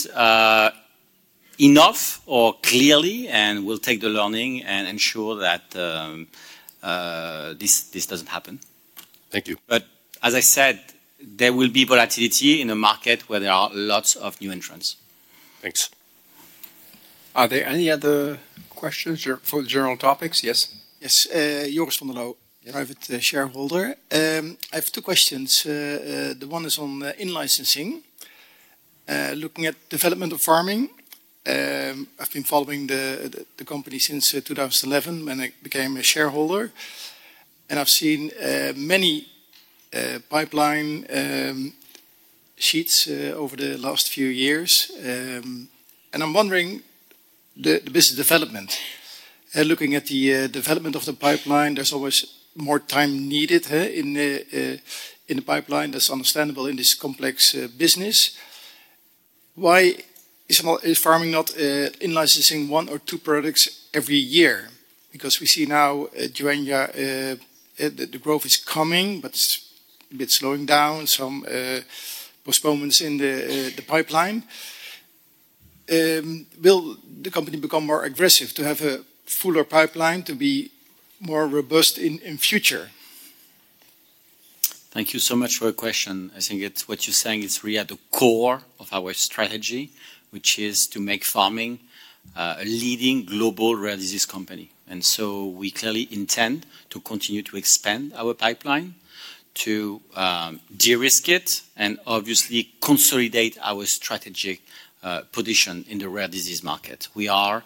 enough or clearly, we'll take the learning and ensure that this doesn't happen. Thank you. As I said, there will be volatility in a market where there are lots of new entrants. Thanks. Are there any other questions for the general topics? Yes. Yes. Joris van der Louw- Yes. ...Private shareholder. I have two questions. One is on in-licensing. Looking at development of Pharming, I've been following the company since 2011 when I became a shareholder. I've seen many pipeline sheets over the last few years. I'm wondering the business development. Looking at the development of the pipeline, there's always more time needed, huh, in the pipeline. That's understandable in this complex business. Why is Pharming not in-licensing one or two products every year? We see now Joenja, the growth is coming, but a bit slowing down, some postponements in the pipeline. Will the company become more aggressive to have a fuller pipeline to be more robust in future? Thank you so much for your question. I think what you're saying is really at the core of our strategy, which is to make Pharming a leading global rare disease company. We clearly intend to continue to expand our pipeline, to de-risk it, and obviously consolidate our strategic position in the rare disease market. We are,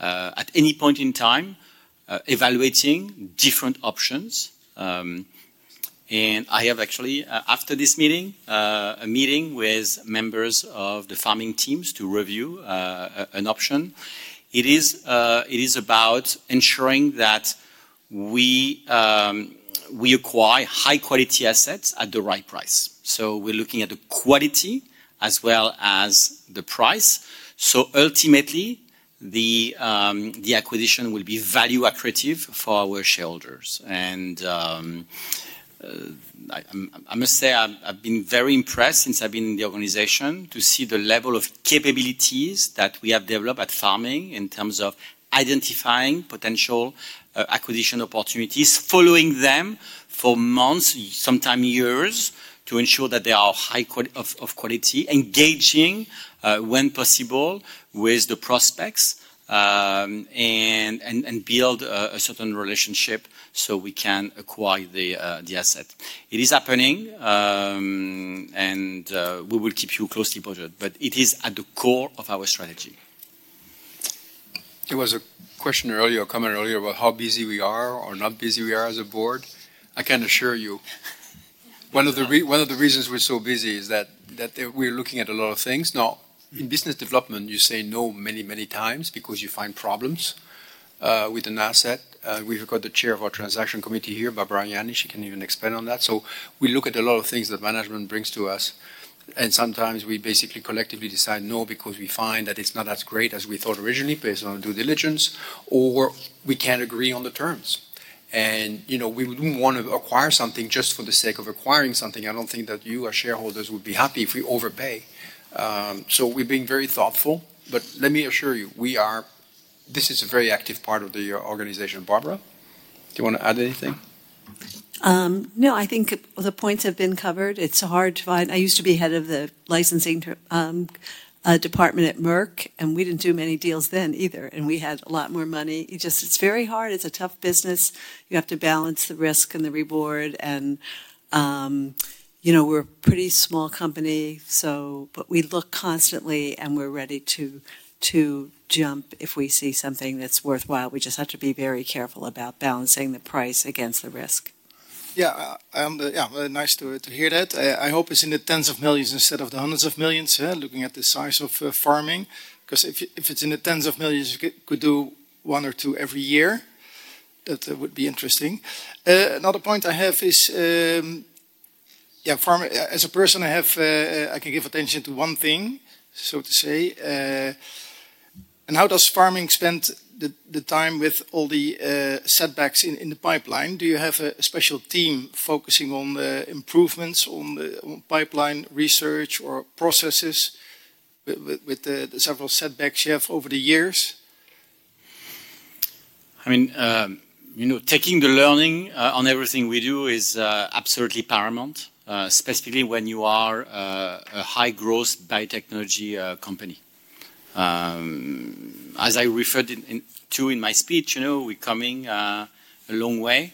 at any point in time, evaluating different options. I have actually, after this meeting, a meeting with members of the Pharming teams to review an option. It is about ensuring that we acquire high-quality assets at the right price. We're looking at the quality as well as the price. Ultimately, the acquisition will be value accretive for our shareholders. I must say, I've been very impressed since I've been in the organization to see the level of capabilities that we have developed at Pharming in terms of identifying potential acquisition opportunities, following them for months, sometimes years, to ensure that they are of high quality, engaging, when possible, with the prospects, and build a certain relationship so we can acquire the asset. It is happening, and we will keep you closely posted. It is at the core of our strategy. There was a question earlier or comment earlier about how busy we are or not busy we are as a board. I can assure you, one of the reasons we're so busy is that we're looking at a lot of things. In business development, you say no many times because you find problems with an asset. We've got the chair of our transaction committee here, Barbara Yanni, she can even expand on that. We look at a lot of things that management brings to us, sometimes we basically collectively decide no because we find that it's not as great as we thought originally based on due diligence, or we can't agree on the terms. We wouldn't want to acquire something just for the sake of acquiring something. I don't think that you as shareholders would be happy if we overpay. We're being very thoughtful. Let me assure you, this is a very active part of the organization. Barbara, do you want to add anything? No, I think the points have been covered. It is hard to find I used to be head of the licensing department at Merck, and we didn't do many deals then either, and we had a lot more money. It is very hard. It is a tough business. You have to balance the risk and the reward. We're a pretty small company, but we look constantly and we're ready to jump if we see something that's worthwhile. We just have to be very careful about balancing the price against the risk. Very nice to hear that. I hope it's in the tens of millions instead of the hundreds of millions, looking at the size of Pharming. If it's in the tens of millions, you could do one or two every year. That would be interesting. Another point I have is, as a person, I can give attention to one thing, so to say. How does Pharming spend the time with all the setbacks in the pipeline? Do you have a special team focusing on the improvements on the pipeline research or processes with the several setbacks you have over the years? Taking the learning on everything we do is absolutely paramount, specifically when you are a high-growth biotechnology company. As I referred to in my speech, we're coming a long way.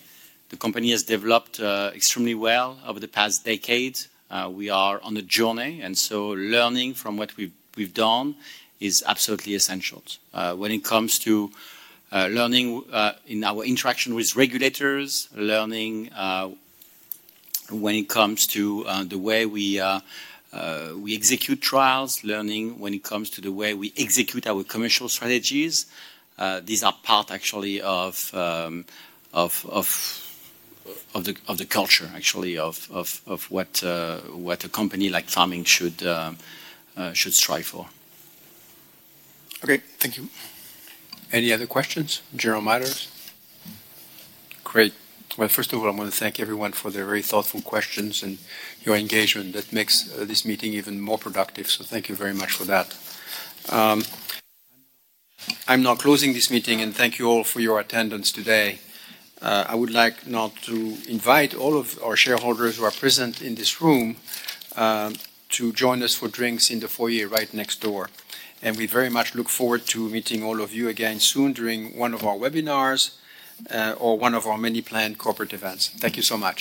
The company has developed extremely well over the past decade. We are on a journey, learning from what we've done is absolutely essential. When it comes to learning in our interaction with regulators, learning when it comes to the way we execute trials, learning when it comes to the way we execute our commercial strategies. These are part actually of the culture, actually, of what a company like Pharming should strive for. Okay. Thank you. Any other questions? General matters? Great. Well, first of all, I want to thank everyone for their very thoughtful questions and your engagement that makes this meeting even more productive, so thank you very much for that. I am now closing this meeting, and thank you all for your attendance today. I would like now to invite all of our shareholders who are present in this room to join us for drinks in the foyer right next door. We very much look forward to meeting all of you again soon during one of our webinars or one of our many planned corporate events. Thank you so much.